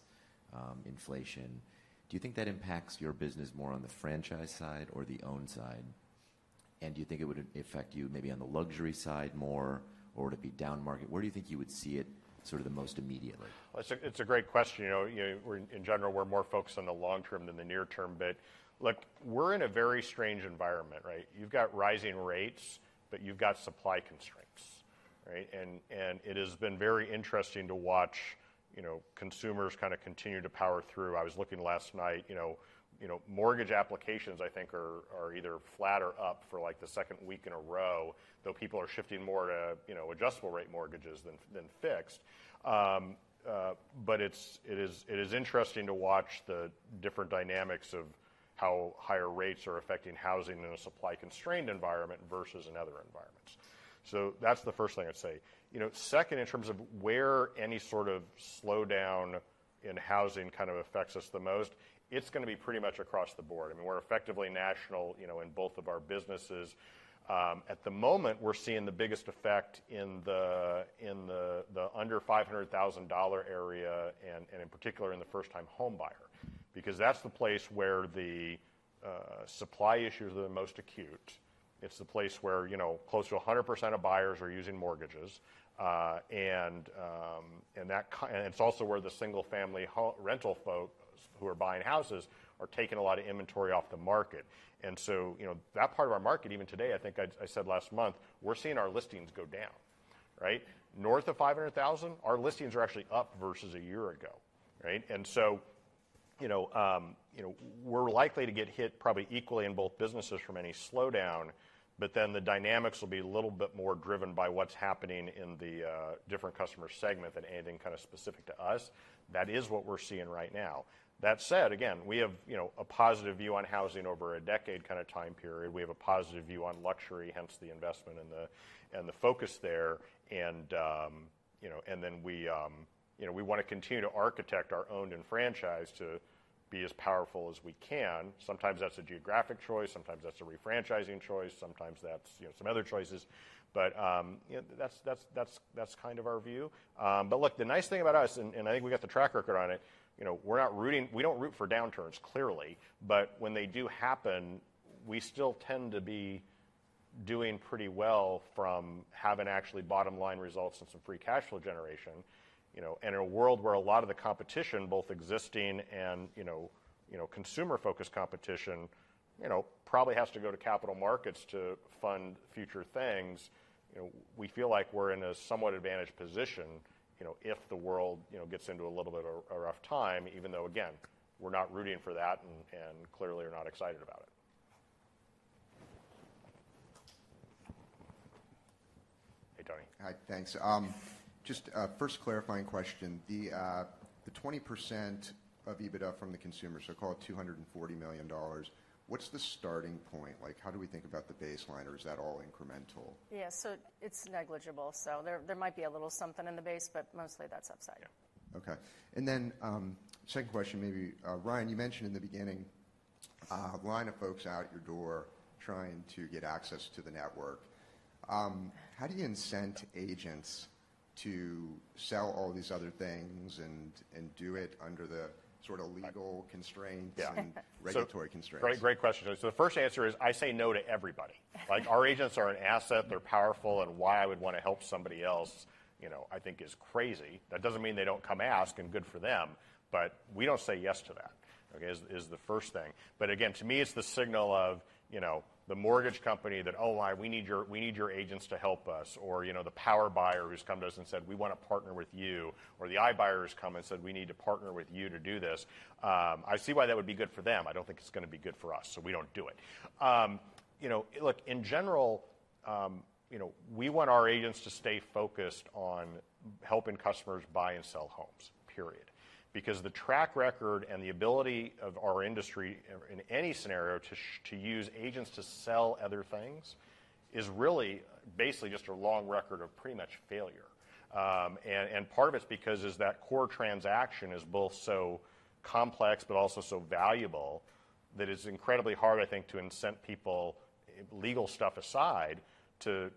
inflation. Do you think that impacts your business more on the franchise side or the own side? Do you think it would affect you maybe on the luxury side more, or would it be down market? Where do you think you would see it the most immediately?
It's a great question. We're in general more focused on the long-term than the near-term. Look, we're in a very strange environment. You've got rising rates, but you've got supply constraints. It has been very interesting to watch consumers continue to power through. I was looking last night, mortgage applications I think are either flat or up for the second week in a row, though people are shifting more to adjustable rate mortgages than fixed. It's interesting to watch the different dynamics of how higher rates are affecting housing in a supply-constrained environment versus in other environments. That's the first thing I'd say. Second, in terms of where any slowdown in housing affects us the most, it's going to be pretty much across the board. We're effectively national, in both of our businesses. At the moment, we're seeing the biggest effect in the under $500,000 area and in particular in the first-time home buyer because that's the place where the supply issues are the most acute. It's the place where, close to 100% of buyers are using mortgages. It's also where the single-family rental folks who are buying houses are taking a lot of inventory off the market. That part of our market, even today, I think I said last month, we're seeing our listings go down. North of 500,000, our listings are actually up versus a year ago. We're likely to get hit probably equally in both businesses from any slowdown, but then the dynamics will be a little bit more driven by what's happening in the different customer segment than anything specific to us. That is what we're seeing right now. That said, again, we have a positive view on housing over a decade time period. We have a positive view on luxury, hence the investment and the focus there, and then we want to continue to architect our owned and franchise to be as powerful as we can. Sometimes that's a geographic choice, sometimes that's a refranchising choice, sometimes that's some other choices. That's our view. Look, the nice thing about us, and I think we got the track record on it, we don't root for downturns, clearly. When they do happen, we still tend to be doing pretty well from having actually bottom line results and some free cash flow generation. In a world where a lot of the competition, both existing and consumer-focused competition, probably has to go to capital markets to fund future things. We feel like we're in a somewhat advantaged position, if the world gets into a little bit of a rough time, even though, again, we're not rooting for that and clearly are not excited about it. Hey, Tony.
Hi. Thanks. Just a first clarifying question. The 20% of EBITDA from the consumer, so call it $240 million, what's the starting point? How do we think about the baseline, or is that all incremental?
Yes. It's negligible. There might be a little something in the base, but mostly that's upside.
Okay. Second question maybe, Ryan, you mentioned in the beginning a line of folks out your door trying to get access to the network. How do you incent agents to sell all these other things and do it under the legal constraints and regulatory constraints?
Great question. The first answer is, I say no to everybody. Our agents are an asset, they're powerful, and why I would want to help somebody else, I think is crazy. That doesn't mean they don't come ask, and good for them, but we don't say yes to that is the first thing. Again, to me, it's the signal of the mortgage company that, "We need your agents to help us." Or the power buyer who's come to us and said, "We want to partner with you." Or the iBuyers come and said, "We need to partner with you to do this." I see why that would be good for them. I don't think it's going to be good for us, so we don't do it. Look, in general, we want our agents to stay focused on helping customers buy and sell homes, period because the track record and the ability of our industry in any scenario to use agents to sell other things is really basically just a long record of pretty much failure and part of it is because that core transaction is both so complex but also so valuable that it's incredibly hard, I think, to incent people, legal stuff aside, to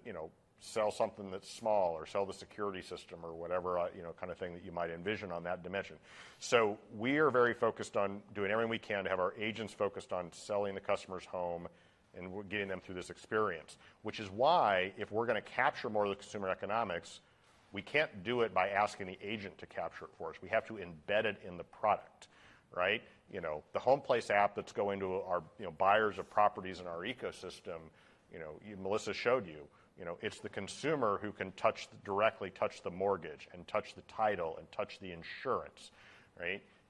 sell something that's small or sell the security system or whatever kind of thing that you might envision on that dimension. We are very focused on doing everything we can to have our agents focused on selling the customer's home and getting them through this experience. Which is why, if we're going to capture more of the consumer economics, we can't do it by asking the agent to capture it for us. We have to embed it in the product. The HomePlace app that's going to our buyers of properties in our ecosystem, Melissa showed you, it's the consumer who can directly touch the mortgage and touch the title and touch the insurance.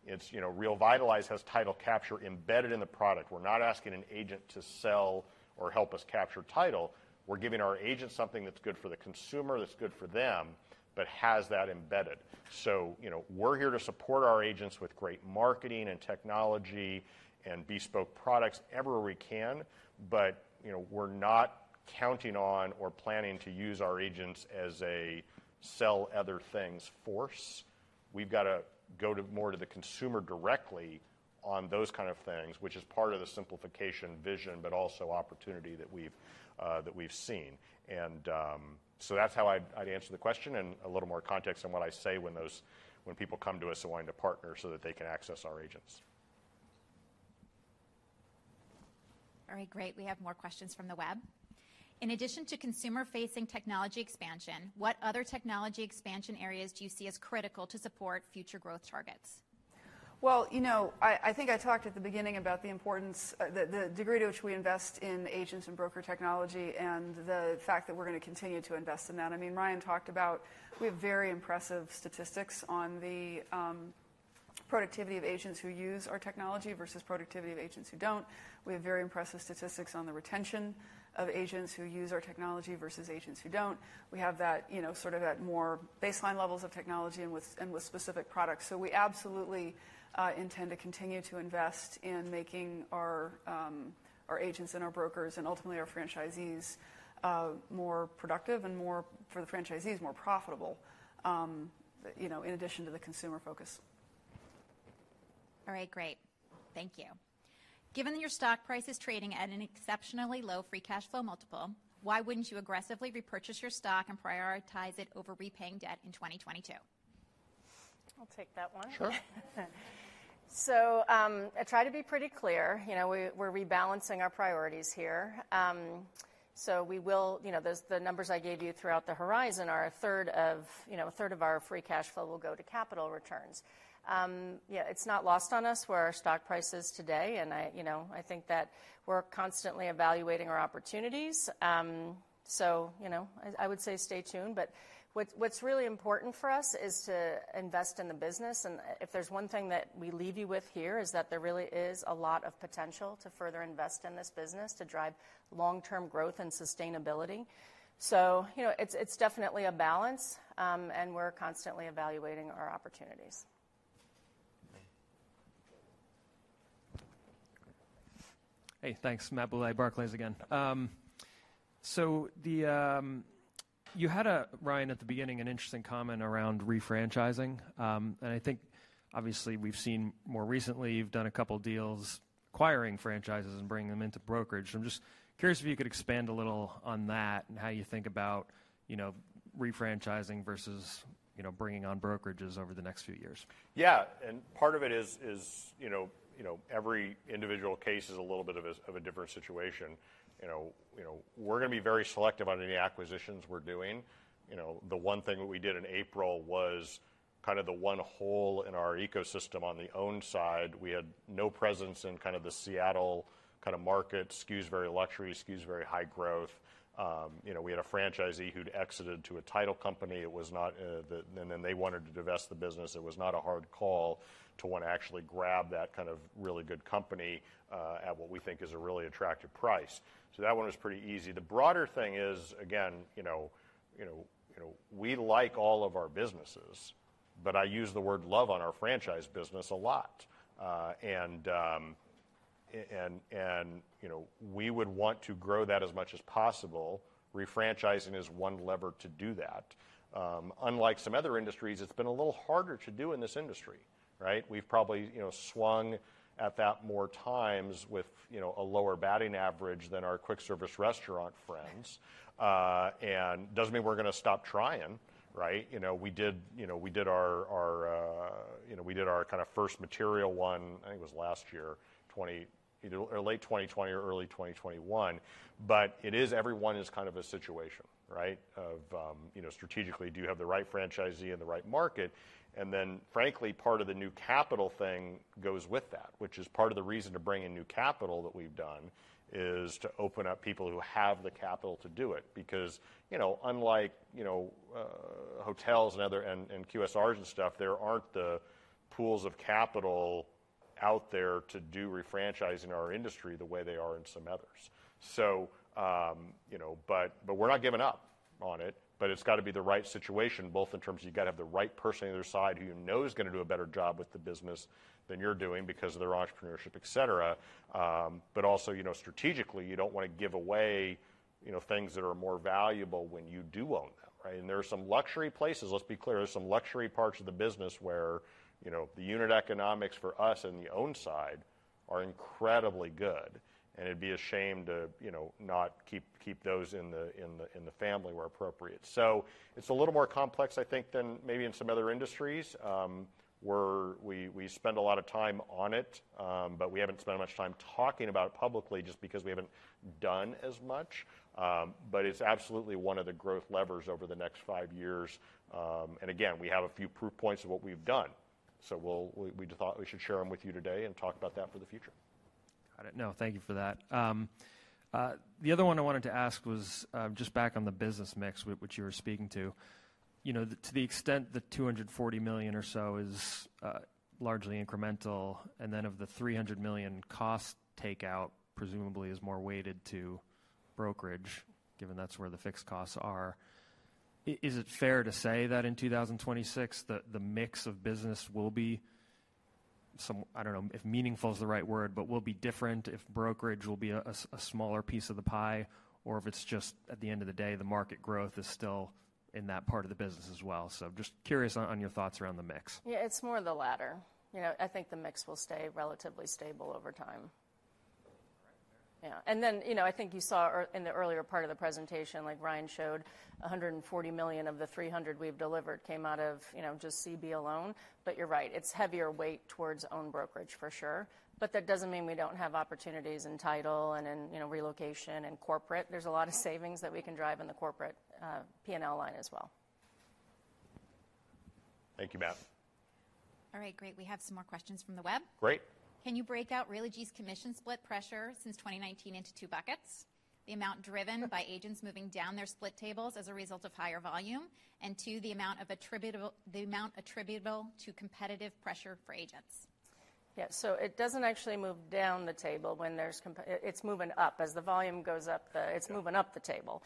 RealVitalize has title capture embedded in the product. We're not asking an agent to sell or help us capture title. We're giving our agent something that's good for the consumer, that's good for them, but has that embedded. We're here to support our agents with great marketing and technology and bespoke products everywhere we can, but we're not counting on or planning to use our agents as a sell-other-things force. We've got to go more to the consumer directly on those things, which is part of the simplification vision, but also opportunity that we've seen. That's how I'd answer the question, and a little more context on what I say when people come to us wanting to partner so that they can access our agents.
All right. Great. We have more questions from the web. In addition to consumer-facing technology expansion, what other technology expansion areas do you see as critical to support future growth targets?
Well, I think I talked at the beginning about the importance, the degree to which we invest in agents and broker technology and the fact that we're going to continue to invest in that. Ryan talked about, we have very impressive statistics on the productivity of agents who use our technology versus productivity of agents who don't. We have very impressive statistics on the retention of agents who use our technology versus agents who don't. We have that at more baseline levels of technology and with specific products. We absolutely intend to continue to invest in making our agents and our brokers and ultimately our franchisees more productive and for the franchisees, more profitable in addition to the consumer focus.
All right. Great. Thank you. Given that your stock price is trading at an exceptionally low free cash flow multiple, why wouldn't you aggressively repurchase your stock and prioritize it over repaying debt in 2022?
I'll take that one.
Sure.
I try to be pretty clear. We're rebalancing our priorities here. The numbers I gave you throughout the horizon are a third of our free cash flow will go to capital returns. It's not lost on us where our stock price is today, and I think that we're constantly evaluating our opportunities. I would say stay tuned. What's really important for us is to invest in the business. If there's one thing that we leave you with here, is that there really is a lot of potential to further invest in this business to drive long-term growth and sustainability. It's definitely a balance, and we're constantly evaluating our opportunities.
Hey, thanks. Matthew Bouley, Barclays again. You had, Ryan, at the beginning, an interesting comment around refranchising. I think obviously we've seen more recently you've done a couple of deals acquiring franchises and bringing them into brokerage. I'm just curious if you could expand a little on that and how you think about refranchising versus bringing on brokerages over the next few years.
Part of it is, every individual case is a little bit of a different situation. We're going to be very selective on any acquisitions we're doing. The one thing that we did in April was the one hole in our ecosystem on the owned side. We had no presence in the Seattle market. Sotheby's very luxury, Sotheby's very high growth. We had a franchisee who'd exited to a title company. Then they wanted to divest the business. It was not a hard call to want to actually grab that really good company at what we think is a really attractive price. That one was pretty easy. The broader thing is, again, we like all of our businesses, but I use the word love on our franchise business a lot. We would want to grow that as much as possible. Refranchising is one lever to do that. Unlike some other industries, it's been a little harder to do in this industry. We've probably swung at that more times with a lower batting average than our quick service restaurant friends. Doesn't mean we're going to stop trying. We did our first material one, I think it was last year, either late 2020 or early 2021, but every one is a situation. Strategically, do you have the right franchisee and the right market? Frankly, part of the new capital thing goes with that, which is part of the reason to bring in new capital that we've done, is to open up people who have the capital to do it, because unlike hotels and other and QSRs and stuff, there aren't the pools of capital out there to do refranchising our industry the way they are in some others, but we're not giving up on it, but it's got to be the right situation, both in terms of you got to have the right person on the other side who you know is going to do a better job with the business than you're doing because of their entrepreneurship, etc. Also, strategically, you don't want to give away things that are more valuable when you do own them. There are some luxury places, let's be clear, there's some luxury parts of the business where the unit economics for us on the owned side are incredibly good, and it'd be a shame to not keep those in the family where appropriate. It's a little more complex, I think, than maybe in some other industries. We spend a lot of time on it, but we haven't spent much time talking about it publicly just because we haven't done as much. It's absolutely one of the growth levers over the next five years. Again, we have a few proof points of what we've done. We thought we should share them with you today and talk about that for the future.
Got it. Thank you for that. The other one I wanted to ask was, just back on the business mix which you were speaking to. To the extent the $240 million or so is largely incremental, and then of the $300 million cost takeout presumably is more weighted to brokerage, given that's where the fixed costs are. Is it fair to say that in 2026 the mix of business will be some, I don't know if meaningful is the right word, but will be different if brokerage will be a smaller piece of the pie, or if it's just at the end of the day, the market growth is still in that part of the business as well? Just curious on your thoughts around the mix.
Yes, it's more the latter. I think the mix will stay relatively stable over time. I think you saw in the earlier part of the presentation, like Ryan showed, $140 million of the $300 we've delivered came out of just CB alone. You're right, it's heavier weight towards own brokerage for sure. That doesn't mean we don't have opportunities in title and in relocation and corporate. There's a lot of savings that we can drive in the corporate, P&L line as well.
Thank you, Matt.
All right. Great. We have some more questions from the web.
Great.
Can you break out Realogy's commission split pressure since 2019 into two buckets? The amount driven by agents moving down their split tables as a result of higher volume, and two, the amount attributable to competitive pressure for agents.
Yes. It doesn't actually move down the table when there's competition. It's moving up. As the volume goes up, it's moving up the table.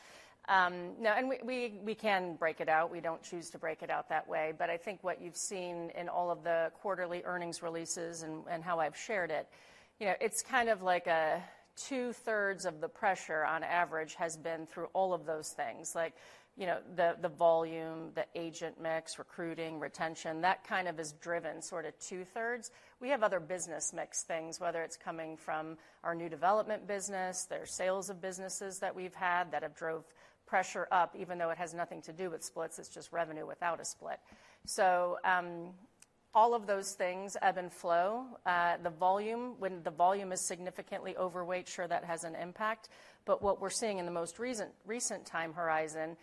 We can break it out. We don't choose to break it out that way. I think what you've seen in all of the quarterly earnings releases and how I've shared it. It's like two-thirds of the pressure on average has been through all of those things. The volume, the agent mix, recruiting, retention, that is driven two-thirds. We have other business mix things, whether it's coming from our new development business, there's sales of businesses that we've had that have drove pressure up, even though it has nothing to do with splits, it's just revenue without a split. All of those things ebb and flow. When the volume is significantly overweight, sure that has an impact. What we're seeing in the most recent time horizon,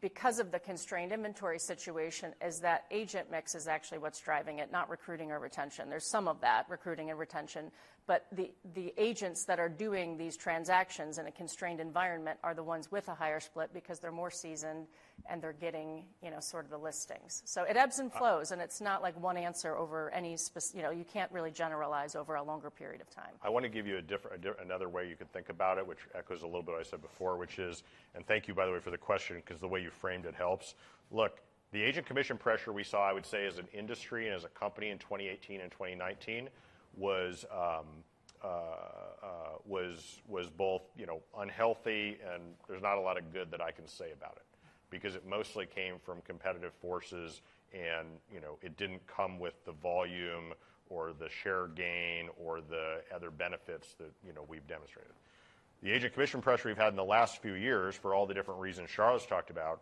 because of the constrained inventory situation, is that agent mix is actually what's driving it, not recruiting or retention. There's some of that recruiting and retention, but the agents that are doing these transactions in a constrained environment are the ones with a higher split because they're more seasoned and they're getting the listings. It ebbs and flows, and it's not like one answer over any. You can't really generalize over a longer period of time.
I want to give you another way you can think about it, which echoes a little bit I said before, which is. Thank you by the way for the question, because the way you framed it helps. Look, the agent commission pressure we saw, I would say, as an industry and as a company in 2018 and 2019 was both unhealthy and there's not a lot of good that I can say about it because it mostly came from competitive forces and it didn't come with the volume or the share gain or the other benefits that we've demonstrated. The agent commission pressure we've had in the last few years, for all the different reasons Charlotte talked about,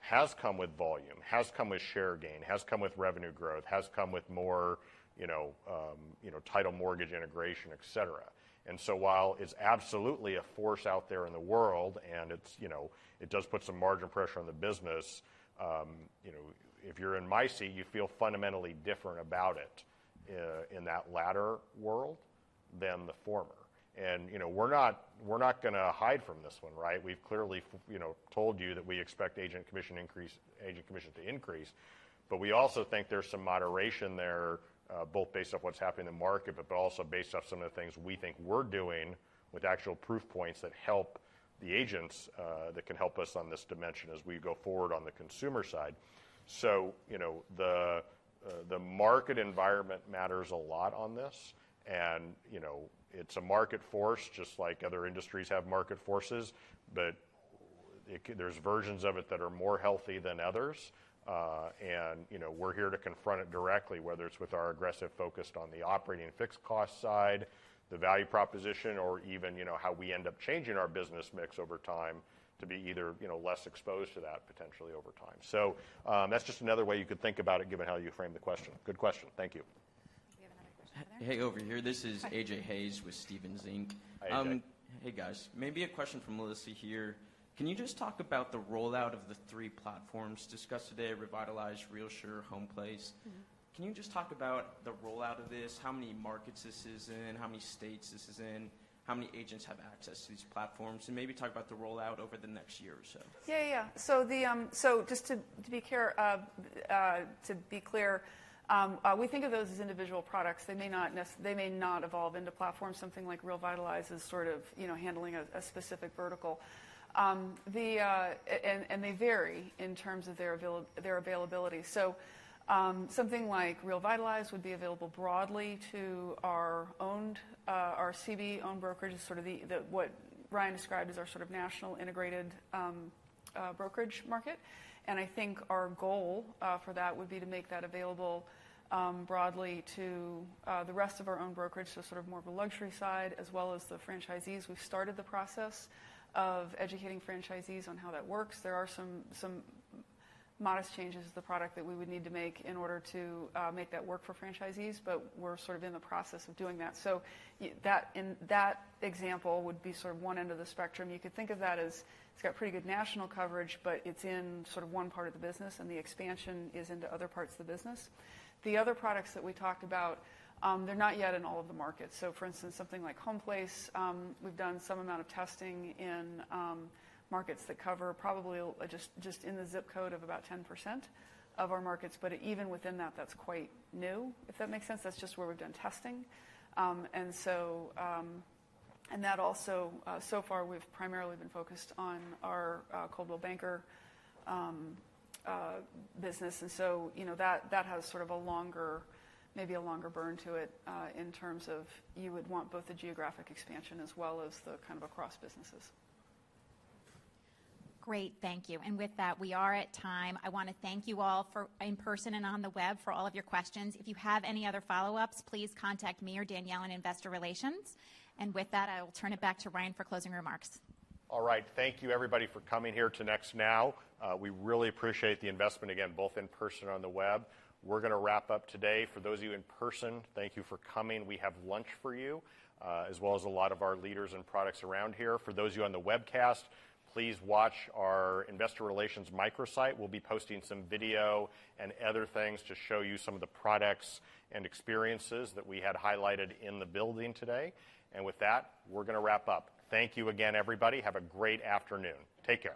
has come with volume, has come with share gain, has come with revenue growth, has come with more title mortgage integration, etc. While it's absolutely a force out there in the world and it does put some margin pressure on the business, if you're in my seat, you feel fundamentally different about it, in that latter world than the former. We're not going to hide from this one. We've clearly told you that we expect agent commission to increase, but we also think there's some moderation there, both based off what's happening in the market, but also based off some of the things we think we're doing with actual proof points that help the agents, that can help us on this dimension as we go forward on the consumer side. The market environment matters a lot on this and it's a market force just like other industries have market forces, but there's versions of it that are more healthy than others. We're here to confront it directly, whether it's with our aggressive focus on the operating and fixed cost side, the value proposition, or even how we end up changing our business mix over time to be either less exposed to that potentially over time. That's just another way you could think about it given how you framed the question. Good question. Thank you.
We have another question there.
Hey, over here. This is AJ Hayes with Stephens Inc.
Hi, AJ.
Hey, guys. Maybe a question from Melissa here. Can you just talk about the rollout of the three platforms discussed today, RealVitalize, RealSure, HomePlace? Can you just talk about the rollout of this, how many markets this is in, how many states this is in, how many agents have access to these platforms? Maybe talk about the rollout over the next year or so.
Yes. Just to be clear, we think of those as individual products. They may not evolve into platforms. Something like RealVitalize is handling a specific vertical. They vary in terms of their availability. Something like RealVitalize would be available broadly to our CB-owned brokerage, what Ryan described as our national integrated brokerage market. I think our goal for that would be to make that available broadly to the rest of our own brokerage, more of a luxury side, as well as the franchisees. We've started the process of educating franchisees on how that works. There are some modest changes to the product that we would need to make in order to make that work for franchisees, but we're in the process of doing that. That example would be one end of the spectrum. You could think of that as, it's got pretty good national coverage, but it's in one part of the business, and the expansion is into other parts of the business. The other products that we talked about, they're not yet in all of the markets. For instance, something like HomePlace, we've done some amount of testing in markets that cover probably just in the zip code of about 10% of our markets, but even within that's quite new, if that makes sense.
That's just where we've done testing. That also, so far we've primarily been focused on our Coldwell Banker business. That has maybe a longer burn to it, in terms of you would want both the geographic expansion as well as across businesses.
Great, thank you. With that, we are at time. I want to thank you all for, in person and on the web, for all of your questions. If you have any other follow-ups, please contact me or Danielle in Investor Relations. With that, I will turn it back to Ryan for closing remarks.
All right. Thank you everybody for coming here to Next Now. We really appreciate the investment again, both in person or on the web. We're going to wrap up today. For those of you in person, thank you for coming. We have lunch for you, as well as a lot of our leaders and products around here. For those of you on the webcast, please watch our investor relations microsite. We'll be posting some video and other things to show you some of the products and experiences that we had highlighted in the building today. With that, we're going to wrap up. Thank you again, everybody. Have a great afternoon. Take care.